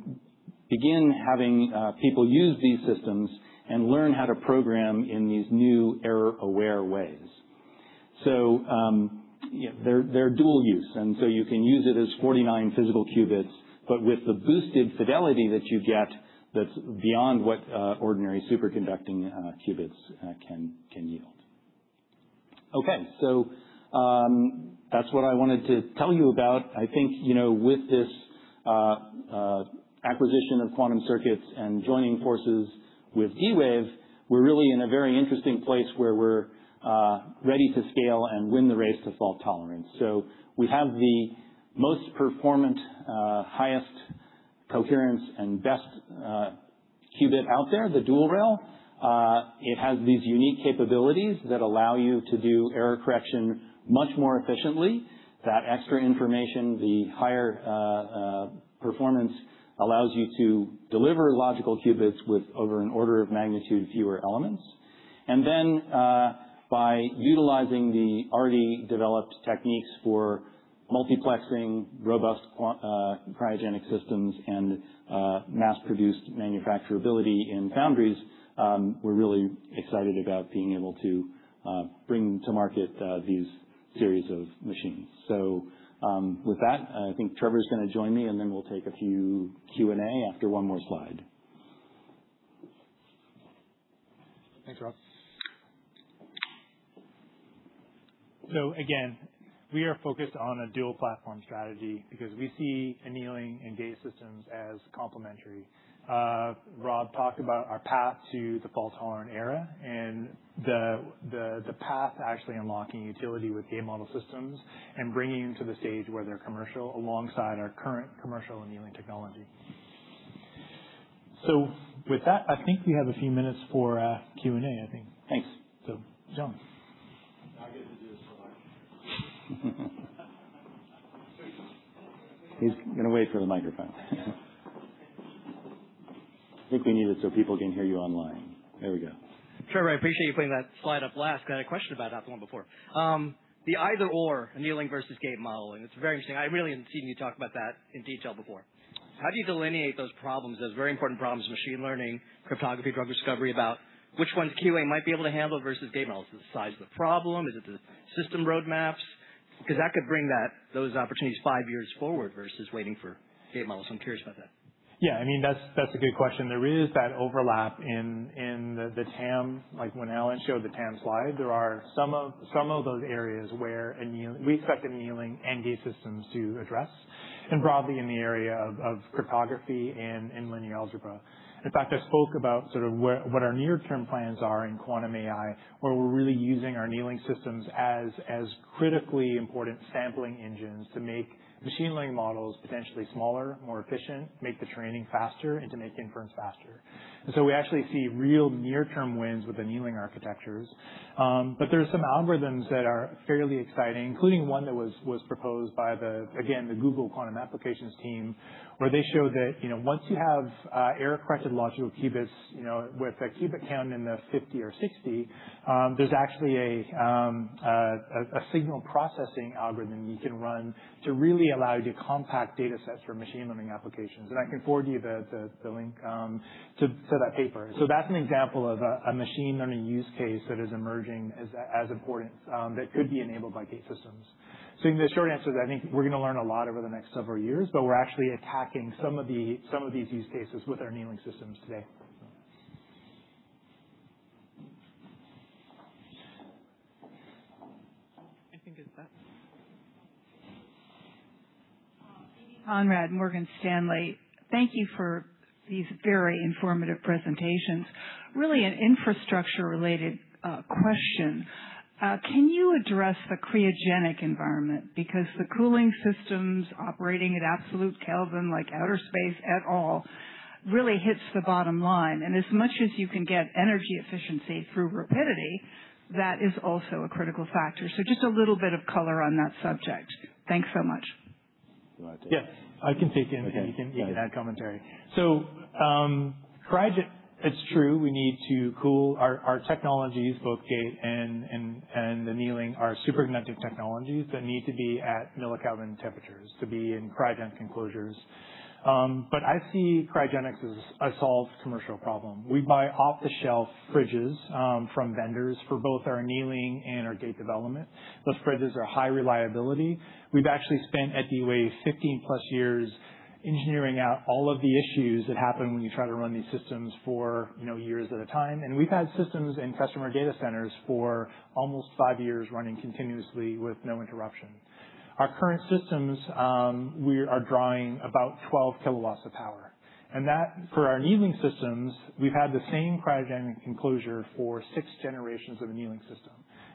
begin having people use these systems and learn how to program in these new error-aware ways. They're dual use, you can use it as 49 physical qubits, but with the boosted fidelity that you get that's beyond what ordinary superconducting qubits can yield. Okay. That's what I wanted to tell you about. I think, with this acquisition of Quantum Circuits and joining forces with D-Wave, we're really in a very interesting place where we're ready to scale and win the race to fault tolerance. We have the most performant, highest coherence, and best qubit out there, the dual-rail. It has these unique capabilities that allow you to do error correction much more efficiently. That extra information, the higher performance, allows you to deliver logical qubits with over an order of magnitude fewer elements. By utilizing the already developed techniques for multiplexing, robust cryogenic systems, and mass-produced manufacturability in foundries, we're really excited about being able to bring to market these series of machines. With that, I think Trevor's going to join me, and then we'll take a few Q&A after one more slide. Thanks, Rob. Again, we are focused on a dual-platform strategy because we see annealing and gate systems as complementary. Rob talked about our path to the fault-tolerant era and the path to actually unlocking utility with gate model systems and bringing them to the stage where they're commercial, alongside our current commercial annealing technology. With that, I think we have a few minutes for Q&A, I think. Thanks. John. Now I get to do this for a living. He's going to wait for the microphone. Yeah. I think we need it so people can hear you online. There we go. Trevor, I appreciate you putting that slide up last, because I had a question about that the one before. The either/or, annealing versus gate modeling. It's very interesting. I haven't really seen you talk about that in detail before. How do you delineate those problems, those very important problems, machine learning, cryptography, drug discovery, about which ones QA might be able to handle versus gate models? Is it the size of the problem? Is it the system roadmaps? That could bring those opportunities five years forward versus waiting for gate models. I'm curious about that. Yeah, that's a good question. There is that overlap in the TAM. When Alan showed the TAM slide, there are some of those areas where we expect annealing and gate systems to address, and broadly in the area of cryptography and in linear algebra. In fact, I spoke about sort of what our near-term plans are in quantum AI, where we're really using our annealing systems as critically important sampling engines to make machine learning models potentially smaller, more efficient, make the training faster, and to make inference faster. We actually see real near-term wins with annealing architectures. There are some algorithms that are fairly exciting, including one that was proposed by, again, the Google Quantum AI team, where they showed that once you have error-corrected logical qubits with a qubit count in the 50 or 60, there's actually a signal processing algorithm you can run to really allow you to compact data sets for machine learning applications. I can forward you the link to that paper. That's an example of a machine learning use case that is emerging as important that could be enabled by gate systems. The short answer is, I think we're going to learn a lot over the next several years, but we're actually attacking some of these use cases with our annealing systems today. I think it's set. Thank you for these very informative presentations. Really an infrastructure-related question. Can you address the cryogenic environment? Because the cooling systems operating at absolute Kelvin, like outer space at all, really hits the bottom line. As much as you can get energy efficiency through rapidity, that is also a critical factor. Just a little bit of color on that subject. Thanks so much. You want to take that? Yeah. I can take. Okay You can add commentary. It's true, we need to cool our technologies, both gate and annealing, are superconducting technologies that need to be at millikelvin temperatures to be in cryogen enclosures. I see cryogenics as a solved commercial problem. We buy off-the-shelf fridges from vendors for both our annealing and our gate development. Those fridges are high reliability. We've actually spent, at D-Wave, 15-plus years engineering out all of the issues that happen when you try to run these systems for years at a time. We've had systems in customer data centers for almost five years, running continuously with no interruption. Our current systems, we are drawing about 12 kW of power. That, for our annealing systems, we've had the same cryogenic enclosure for six generations of annealing system.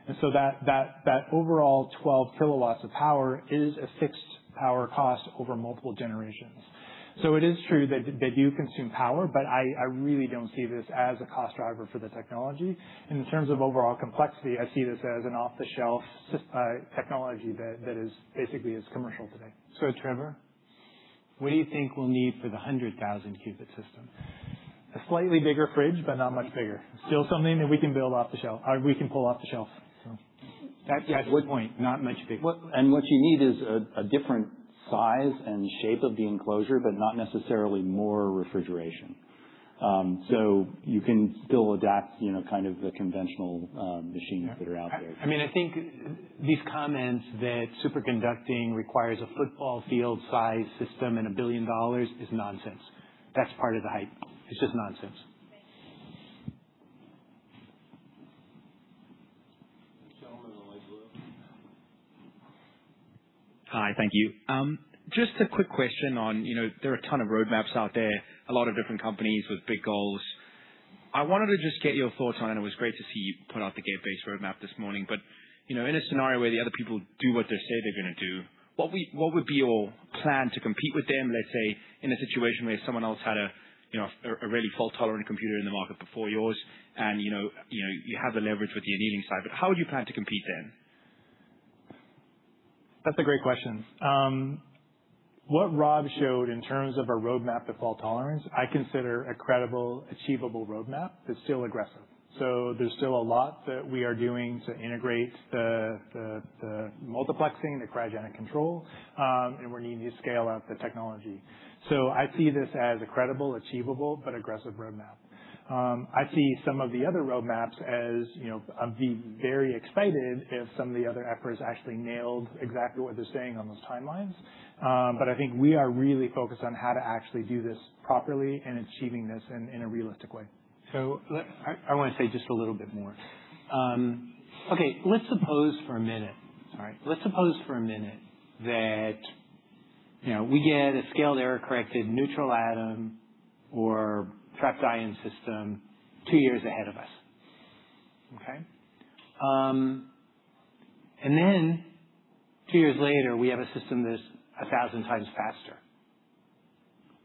That overall 12 kW of power is a fixed power cost over multiple generations. It is true they do consume power, but I really don't see this as a cost driver for the technology. In terms of overall complexity, I see this as an off-the-shelf technology that basically is commercial today. Trevor, what do you think we'll need for the 100,000-qubit system? A slightly bigger fridge, but not much bigger. Still something that we can pull off the shelf. That's a good point. Not much bigger. What you need is a different size and shape of the enclosure, but not necessarily more refrigeration. You can still adapt kind of the conventional machines that are out there. I think these comments that superconducting requires a football field-sized system and $1 billion is nonsense. That's part of the hype. It's just nonsense. Thanks. The gentleman in the light blue. Hi. Thank you. Just a quick question. There are a ton of roadmaps out there, a lot of different companies with big goals. I wanted to just get your thoughts on, and it was great to see you put out the gate-based roadmap this morning. In a scenario where the other people do what they say they're going to do, what would be your plan to compete with them, let's say, in a situation where someone else had a really fault-tolerant computer in the market before yours, and you have the leverage with your annealing side, but how would you plan to compete then? That's a great question. What Rob showed in terms of a roadmap to fault tolerance, I consider a credible, achievable roadmap that's still aggressive. There's still a lot that we are doing to integrate the multiplexing, the cryogenic control, and we're needing to scale out the technology. I see this as a credible, achievable, but aggressive roadmap. I see some of the other roadmaps as I'd be very excited if some of the other efforts actually nailed exactly what they're saying on those timelines. I think we are really focused on how to actually do this properly and achieving this in a realistic way. I want to say just a little bit more. Okay, let's suppose for a minute that we get a scaled error-corrected neutral atom or trapped ion system 2 years ahead of us. Okay? Then two years later, we have a system that's 1,000x faster.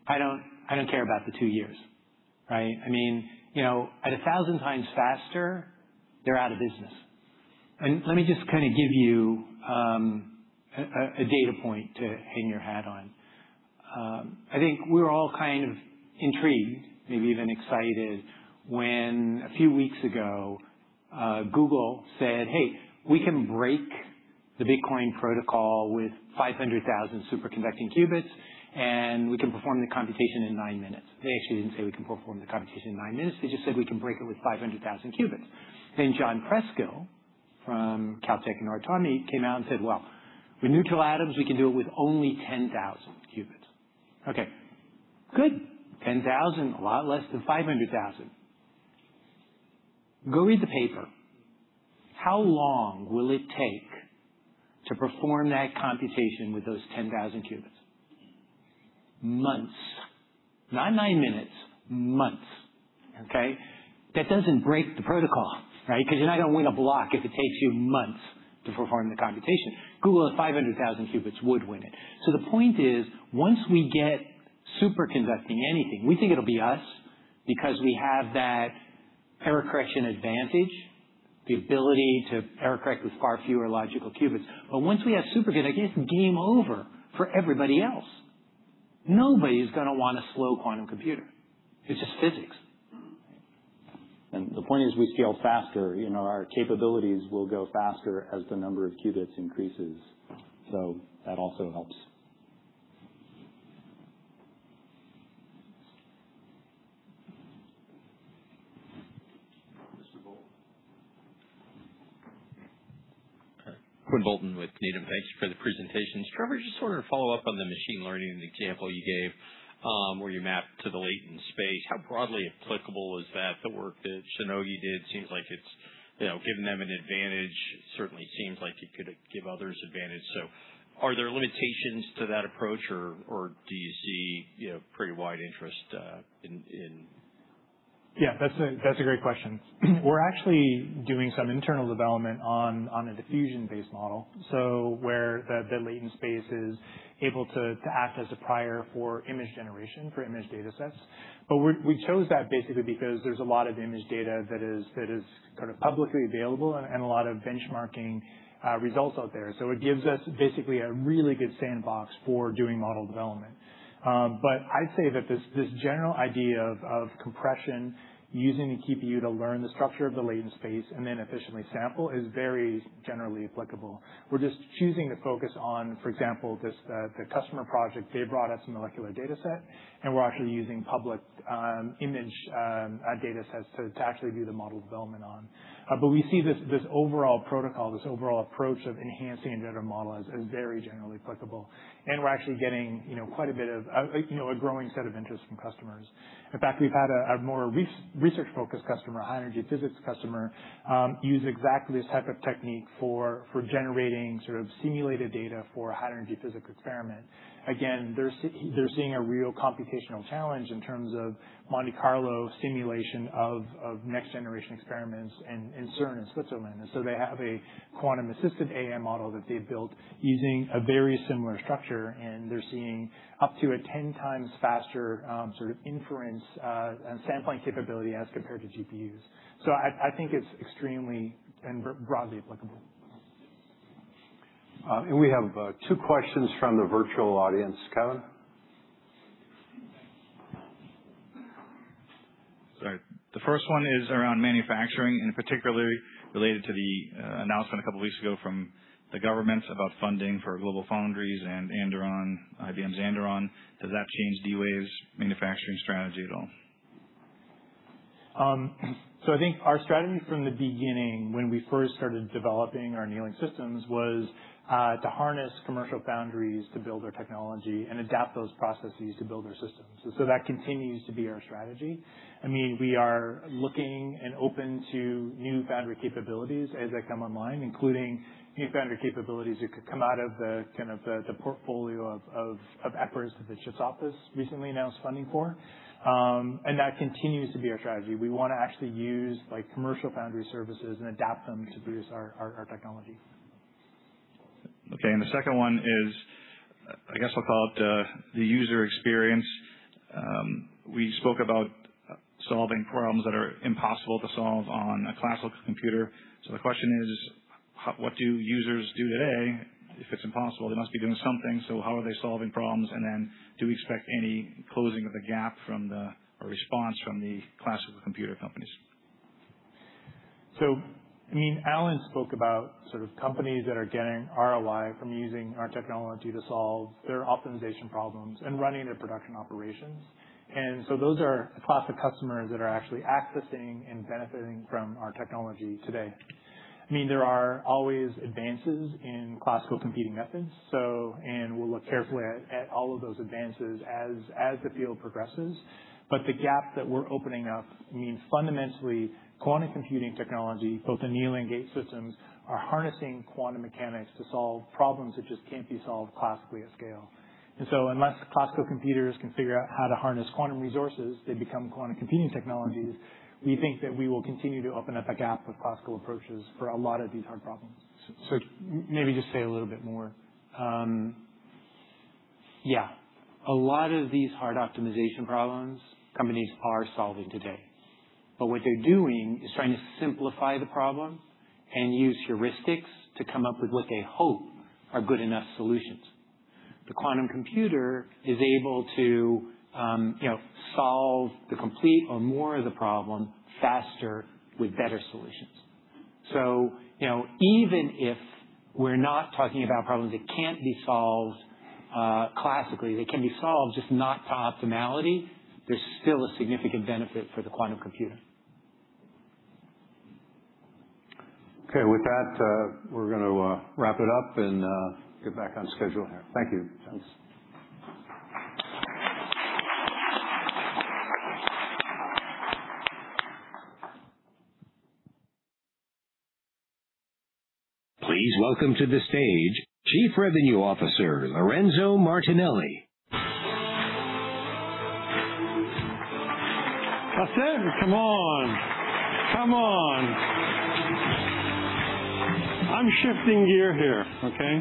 I don't care about the two years. At 1,000 times faster, they're out of business. Let me just give you a data point to hang your hat on. I think we were all intrigued, maybe even excited when a few weeks ago, Google said, "Hey, we can break the Bitcoin protocol with 500,000 superconducting qubits, and we can perform the computation in nine minutes." They actually didn't say we can perform the computation in nine minutes. They just said we can break it with 500,000 qubits. John Preskill from Caltech and our Tommi came out and said, "Well, with neutral atoms, we can do it with only 10,000 qubits." Okay, good. 10,000, a lot less than 500,000. Go read the paper. How long will it take to perform that computation with those 10,000 qubits? Months. Not nine minutes, months. Okay? That doesn't break the protocol, right? You're not going to win a block if it takes you months to perform the computation. Google with 500,000 qubits would win it. The point is, once we get superconducting anything, we think it'll be us because we have that error correction advantage, the ability to error-correct with far fewer logical qubits. Once we have superconducting, it's game over for everybody else. Nobody is going to want a slow quantum computer. It's just physics. The point is we scale faster. Our capabilities will go faster as the number of qubits increases. That also helps. Mr. Bolton. Quinn Bolton with Needham. Thanks for the presentations. Trevor, just sort of follow up on the machine learning example you gave, where you mapped to the latent space. How broadly applicable is that? The work that Shionogi did seems like it's given them an advantage. It certainly seems like it could give others advantage. Are there limitations to that approach? Yeah, that's a great question. We're actually doing some internal development on a diffusion-based model. Where the latent space is able to act as a prior for image generation, for image datasets. We chose that basically because there's a lot of image data that is publicly available and a lot of benchmarking results out there. It gives us basically a really good sandbox for doing model development. I'd say that this general idea of compression using a QPU to learn the structure of the latent space and then efficiently sample is very generally applicable. We're just choosing to focus on, for example, the customer project, they brought us a molecular dataset, and we're actually using public image datasets to actually do the model development on. We see this overall protocol, this overall approach of enhancing a data model as very generally applicable, and we're actually getting quite a bit of a growing set of interest from customers. In fact, we've had a more research-focused customer, a high-energy physics customer, use exactly this type of technique for generating simulated data for a high-energy physics experiment. They're seeing a real computational challenge in terms of Monte Carlo simulation of next-generation experiments in CERN in Switzerland. They have a quantum-assisted AI model that they've built using a very similar structure, and they're seeing up to a 10x faster inference and sampling capability as compared to GPUs. I think it's extremely and broadly applicable. We have two questions from the virtual audience. Kevin? Sorry. The first one is around manufacturing, and particularly related to the announcement a couple of weeks ago from the government about funding for GlobalFoundries and IBM's Anduron. Does that change D-Wave's manufacturing strategy at all? I think our strategy from the beginning when we first started developing our annealing systems was to harness commercial foundries to build our technology and adapt those processes to build our systems. That continues to be our strategy. We are looking and open to new foundry capabilities as they come online, including new foundry capabilities that could come out of the portfolio of efforts that the CHIPS office recently announced funding for. That continues to be our strategy. We want to actually use commercial foundry services and adapt them to produce our technology. Okay, the second one is, I guess I'll call it the user experience. We spoke about solving problems that are impossible to solve on a classical computer. The question is, what do users do today? If it's impossible, they must be doing something. How are they solving problems, and then do we expect any closing of the gap from the response from the classical computer companies? Alan spoke about companies that are getting ROI from using our technology to solve their optimization problems and running their production operations. Those are the classic customers that are actually accessing and benefiting from our technology today. There are always advances in classical computing methods, and we'll look carefully at all of those advances as the field progresses. The gap that we're opening up means fundamentally quantum computing technology, both annealing gate systems, are harnessing quantum mechanics to solve problems that just can't be solved classically at scale. Unless classical computers can figure out how to harness quantum resources, they become quantum computing technologies, we think that we will continue to open up a gap of classical approaches for a lot of these hard problems. Maybe just say a little bit more. Yeah. A lot of these hard optimization problems companies are solving today. What they're doing is trying to simplify the problem and use heuristics to come up with what they hope are good enough solutions. The quantum computer is able to solve the complete or more of the problem faster with better solutions. Even if we're not talking about problems that can't be solved classically, they can be solved, just not to optimality. There's still a significant benefit for the quantum computer. Okay. With that, we're going to wrap it up and get back on schedule here. Thank you, gents. Please welcome to the stage Chief Revenue Officer, Lorenzo Martinelli. That's it. Come on. Come on. I'm shifting gear here, okay?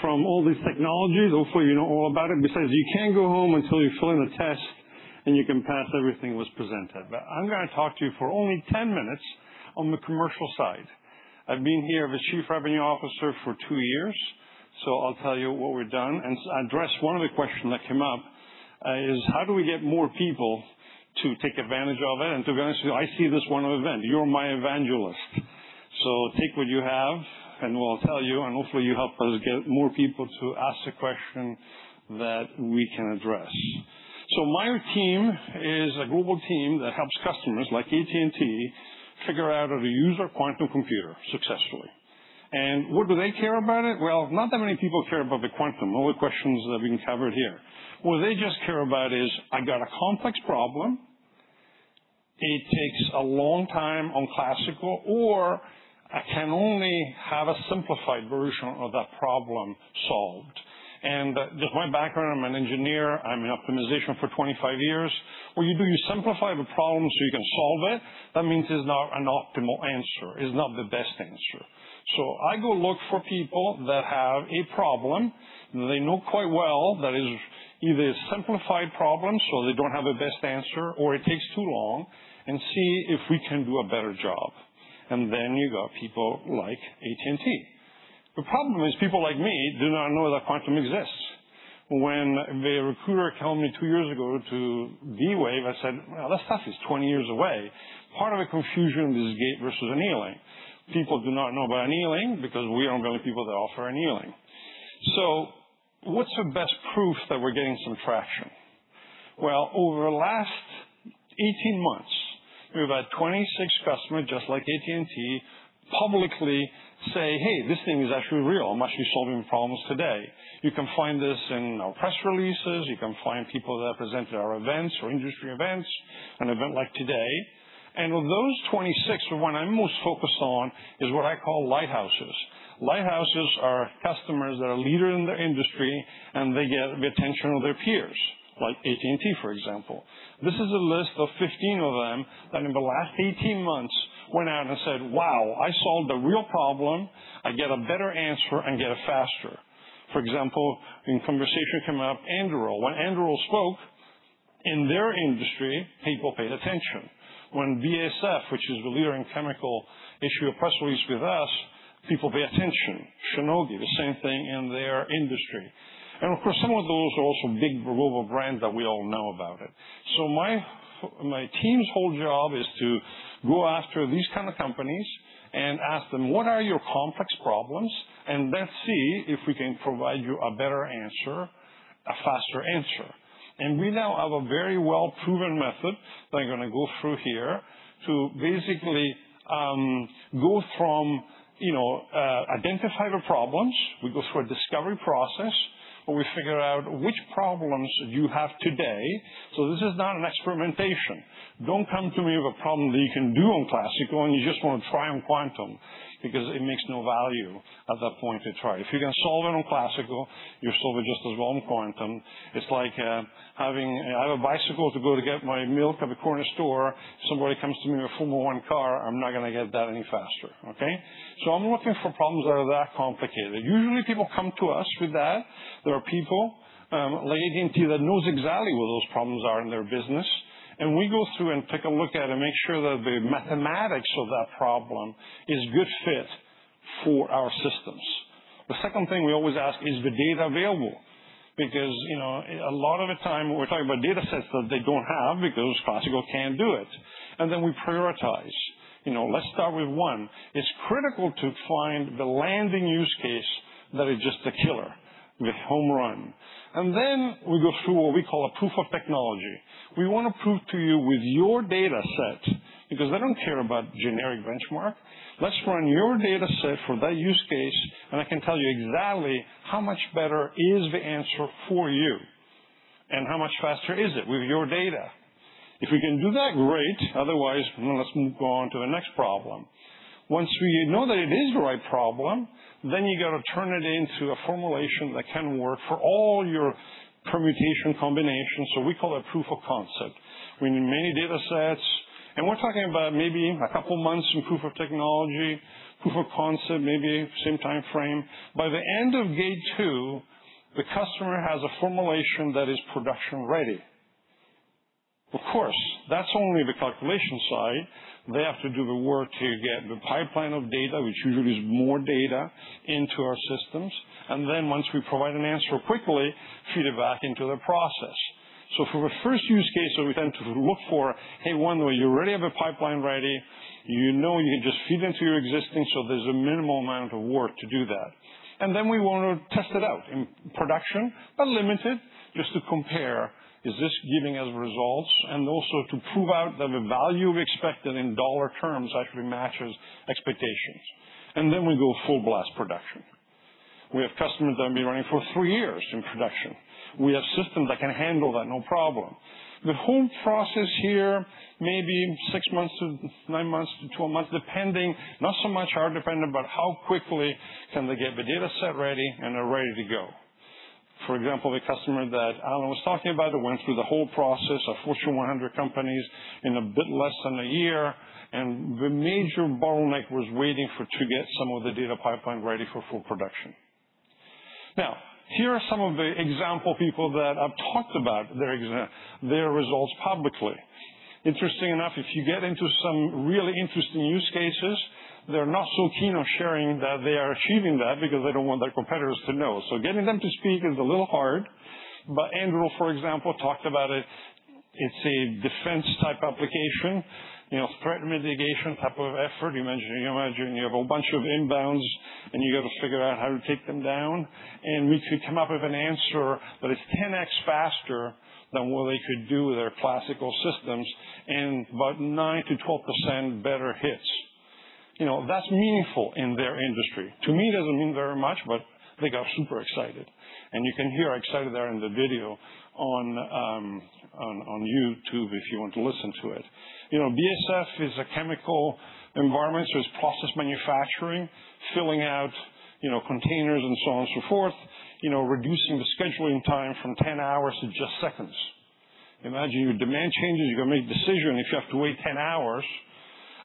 From all these technologies, hopefully you know all about it. Besides, you can't go home until you fill in a test, and you can pass everything that was presented. I'm going to talk to you for only 10 minutes on the commercial side. I've been here as Chief Revenue Officer for two years. I'll tell you what we've done, and address one of the questions that came up, is how do we get more people to take advantage of it? To be honest with you, I see this one event. You're my evangelist, so take what you have, and we'll tell you, and hopefully you help us get more people to ask the question that we can address. My team is a global team that helps customers like AT&T figure out how to use their quantum computer successfully. What do they care about it? Not that many people care about the quantum, all the questions that have been covered here. What they just care about is, I've got a complex problem, it takes a long time on classical, or I can only have a simplified version of that problem solved. Just my background, I'm an engineer, I'm in optimization for 25 years. What you do, you simplify the problem so you can solve it. That means it's not an optimal answer. It's not the best answer. I go look for people that have a problem they know quite well that is either a simplified problem, so they don't have a best answer, or it takes too long, and see if we can do a better job. You got people like AT&T. The problem is, people like me do not know that quantum exists. When the recruiter tell me two years ago to D-Wave, I said, "Well, that stuff is 20 years away." Part of the confusion is gate versus annealing. People do not know about annealing because we are the only people that offer annealing. What's the best proof that we're getting some traction? Well, over the last 18 months, we've had 26 customers, just like AT&T, publicly say, "Hey, this thing is actually real, I'm actually solving problems today." You can find this in our press releases. You can find people that have presented at our events or industry events, an event like today. Of those 26, the one I'm most focused on is what I call lighthouses. Lighthouses are customers that are leader in their industry, and they get the attention of their peers, like AT&T, for example. This is a list of 15 of them that in the last 18 months went out and said, "Wow, I solved a real problem. I get a better answer and get it faster." For example, in conversation came up Anduril. When Anduril spoke, in their industry, people paid attention. When BASF, which is the leader in chemical, issued a press release with us, people pay attention. Shionogi, the same thing in their industry. Of course, some of those are also big global brands that we all know about it. My team's whole job is to go after these kind of companies and ask them, what are your complex problems? Let's see if we can provide you a better answer, a faster answer. We now have a very well-proven method that I'm going to go through here to basically go from identify the problems. We go through a discovery process where we figure out which problems you have today. This is not an experimentation. Don't come to me with a problem that you can do on classical and you just want to try on quantum because it makes no value at that point to try. If you can solve it on classical, you'll solve it just as well on quantum. It's like I have a bicycle to go to get my milk at the corner store. Somebody comes to me with a Formula One car, I'm not going to get that any faster, okay? I'm looking for problems that are that complicated. Usually people come to us with that. There are people at AT&T that know exactly where those problems are in their business. We go through and take a look at it and make sure that the mathematics of that problem is good fit for our systems. The second thing we always ask, is the data available? A lot of the time we're talking about data sets that they don't have because classical can't do it. We prioritize. Let's start with one. It's critical to find the landing use case that is just a killer, the home run. We go through what we call a proof of technology. We want to prove to you with your data set, because they don't care about generic benchmark. Let's run your data set for that use case, and I can tell you exactly how much better is the answer for you. How much faster is it with your data. If we can do that, great. Otherwise, let's go on to the next problem. Once we know that it is the right problem, then you got to turn it into a formulation that can work for all your permutation combination. We call it proof of concept. We need many data sets, and we're talking about maybe a couple of months in proof of technology, proof of concept, maybe same timeframe. By the end of gate two, the customer has a formulation that is production ready. Of course, that's only the calculation side. They have to do the work to get the pipeline of data, which usually is more data, into our systems. Once we provide an answer quickly, feed it back into the process. For the first use case that we tend to look for, one where you already have a pipeline ready, you know you can just feed into your existing, so there's a minimal amount of work to do that. We want to test it out in production, but limited, just to compare, is this giving us results? Also to prove out that the value we expected in dollar terms actually matches expectations. We go full blast production. We have customers that have been running for three years in production. We have systems that can handle that, no problem. The whole process here, maybe six months to nine months to 12 months, depending, not so much our dependent, but how quickly can they get the data set ready and they're ready to go. For example, the customer that Alan was talking about that went through the whole process, a Fortune 100 companies in a bit less than a year, and the major bottleneck was waiting for to get some of the data pipeline ready for full production. Now, here are some of the example people that have talked about their results publicly. Interesting enough, if you get into some really interesting use cases, they're not so keen on sharing that they are achieving that because they don't want their competitors to know. Getting them to speak is a little hard. Anduril, for example, talked about it. It's a defense type application. Threat mitigation type of effort. You imagine you have a bunch of inbounds and you got to figure out how to take them down. We could come up with an answer that is 10x faster than what they could do with their classical systems and about 9%-12% better hits. That's meaningful in their industry. To me, it doesn't mean very much, but they got super excited. You can hear how excited they are in the video on YouTube if you want to listen to it. BASF is a chemical environment, so it's process manufacturing, filling out containers and so on and so forth. Reducing the scheduling time from 10 hours to just seconds. Imagine your demand changes, you got to make a decision, if you have to wait 10 hours.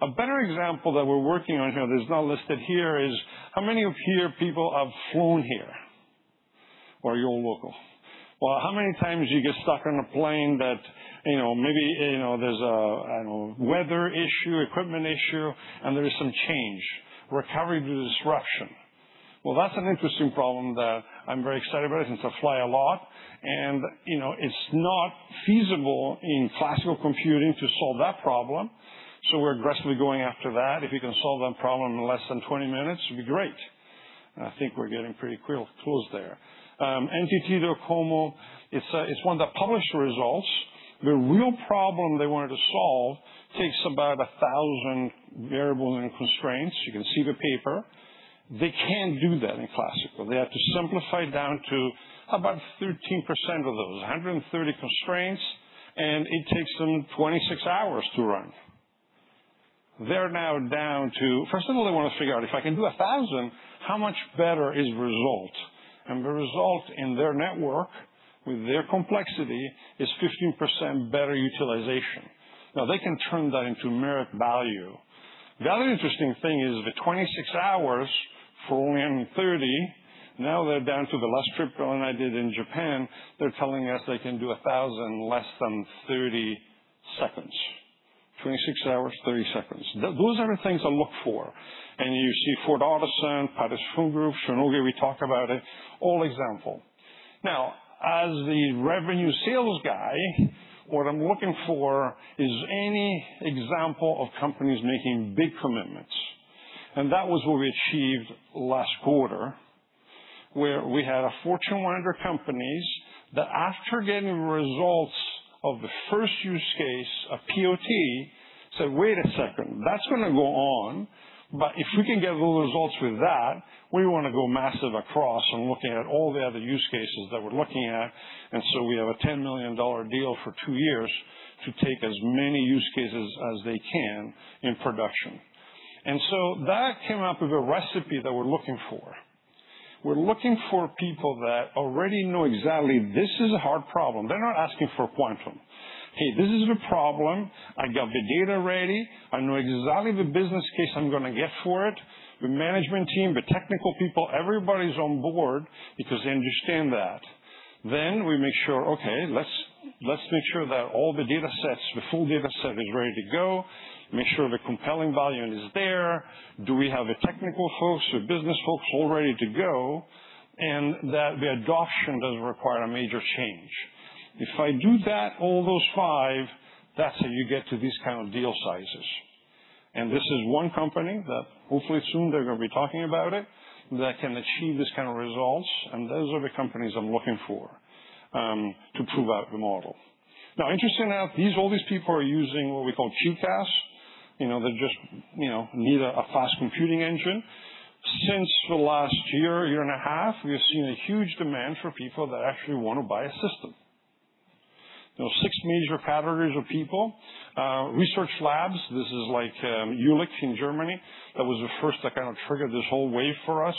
A better example that we're working on here that is not listed here is how many up here people have flown here? Or you all local? Well, how many times you get stuck on a plane that maybe there's a, I don't know, weather issue, equipment issue, and there is some change, recovery to disruption. Well, that's an interesting problem that I'm very excited about it since I fly a lot. It's not feasible in classical computing to solve that problem. We're aggressively going after that. If we can solve that problem in less than 20 minutes, it'd be great. I think we're getting pretty close there. NTT Docomo is one that published results. The real problem they wanted to solve takes about 1,000 variables and constraints. You can see the paper. They can't do that in classical. They have to simplify it down to about 13% of those, 130 constraints, and it takes them 26 hours to run. First of all, they want to figure out, if I can do 1,000, how much better is the result? The result in their network with their complexity is 15% better utilization. Now they can turn that into merit value. The other interesting thing is the 26 hours for only 130, now they're down to the last trip one I did in Japan, they're telling us they can do 1,000 in less than 30 seconds. 26 hours, 30 seconds. Those are the things I look for. You see Ford Otosan, Paddy Power Group, Shionogi, we talk about it, all example. Now, as the revenue sales guy, what I'm looking for is any example of companies making big commitments. That was what we achieved last quarter, where we had a Fortune 100 companies that after getting results of the first use case, a PoT, said, "Wait a second, that's going to go on, but if we can get good results with that, we want to go massive across in looking at all the other use cases that we're looking at." We have a $10 million deal for two years to take as many use cases as they can in production. That came up with a recipe that we're looking for. We're looking for people that already know exactly this is a hard problem. They're not asking for quantum. Hey, this is the problem. I got the data ready. I know exactly the business case I'm going to get for it. The management team, the technical people, everybody's on board because they understand that. We make sure, okay, let's make sure that all the data sets, the full data set is ready to go, make sure the compelling value is there. Do we have the technical folks, the business folks all ready to go? That the adoption doesn't require a major change. If I do that, all those five, that's how you get to these kind of deal sizes. This is one company that hopefully soon they're going to be talking about it, that can achieve this kind of results, and those are the companies I'm looking for to prove out the model. Interesting how all these people are using what we call QCaaS. They just need a fast computing engine. Since the last year and a half, we have seen a huge demand for people that actually want to buy a system. Six major categories of people. Research labs, this is like Jülich in Germany. That was the first that kind of triggered this whole wave for us,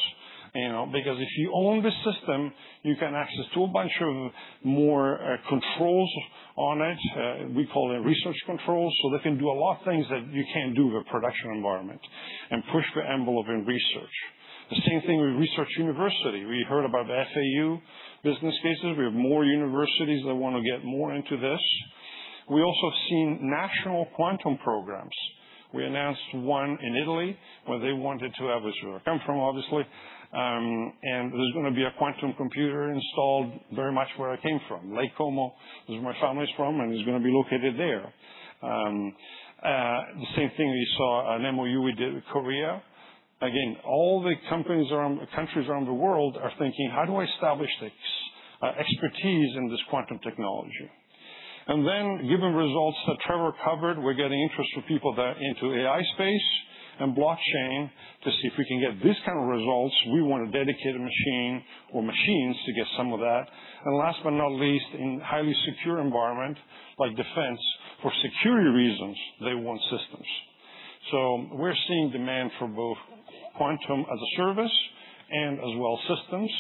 because if you own the system, you can access to a bunch of more controls on it. We call it research controls. They can do a lot of things that you can't do with a production environment and push the envelope in research. The same thing with research university. We heard about FAU business cases. We have more universities that want to get more into this. We also have seen national quantum programs. We announced one in Italy, where they wanted to have us, where I come from, obviously. There's going to be a quantum computer installed very much where I came from, Lake Como, where my family's from, and it's going to be located there. The same thing, we saw an MOU we did with Korea. All the countries around the world are thinking, how do I establish this expertise in this quantum technology? Given results that Trevor covered, we're getting interest from people in the AI space and blockchain to see if we can get this kind of results. We want to dedicate a machine or machines to get some of that. Last but not least, in highly secure environment like defense, for security reasons, they want systems. We're seeing demand for both quantum as a service and as well systems.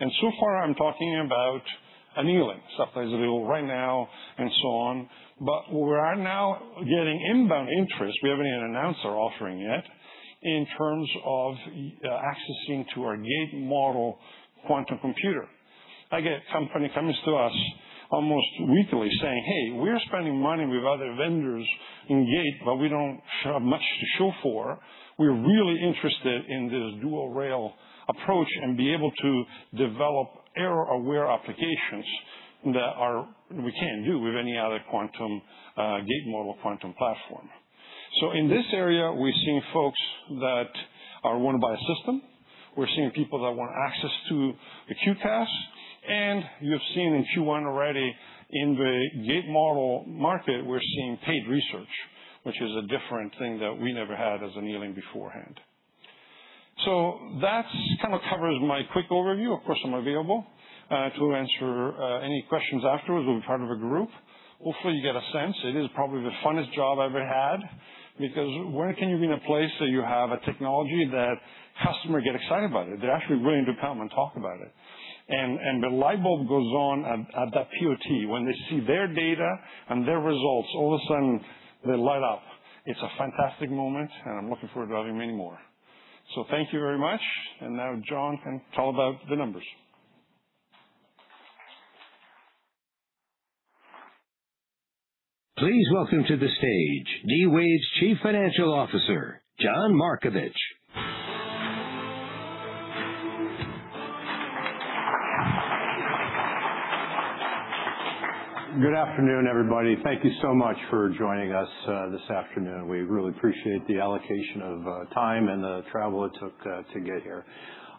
So far I'm talking about annealing, stuff that is available right now and so on. We are now getting inbound interest, we haven't even announced our offering yet, in terms of accessing to our gate-model quantum computer. Company comes to us almost weekly saying, "Hey, we're spending money with other vendors in gate, but we don't have much to show for. We're really interested in this dual-rail approach and be able to develop error-aware applications that we can't do with any other gate model quantum platform." In this area, we're seeing folks that want to buy a system. We're seeing people that want access to the QCaaS. You have seen in Q1 already in the gate model market, we're seeing paid research, which is a different thing that we never had as annealing beforehand. That kind of covers my quick overview. Of course, I'm available to answer any questions afterwards with part of the group. Hopefully, you get a sense. It is probably the funnest job I ever had because where can you be in a place that you have a technology that customer get excited about it? They're actually willing to come and talk about it. The light bulb goes on at that PoT when they see their data and their results, all of a sudden they light up. It's a fantastic moment and I'm looking forward to having many more. Thank you very much. Now John can tell about the numbers. Please welcome to the stage D-Wave's Chief Financial Officer, John Markovich. Good afternoon, everybody. Thank you so much for joining us this afternoon. We really appreciate the allocation of time and the travel it took to get here.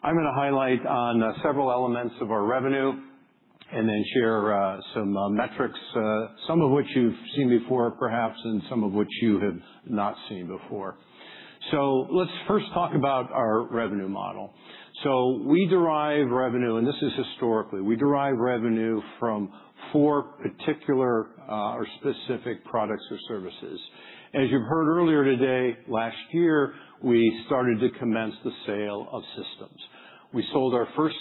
I'm going to highlight on several elements of our revenue and then share some metrics, some of which you've seen before, perhaps, and some of which you have not seen before. Let's first talk about our revenue model. We derive revenue, and this is historically, we derive revenue from four particular or specific products or services. As you've heard earlier today, last year, we started to commence the sale of systems. We sold our first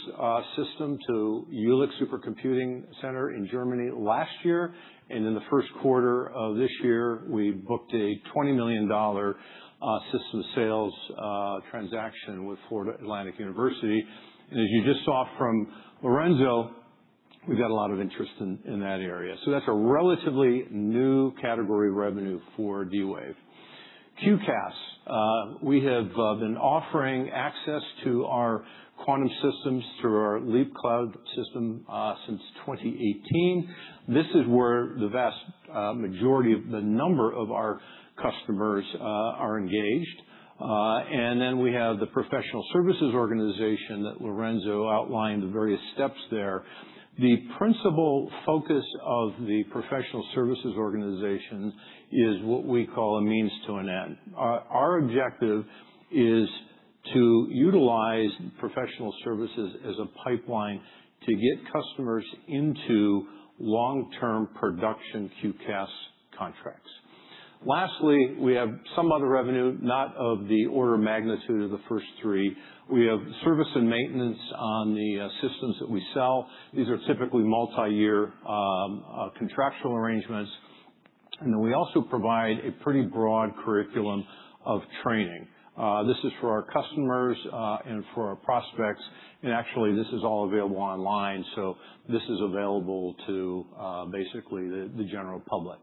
system to Jülich Supercomputing Centre in Germany last year, and in the first quarter of this year, we booked a $20 million system sales transaction with Florida Atlantic University. As you just saw from Lorenzo, we've got a lot of interest in that area. That's a relatively new category of revenue for D-Wave. QCaaS. We have been offering access to our quantum systems through our Leap cloud system since 2018. This is where the vast majority of the number of our customers are engaged. We have the professional services organization that Lorenzo outlined the various steps there. The principal focus of the professional services organization is what we call a means to an end. Our objective is to utilize professional services as a pipeline to get customers into long-term production QCaaS contracts. Lastly, we have some other revenue, not of the order of magnitude of the first three. We have service and maintenance on the systems that we sell. These are typically multi-year contractual arrangements. We also provide a pretty broad curriculum of training. This is for our customers and for our prospects. Actually, this is all available online, so this is available to basically the general public.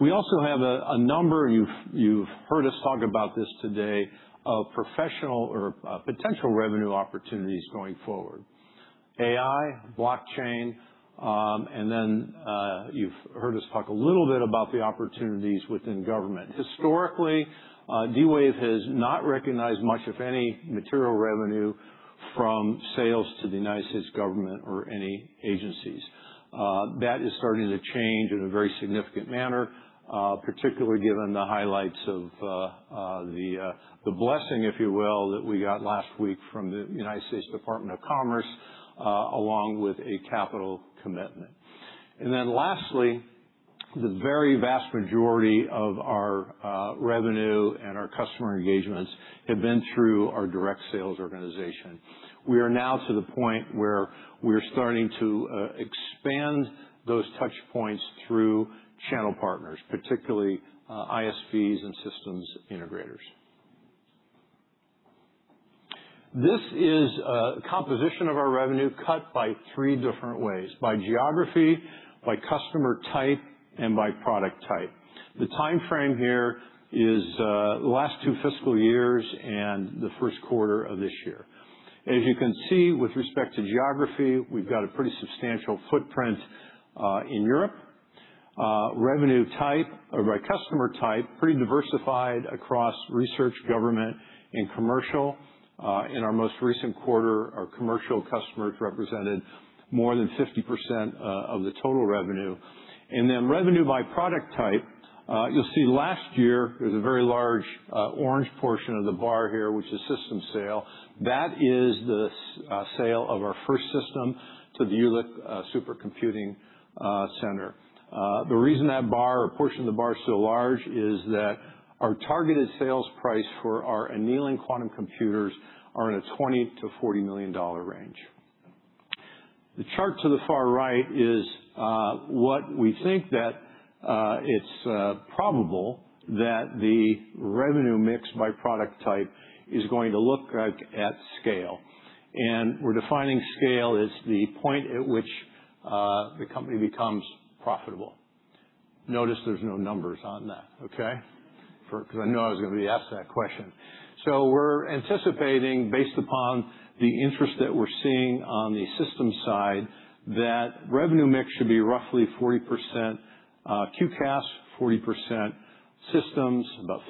We also have a number, you've heard us talk about this today, of professional or potential revenue opportunities going forward. AI, blockchain, then you've heard us talk a little bit about the opportunities within government. Historically, D-Wave has not recognized much of any material revenue from sales to the U.S. government or any agencies. That is starting to change in a very significant manner, particularly given the highlights of the blessing, if you will, that we got last week from the United States Department of Commerce, along with a capital commitment. Lastly, the very vast majority of our revenue and our customer engagements have been through our direct sales organization. We are now to the point where we're starting to expand those touchpoints through channel partners, particularly ISVs and systems integrators. This is a composition of our revenue cut by 3 different ways: by geography, by customer type, and by product type. The timeframe here is the last 2 fiscal years and the first quarter of this year. As you can see with respect to geography, we've got a pretty substantial footprint in Europe. Revenue type or by customer type, pretty diversified across research, government, and commercial. In our most recent quarter, our commercial customers represented more than 50% of the total revenue. Revenue by product type, you'll see last year, there's a very large orange portion of the bar here, which is system sale. That is the sale of our first system to the Jülich Supercomputing Centre. The reason that portion of the bar is so large is that our targeted sales price for our annealing quantum computers are in a $20 million-$40 million range. The chart to the far right is what we think that it's probable that the revenue mix by product type is going to look like at scale. We're defining scale as the point at which the company becomes profitable. Notice there's no numbers on that. Okay. I know I was going to be asked that question. We're anticipating, based upon the interest that we're seeing on the system side, that revenue mix should be roughly 40% QCaaS, 40% systems, about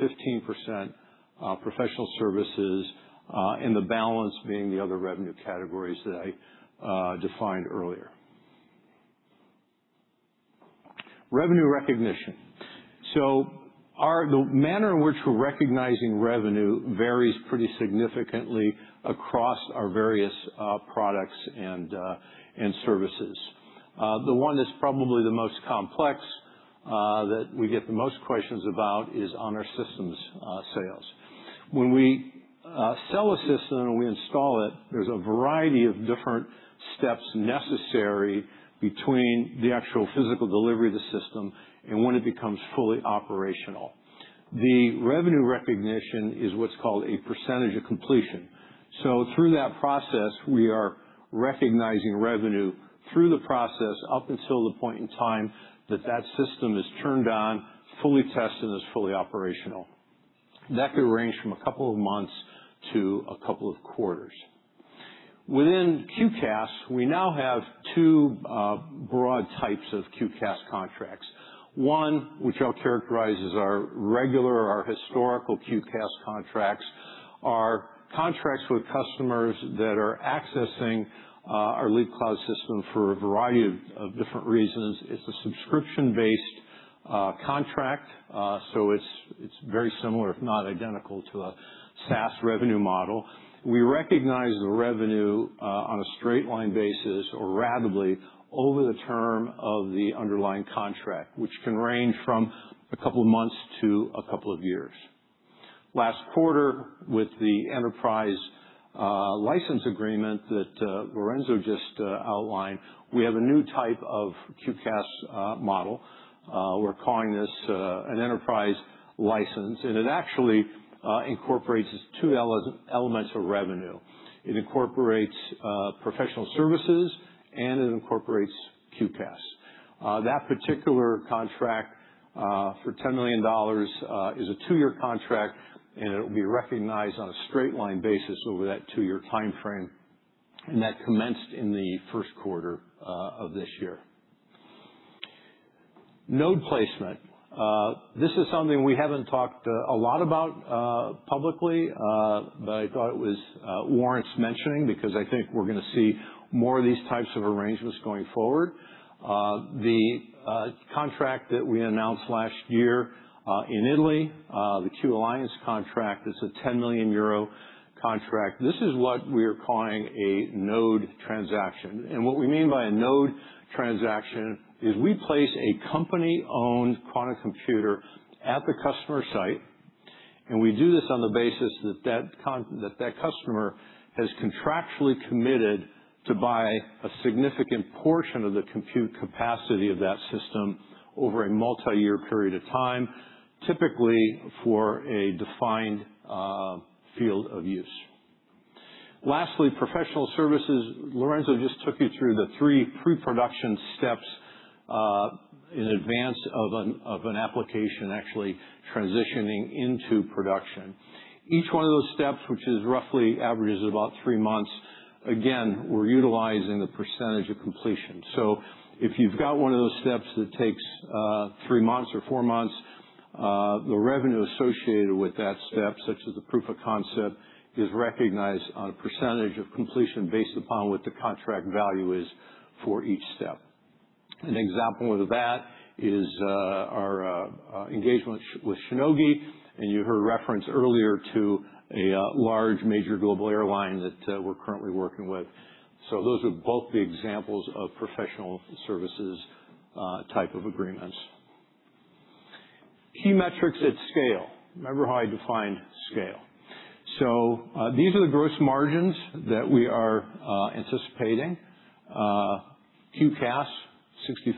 15% professional services, and the balance being the other revenue categories that I defined earlier. Revenue recognition. The manner in which we're recognizing revenue varies pretty significantly across our various products and services. The one that's probably the most complex that we get the most questions about is on our systems sales. When we sell a system, we install it, there's a variety of different steps necessary between the actual physical delivery of the system and when it becomes fully operational. The revenue recognition is what's called a percentage of completion. Through that process, we are recognizing revenue through the process up until the point in time that system is turned on, fully tested, and is fully operational. That could range from a couple of months to a couple of quarters. Within QCaaS, we now have two broad types of QCaaS contracts. One, which I'll characterize as our regular or our historical QCaaS contracts, are contracts with customers that are accessing our Leap cloud system for a variety of different reasons. It's a subscription-based contract. It's very similar, if not identical, to a SaaS revenue model. We recognize the revenue on a straight-line basis or ratably over the term of the underlying contract, which can range from a couple of months to a couple of years. Last quarter, with the enterprise license agreement that Lorenzo just outlined, we have a new type of QCaaS model. We're calling this an enterprise license, and it actually incorporates two elements of revenue. It incorporates professional services, and it incorporates QCaaS. That particular contract for $10 million is a two-year contract, and it will be recognized on a straight-line basis over that two-year timeframe, and that commenced in the first quarter of this year. Node placement. This is something we haven't talked a lot about publicly, but I thought it warrants mentioning because I think we're going to see more of these types of arrangements going forward. The contract that we announced last year in Italy, the Q-Alliance contract, is a 10 million euro contract. This is what we are calling a node transaction. What we mean by a node transaction is we place a company-owned quantum computer at the customer site, and we do this on the basis that customer has contractually committed to buy a significant portion of the compute capacity of that system over a multi-year period of time, typically for a defined field of use. Lastly, professional services. Lorenzo just took you through the three pre-production steps in advance of an application actually transitioning into production. Each one of those steps, which roughly averages about three months, again, we're utilizing the % of completion. If you've got one of those steps that takes three months or four months, the revenue associated with that step, such as the proof of concept, is recognized on a percentage of completion based upon what the contract value is for each step. An example of that is our engagement with Shionogi, and you heard reference earlier to a large major global airline that we're currently working with. Those are both the examples of professional services type of agreements. Key metrics at scale. Remember how I defined scale. These are the gross margins that we are anticipating. QCaaS,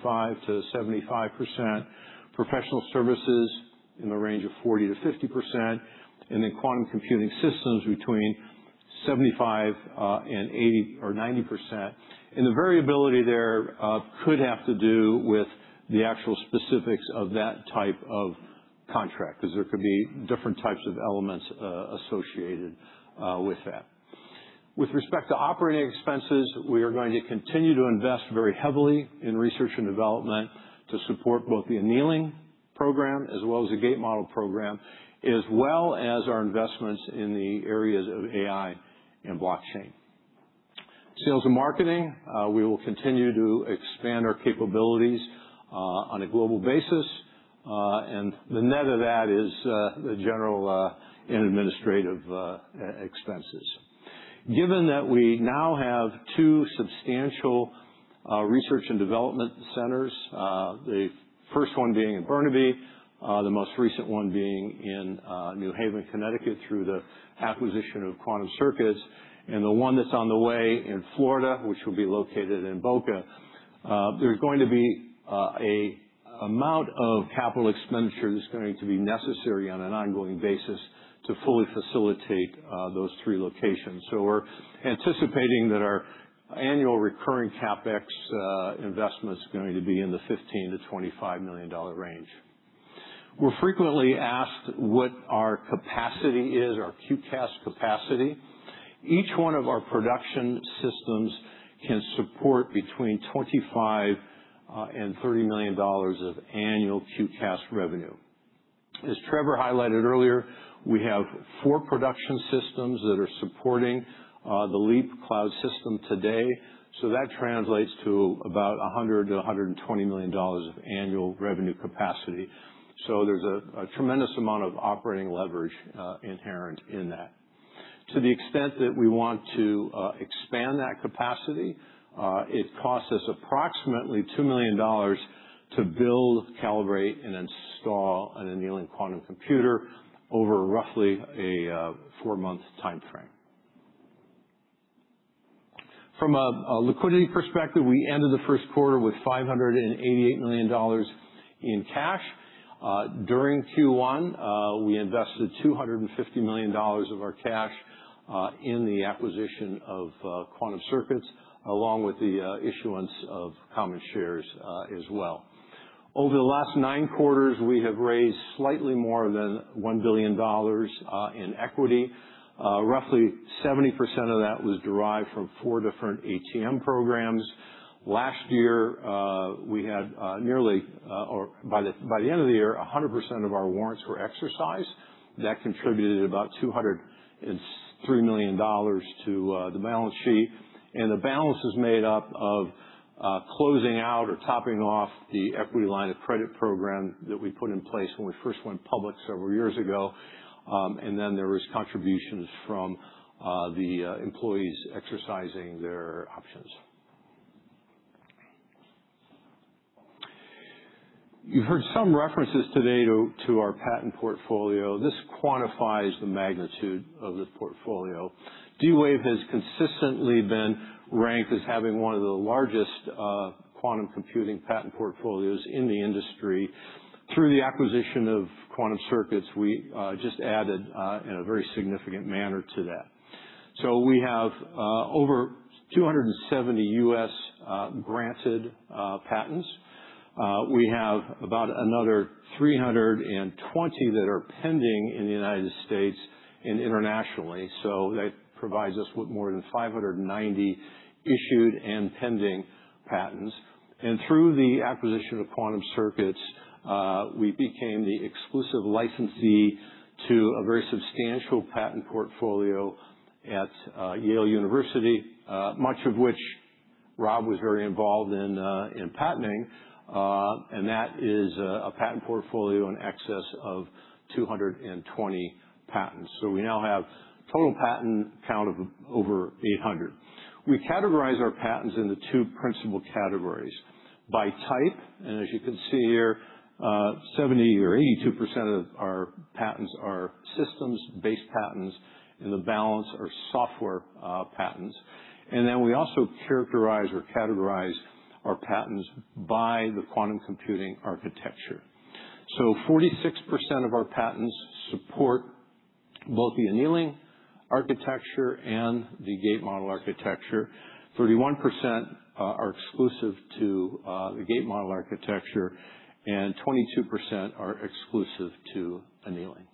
65%-75%. Professional services in the range of 40%-50%, and then quantum computing systems between 75% and 80% or 90%. The variability there could have to do with the actual specifics of that type of contract, because there could be different types of elements associated with that. With respect to operating expenses, we are going to continue to invest very heavily in research and development to support both the annealing program as well as the gate model program, as well as our investments in the areas of AI and blockchain. Sales and marketing, we will continue to expand our capabilities on a global basis. The net of that is the general and administrative expenses. Given that we now have two substantial research and development centers, the first one being in Burnaby, the most recent one being in New Haven, Connecticut, through the acquisition of Quantum Circuits, and the one that's on the way in Florida, which will be located in Boca. There's going to be an amount of capital expenditure that's going to be necessary on an ongoing basis to fully facilitate those three locations. We're anticipating that our annual recurring CapEx investment's going to be in the $15 million-$25 million range. We're frequently asked what our capacity is, our QCaaS capacity. Each one of our production systems can support between $25 million-$30 million of annual QCaaS revenue. As Trevor highlighted earlier, we have four production systems that are supporting the Leap cloud system today, that translates to about $100 million-$120 million of annual revenue capacity. There's a tremendous amount of operating leverage inherent in that. To the extent that we want to expand that capacity, it costs us approximately $2 million to build, calibrate, and install an annealing quantum computer over roughly a four-month timeframe. From a liquidity perspective, we ended the first quarter with $588 million in cash. During Q1, we invested $250 million of our cash in the acquisition of Quantum Circuits, along with the issuance of common shares as well. Over the last nine quarters, we have raised slightly more than $1 billion in equity. Roughly 70% of that was derived from four different ATM programs. Last year, we had nearly, or by the end of the year, 100% of our warrants were exercised. That contributed about $203 million to the balance sheet. The balance is made up of closing out or topping off the equity line of credit program that we put in place when we first went public several years ago. There was contributions from the employees exercising their options. You've heard some references today to our patent portfolio. This quantifies the magnitude of the portfolio. D-Wave has consistently been ranked as having one of the largest quantum computing patent portfolios in the industry. Through the acquisition of Quantum Circuits, we just added in a very significant manner to that. We have over 270 U.S. granted patents. We have about another 320 that are pending in the United States and internationally. That provides us with more than 590 issued and pending patents. Through the acquisition of Quantum Circuits, we became the exclusive licensee to a very substantial patent portfolio at Yale University, much of which Rob was very involved in patenting, and that is a patent portfolio in excess of 220 patents. We now have a total patent count of over 800. We categorize our patents into two principal categories by type, and as you can see here, 70% or 82% of our patents are systems-based patents, and the balance are software patents. We also characterize or categorize our patents by the quantum computing architecture. 46% of our patents support both the annealing architecture and the gate model architecture. 31% are exclusive to the gate model architecture, and 22% are exclusive to annealing.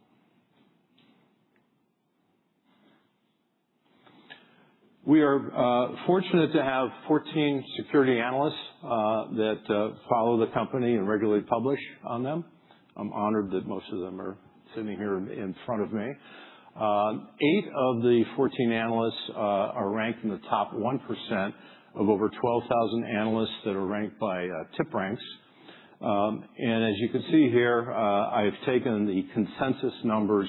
We are fortunate to have 14 security analysts that follow the company and regularly publish on them. I am honored that most of them are sitting here in front of me. Eight of the 14 analysts are ranked in the top 1% of over 12,000 analysts that are ranked by TipRanks. As you can see here, I have taken the consensus numbers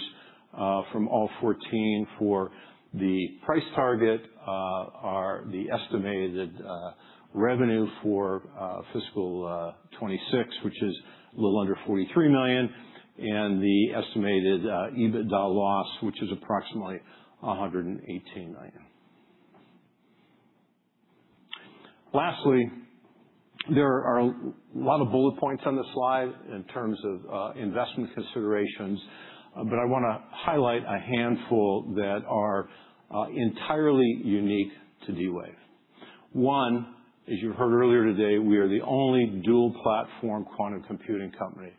from all 14 for the price target are the estimated revenue for fiscal 2026, which is a little under $43 million, and the estimated EBITDA loss, which is approximately $118 million. Lastly, there are a lot of bullet points on this slide in terms of investment considerations, I want to highlight a handful that are entirely unique to D-Wave. One, as you heard earlier today, we are the only dual-platform quantum computing company,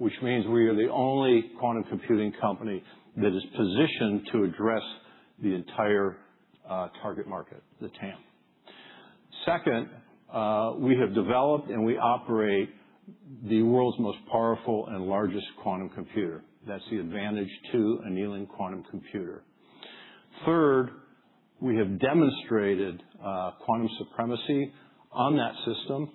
which means we are the only quantum computing company that is positioned to address the entire target market, the TAM. Second, we have developed and we operate the world's most powerful and largest quantum computer. That's the Advantage 2 annealing quantum computer. Third, we have demonstrated quantum supremacy on that system,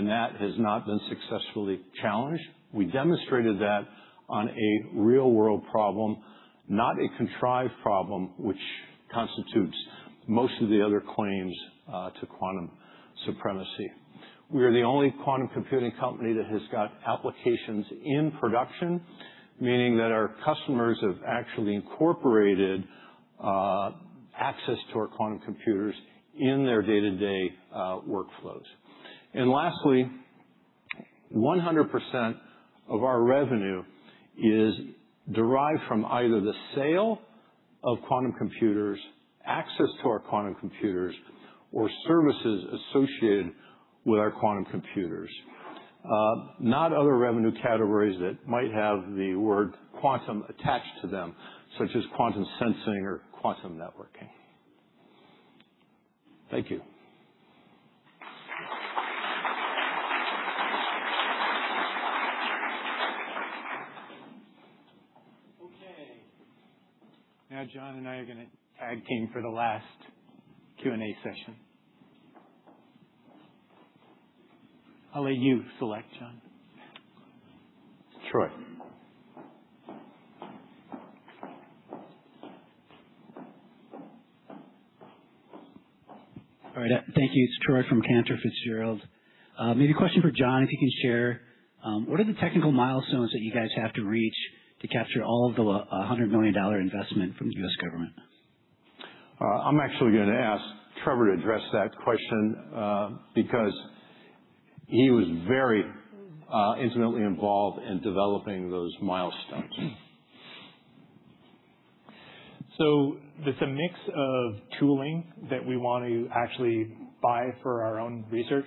that has not been successfully challenged. We demonstrated that on a real-world problem, not a contrived problem, which constitutes most of the other claims to quantum supremacy. We are the only quantum computing company that has got applications in production, meaning that our customers have actually incorporated access to our quantum computers in their day-to-day workflows. Lastly, 100% of our revenue is derived from either the sale of quantum computers, access to our quantum computers, or services associated with our quantum computers. Not other revenue categories that might have the word quantum attached to them, such as quantum sensing or quantum networking. Thank you. Okay. Now John and I are going to tag team for the last Q&A session. I'll let you select, John. Troy. All right. Thank you. It's Troy from Cantor Fitzgerald. Maybe a question for John, if you can share, what are the technical milestones that you guys have to reach to capture all of the $100 million investment from the U.S. government? I'm actually going to ask Trevor to address that question because he was very intimately involved in developing those milestones. It's a mix of tooling that we want to actually buy for our own research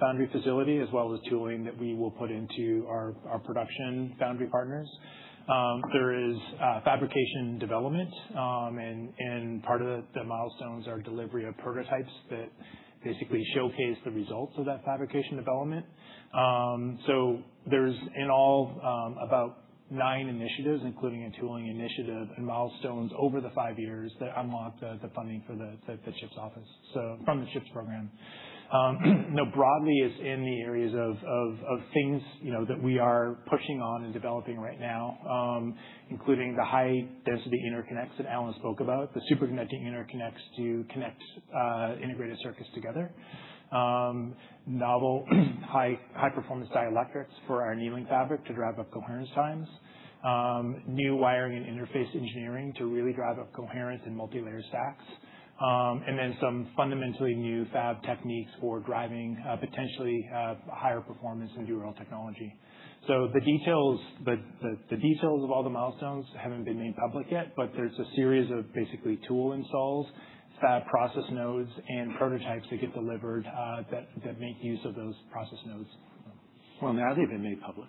foundry facility, as well as tooling that we will put into our production foundry partners. There is fabrication development and part of the milestones are delivery of prototypes that basically showcase the results of that fabrication development. There's in all about nine initiatives, including a tooling initiative and milestones over the five years that unlocked the funding from the CHIPS program. Broadly, it's in the areas of things that we are pushing on and developing right now, including the high-density interconnects that Alan spoke about, the superconducting interconnects to connect integrated circuits together. Novel high-performance dielectrics for our annealing fabric to drive up coherence times. New wiring and interface engineering to really drive up coherence and multilayer stacks. Then some fundamentally new fab techniques for driving potentially higher performance in dual technology. The details of all the milestones haven't been made public yet, but there's a series of basically tool installs, fab process nodes, and prototypes that get delivered that make use of those process nodes. Well, now they've been made public.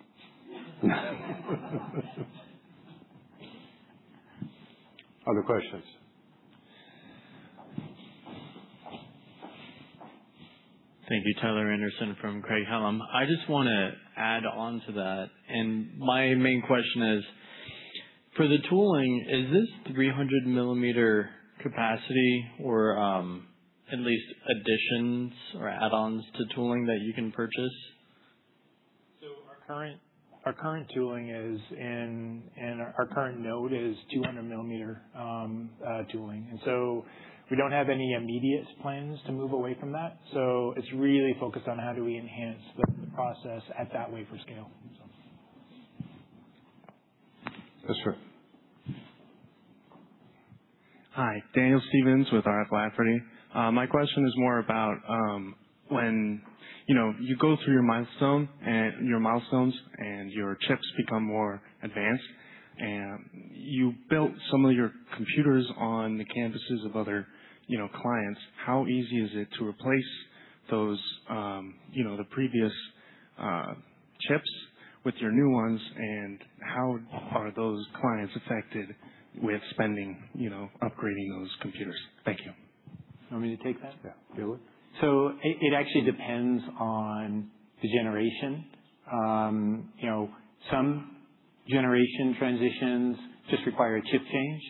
Other questions? Thank you. Tyler Anderson from Craig-Hallum. I just want to add on to that. My main question is, for the tooling, is this 300-millimeter capacity or at least additions or add-ons to tooling that you can purchase? Our current tooling is in, and our current node is 200-millimeter tooling. We don't have any immediate plans to move away from that. It's really focused on how do we enhance the process at that wafer scale. Yes, sir. Hi. Daniel Stevens with R.F. Lafferty. My question is more about when you go through your milestones, and your chips become more advanced, and you built some of your computers on the canvases of other clients, how easy is it to replace the previous chips with your new ones, and how are those clients affected with spending, upgrading those computers? Thank you. You want me to take that? Yeah. Do it. It actually depends on the generation. Some generation transitions just require a chip change.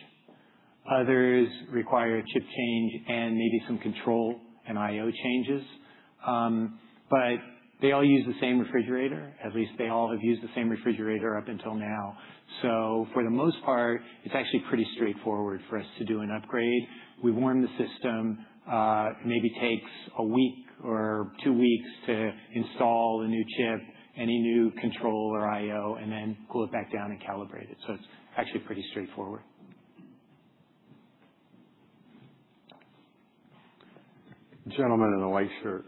Others require a chip change and maybe some control and IO changes. They all use the same refrigerator. At least they all have used the same refrigerator up until now. For the most part, it's actually pretty straightforward for us to do an upgrade. We warm the system. Maybe takes a week or two weeks to install a new chip, any new control or IO, and then cool it back down and calibrate it. It's actually pretty straightforward. Gentleman in the white shirt.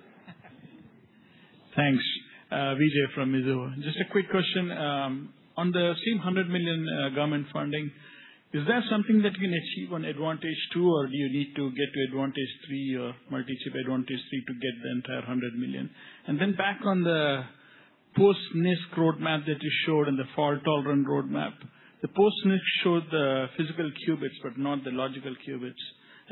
Thanks, Vijay from Mizuho. Just a quick question. On the same $100 million government funding, is that something that you can achieve on Advantage2, or do you need to get to Advantage3 or multi-chip Advantage3 to get the entire $100 million? Back on the post-NISQ roadmap that you showed and the fault-tolerant roadmap. The post-NISQ showed the physical qubits, but not the logical qubits.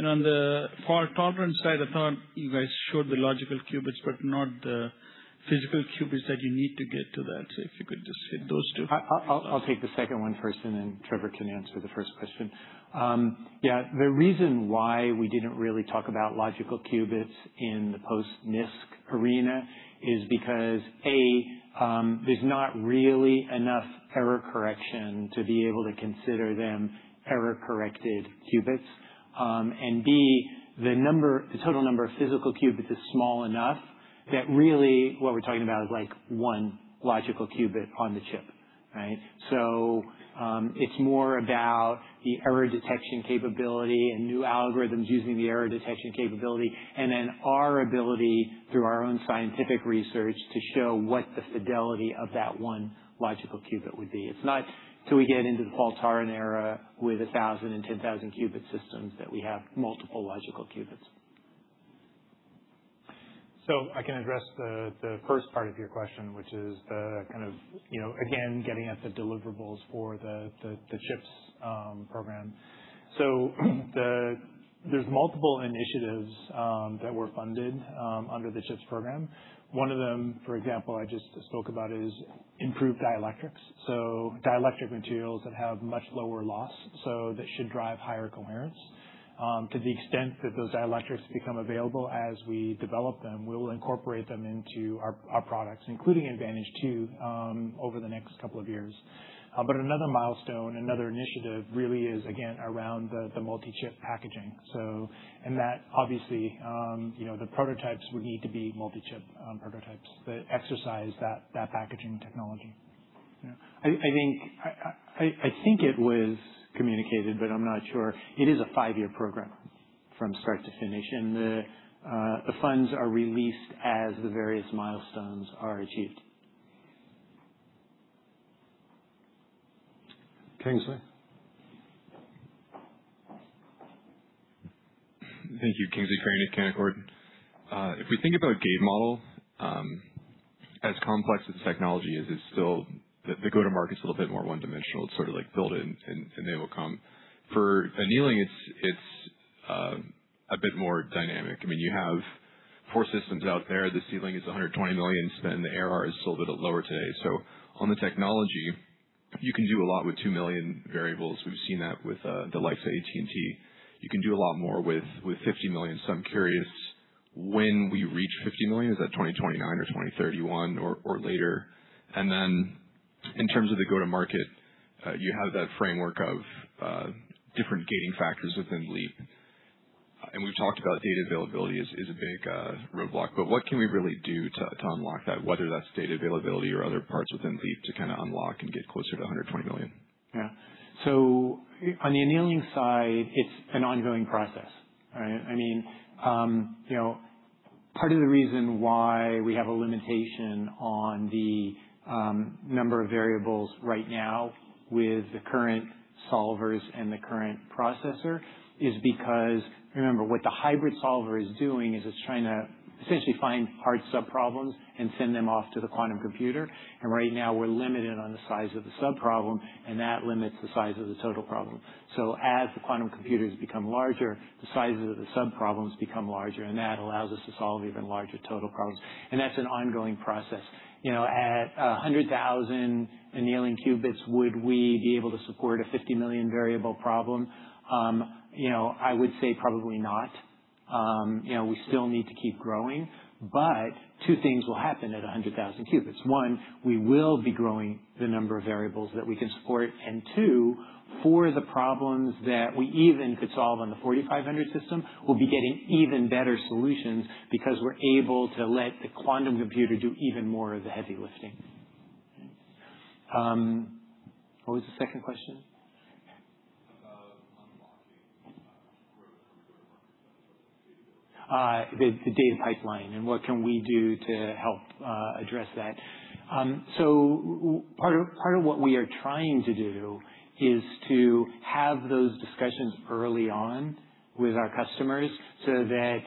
On the fault-tolerant side, I thought you guys showed the logical qubits, but not the physical qubits that you need to get to that. If you could just hit those two. I'll take the second one first. Then Trevor can answer the first question. Yeah, the reason why we didn't really talk about logical qubits in the post-NISQ arena is because, A, there's not really enough error correction to be able to consider them error-corrected qubits. B, the total number of physical qubits is small enough that really what we're talking about is one logical qubit on the chip. Right? It's more about the error detection capability and new algorithms using the error detection capability, and then our ability through our own scientific research to show what the fidelity of that one logical qubit would be. It's not till we get into the fault-tolerant era with 1,000 and 10,000 qubit systems that we have multiple logical qubits. I can address the first part of your question, which is the kind of, again, getting at the deliverables for the CHIPS program. There's multiple initiatives that were funded under the CHIPS program. One of them, for example, I just spoke about, is improved dielectrics. Dielectric materials that have much lower loss, so that should drive higher coherence. To the extent that those dielectrics become available as we develop them, we will incorporate them into our products, including Advantage2, over the next couple of years. Another milestone, another initiative really is, again, around the multi-chip packaging. In that, obviously, the prototypes would need to be multi-chip prototypes that exercise that packaging technology. I think it was communicated, but I'm not sure. It is a five-year program from start to finish, and the funds are released as the various milestones are achieved. Kingsley. Thank you. Kingsley Craney at Canaccord. We think about gate model, as complex as the technology is, the go-to-market's a little bit more one-dimensional. It's sort of like build it and they will come. Annealing, it's a bit more dynamic. You have four systems out there. The ceiling is $120 million, the ARR is still a little lower today. On the technology, you can do a lot with two million variables. We've seen that with the likes of AT&T. You can do a lot more with 50 million. I'm curious when we reach 50 million. Is that 2029 or 2031 or later? In terms of the go-to-market, you have that framework of different gating factors within Leap. We've talked about data availability as a big roadblock, but what can we really do to unlock that, whether that's data availability or other parts within Leap to kind of unlock and get closer to $120 million? On the annealing side, it's an ongoing process, right? Part of the reason why we have a limitation on the number of variables right now with the current solvers and the current processor is because, remember, what the hybrid solver is doing is it's trying to essentially find hard sub-problems and send them off to the quantum computer. Right now, we're limited on the size of the sub-problem, and that limits the size of the total problem. As the quantum computers become larger, the sizes of the sub-problems become larger, and that allows us to solve even larger total problems. That's an ongoing process. At 100,000 annealing qubits, would we be able to support a 50-million variable problem? I would say probably not. We still need to keep growing. Two things will happen at 100,000 qubits. One, we will be growing the number of variables that we can support, and two, for the problems that we even could solve on the 4,500 system, we'll be getting even better solutions because we're able to let the quantum computer do even more of the heavy lifting. What was the second question? About unlocking growth from your current customer base. The data pipeline, what can we do to help address that. Part of what we are trying to do is to have those discussions early on with our customers so that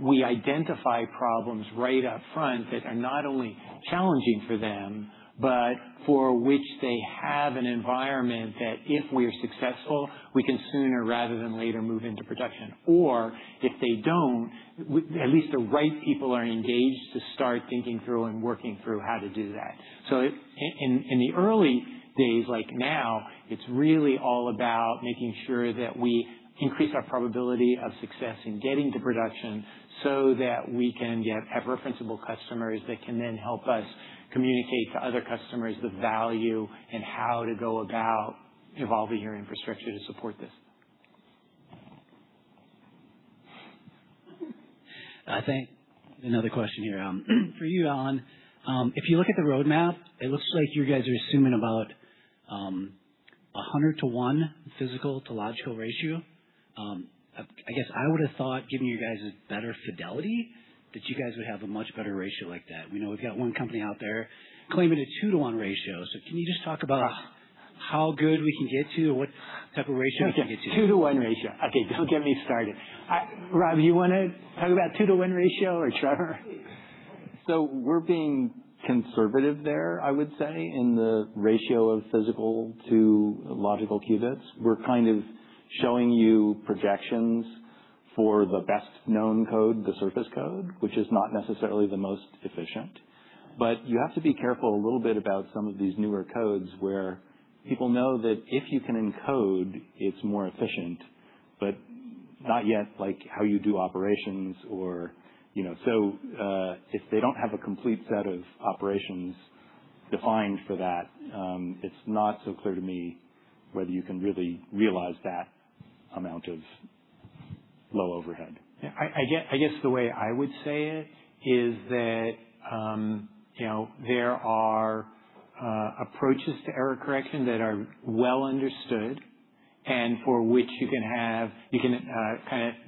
we identify problems right up front that are not only challenging for them, but for which they have an environment that if we're successful, we can sooner rather than later move into production. If they don't, at least the right people are engaged to start thinking through and working through how to do that. In the early days like now, it's really all about making sure that we increase our probability of success in getting to production so that we can have referenceable customers that can then help us communicate to other customers the value and how to go about evolving your infrastructure to support this. I think another question here. For you, Alan. If you look at the roadmap, it looks like you guys are assuming about 100 to 1 physical to logical ratio. I guess I would've thought, given you guys' better fidelity, that you guys would have a much better ratio like that. We know we've got one company out there claiming a 2 to 1 ratio. Can you just talk about how good we can get to or what type of ratio we can get to? 2:1 ratio. Okay, don't get me started. Rob, you want to talk about 2:1 ratio or Trevor? We're being conservative there, I would say, in the ratio of physical to logical qubits. We're kind of showing you projections for the best-known code, the surface code, which is not necessarily the most efficient. You have to be careful a little bit about some of these newer codes where people know that if you can encode, it's more efficient, but not yet like how you do operations. If they don't have a complete set of operations defined for that, it's not so clear to me whether you can really realize that amount of low overhead. I guess the way I would say it is that there are approaches to error correction that are well understood, and for which you can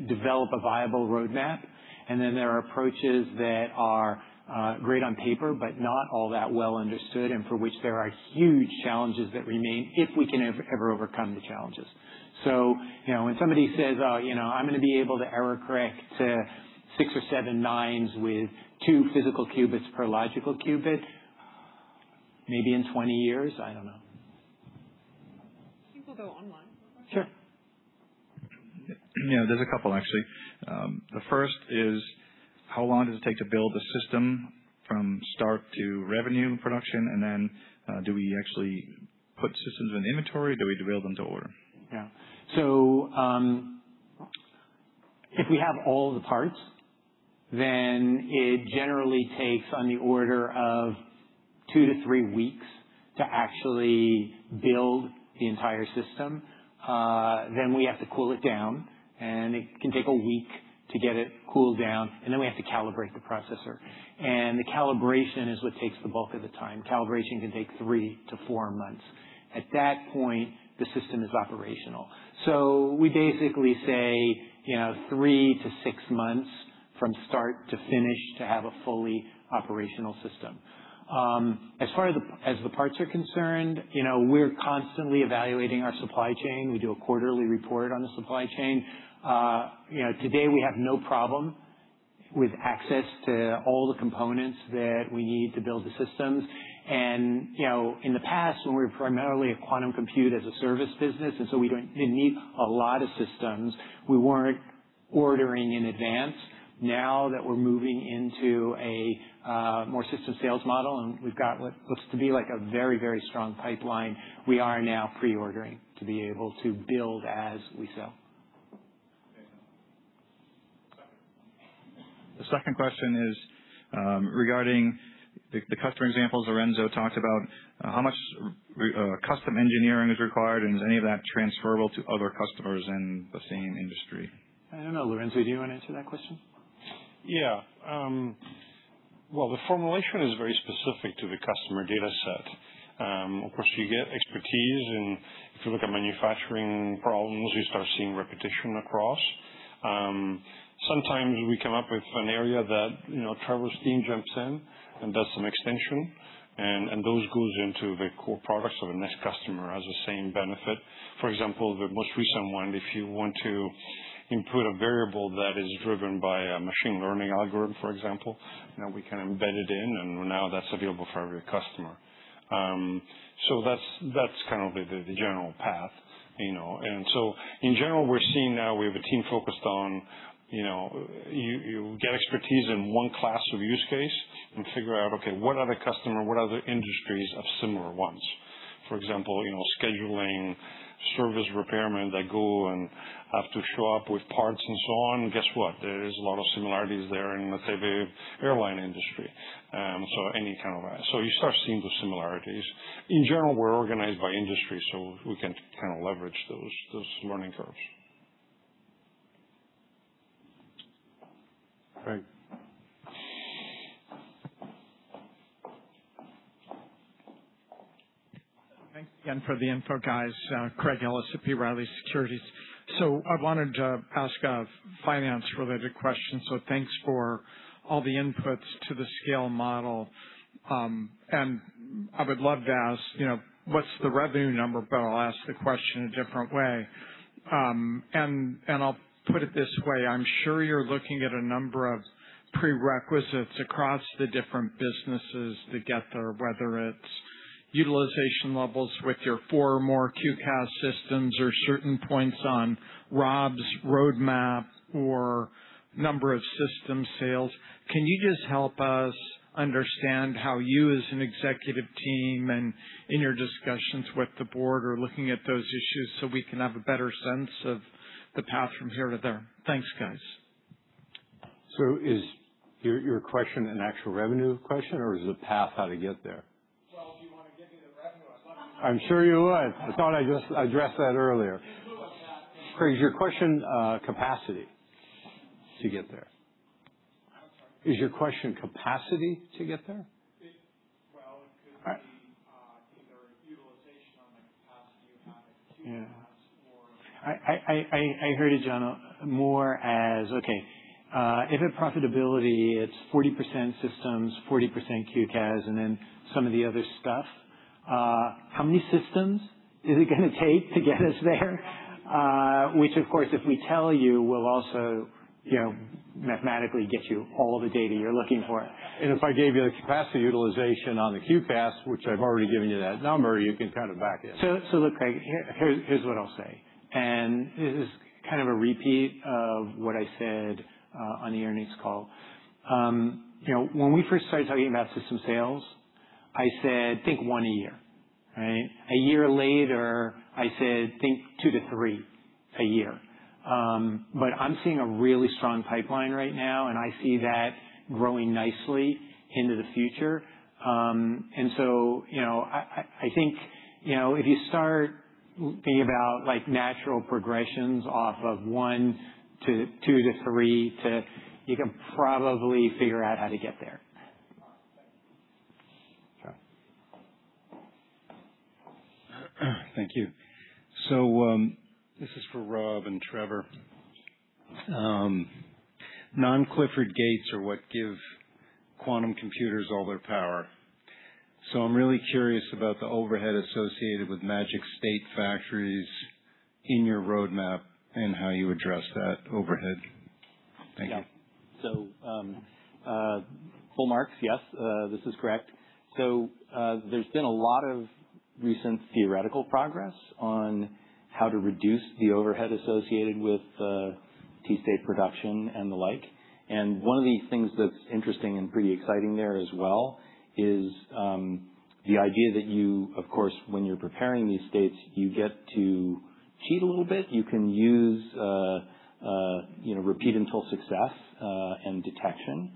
develop a viable roadmap. There are approaches that are great on paper, but not all that well understood, and for which there are huge challenges that remain if we can ever overcome the challenges. When somebody says, "I'm going to be able to error-correct to six or seven nines with two physical qubits per logical qubit," maybe in 20 years. I don't know. I think we'll go online. Sure. There's a couple, actually. The first is, how long does it take to build a system from start to revenue production? Do we actually put systems in inventory? Do we build them to order? Yeah. If we have all the parts, then it generally takes on the order of two to three weeks to actually build the entire system. We have to cool it down, and it can take a week to get it cooled down, and then we have to calibrate the processor. The calibration is what takes the bulk of the time. Calibration can take three to four months. At that point, the system is operational. We basically say three to six months from start to finish to have a fully operational system. As far as the parts are concerned, we're constantly evaluating our supply chain. We do a quarterly report on the supply chain. Today, we have no problem with access to all the components that we need to build the systems. In the past when we were primarily a Quantum Computing as a Service business, and so we didn't need a lot of systems, we weren't ordering in advance. Now that we're moving into a more system sales model, and we've got what looks to be like a very strong pipeline, we are now pre-ordering to be able to build as we sell. The second question is regarding the customer examples Lorenzo talked about. How much custom engineering is required, and is any of that transferable to other customers in the same industry? I don't know. Lorenzo, do you want to answer that question? Yeah. Well, the formulation is very specific to the customer data set. Of course, you get expertise, and if you look at manufacturing problems, we start seeing repetition across. Sometimes we come up with an area that Trevor's team jumps in and does some extension, and those go into the core products of the next customer as the same benefit. For example, the most recent one, if you want to input a variable that is driven by a machine learning algorithm, for example, we can embed it in, and now that's available for every customer. That's the general path. In general, we're seeing now we have a team. You get expertise in 1 class of use case and figure out, okay, what other customer, what other industries have similar ones? For example, scheduling service repairmen that go and have to show up with parts and so on. Guess what? There is a lot of similarities there in the airline industry. Any kind of that. You start seeing the similarities. In general, we're organized by industry, so we can leverage those learning curves. Craig. Thanks again for the info, guys. Craig Ellis at B. Riley Securities. I wanted to ask a finance-related question. Thanks for all the inputs to the scale model. I would love to ask what's the revenue number, but I'll ask the question a different way. I'll put it this way. I'm sure you're looking at a number of prerequisites across the different businesses to get there, whether it's utilization levels with your four or more QCaaS systems or certain points on Rob's roadmap or number of system sales. Can you just help us understand how you as an executive team and in your discussions with the board are looking at those issues so we can have a better sense of the path from here to there? Thanks, guys. Is your question an actual revenue question or is it path how to get there? Well, if you want to give me the revenue, I'd love to know. I'm sure you would. I thought I just addressed that earlier. Give me a little of that. Craig, is your question capacity to get there? I'm sorry? Is your question capacity to get there? Well, it could be either utilization on the capacity you have at QCaaS or- I heard it, John, more as, okay, if at profitability it's 40% systems, 40% QCaaS, and then some of the other stuff, how many systems is it going to take to get us there? Which, of course, if we tell you, will also mathematically get you all the data you're looking for. If I gave you the capacity utilization on the QCaaS, which I've already given you that number, you can kind of back it. Look, Craig, here's what I'll say, and this is kind of a repeat of what I said on the earnings call. When we first started talking about system sales, I said, "Think one a year." Right? A year later, I said, "Think two to three a year." I'm seeing a really strong pipeline right now, and I see that growing nicely into the future. I think if you start thinking about natural progressions off of one to two to three to, you can probably figure out how to get there. Okay. John. Thank you. This is for Rob and Trevor. non-Clifford gates are what give quantum computers all their power. I'm really curious about the overhead associated with magic state factories in your roadmap and how you address that overhead. Thank you. Yeah. Full marks. Yes, this is correct. There's been a lot of recent theoretical progress on how to reduce the overhead associated with T-state production and the like. One of the things that's interesting and pretty exciting there as well is the idea that you, of course, when you're preparing these states, you get to cheat a little bit. You can use repeat until success and detection.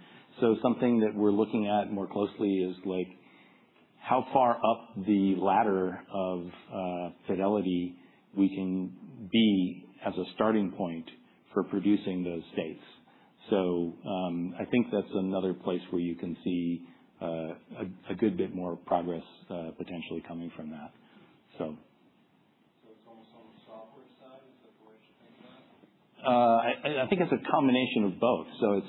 Something that we're looking at more closely is how far up the ladder of fidelity we can be as a starting point for producing those states. I think that's another place where you can see a good bit more progress potentially coming from that. It's almost on the software side is where you're thinking of? I think it's a combination of both.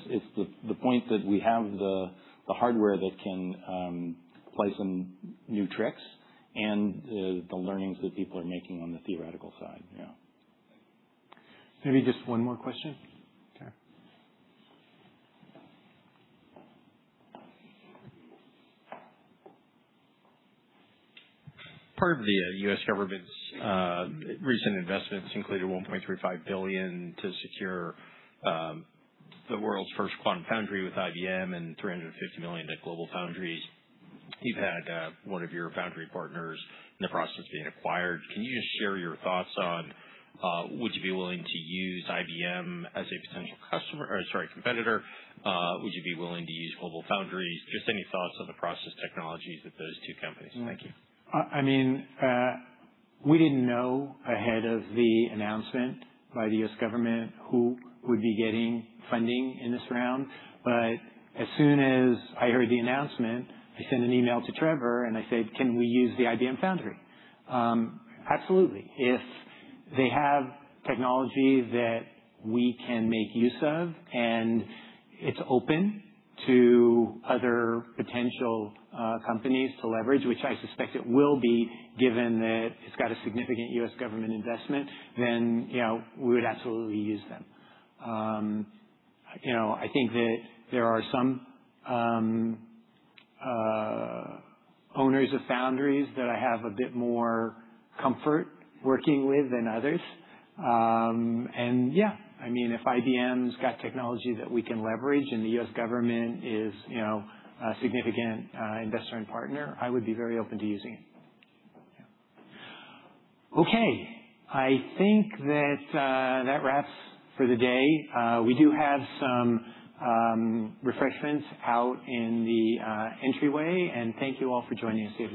It's the point that we have the hardware that can play some new tricks and the learnings that people are making on the theoretical side. Yeah. Maybe just one more question. Okay. Part of the U.S. government's recent investments included $1.35 billion to secure the world's first quantum foundry with IBM and $350 million to GlobalFoundries. You've had one of your foundry partners in the process of being acquired. Can you just share your thoughts on would you be willing to use IBM as a potential customer, or sorry, competitor? Would you be willing to use GlobalFoundries? Just any thoughts on the process technologies at those two companies. Thank you. We didn't know ahead of the announcement by the U.S. government who would be getting funding in this round. As soon as I heard the announcement, I sent an email to Trevor and I said, "Can we use the IBM foundry?" Absolutely. If they have technology that we can make use of and it's open to other potential companies to leverage, which I suspect it will be, given that it's got a significant U.S. government investment, then we would absolutely use them. I think that there are some owners of foundries that I have a bit more comfort working with than others. Yeah, if IBM's got technology that we can leverage and the U.S. government is a significant investor and partner, I would be very open to using it. Yeah. Okay. I think that wraps for the day. We do have some refreshments out in the entryway, and thank you all for joining us here today.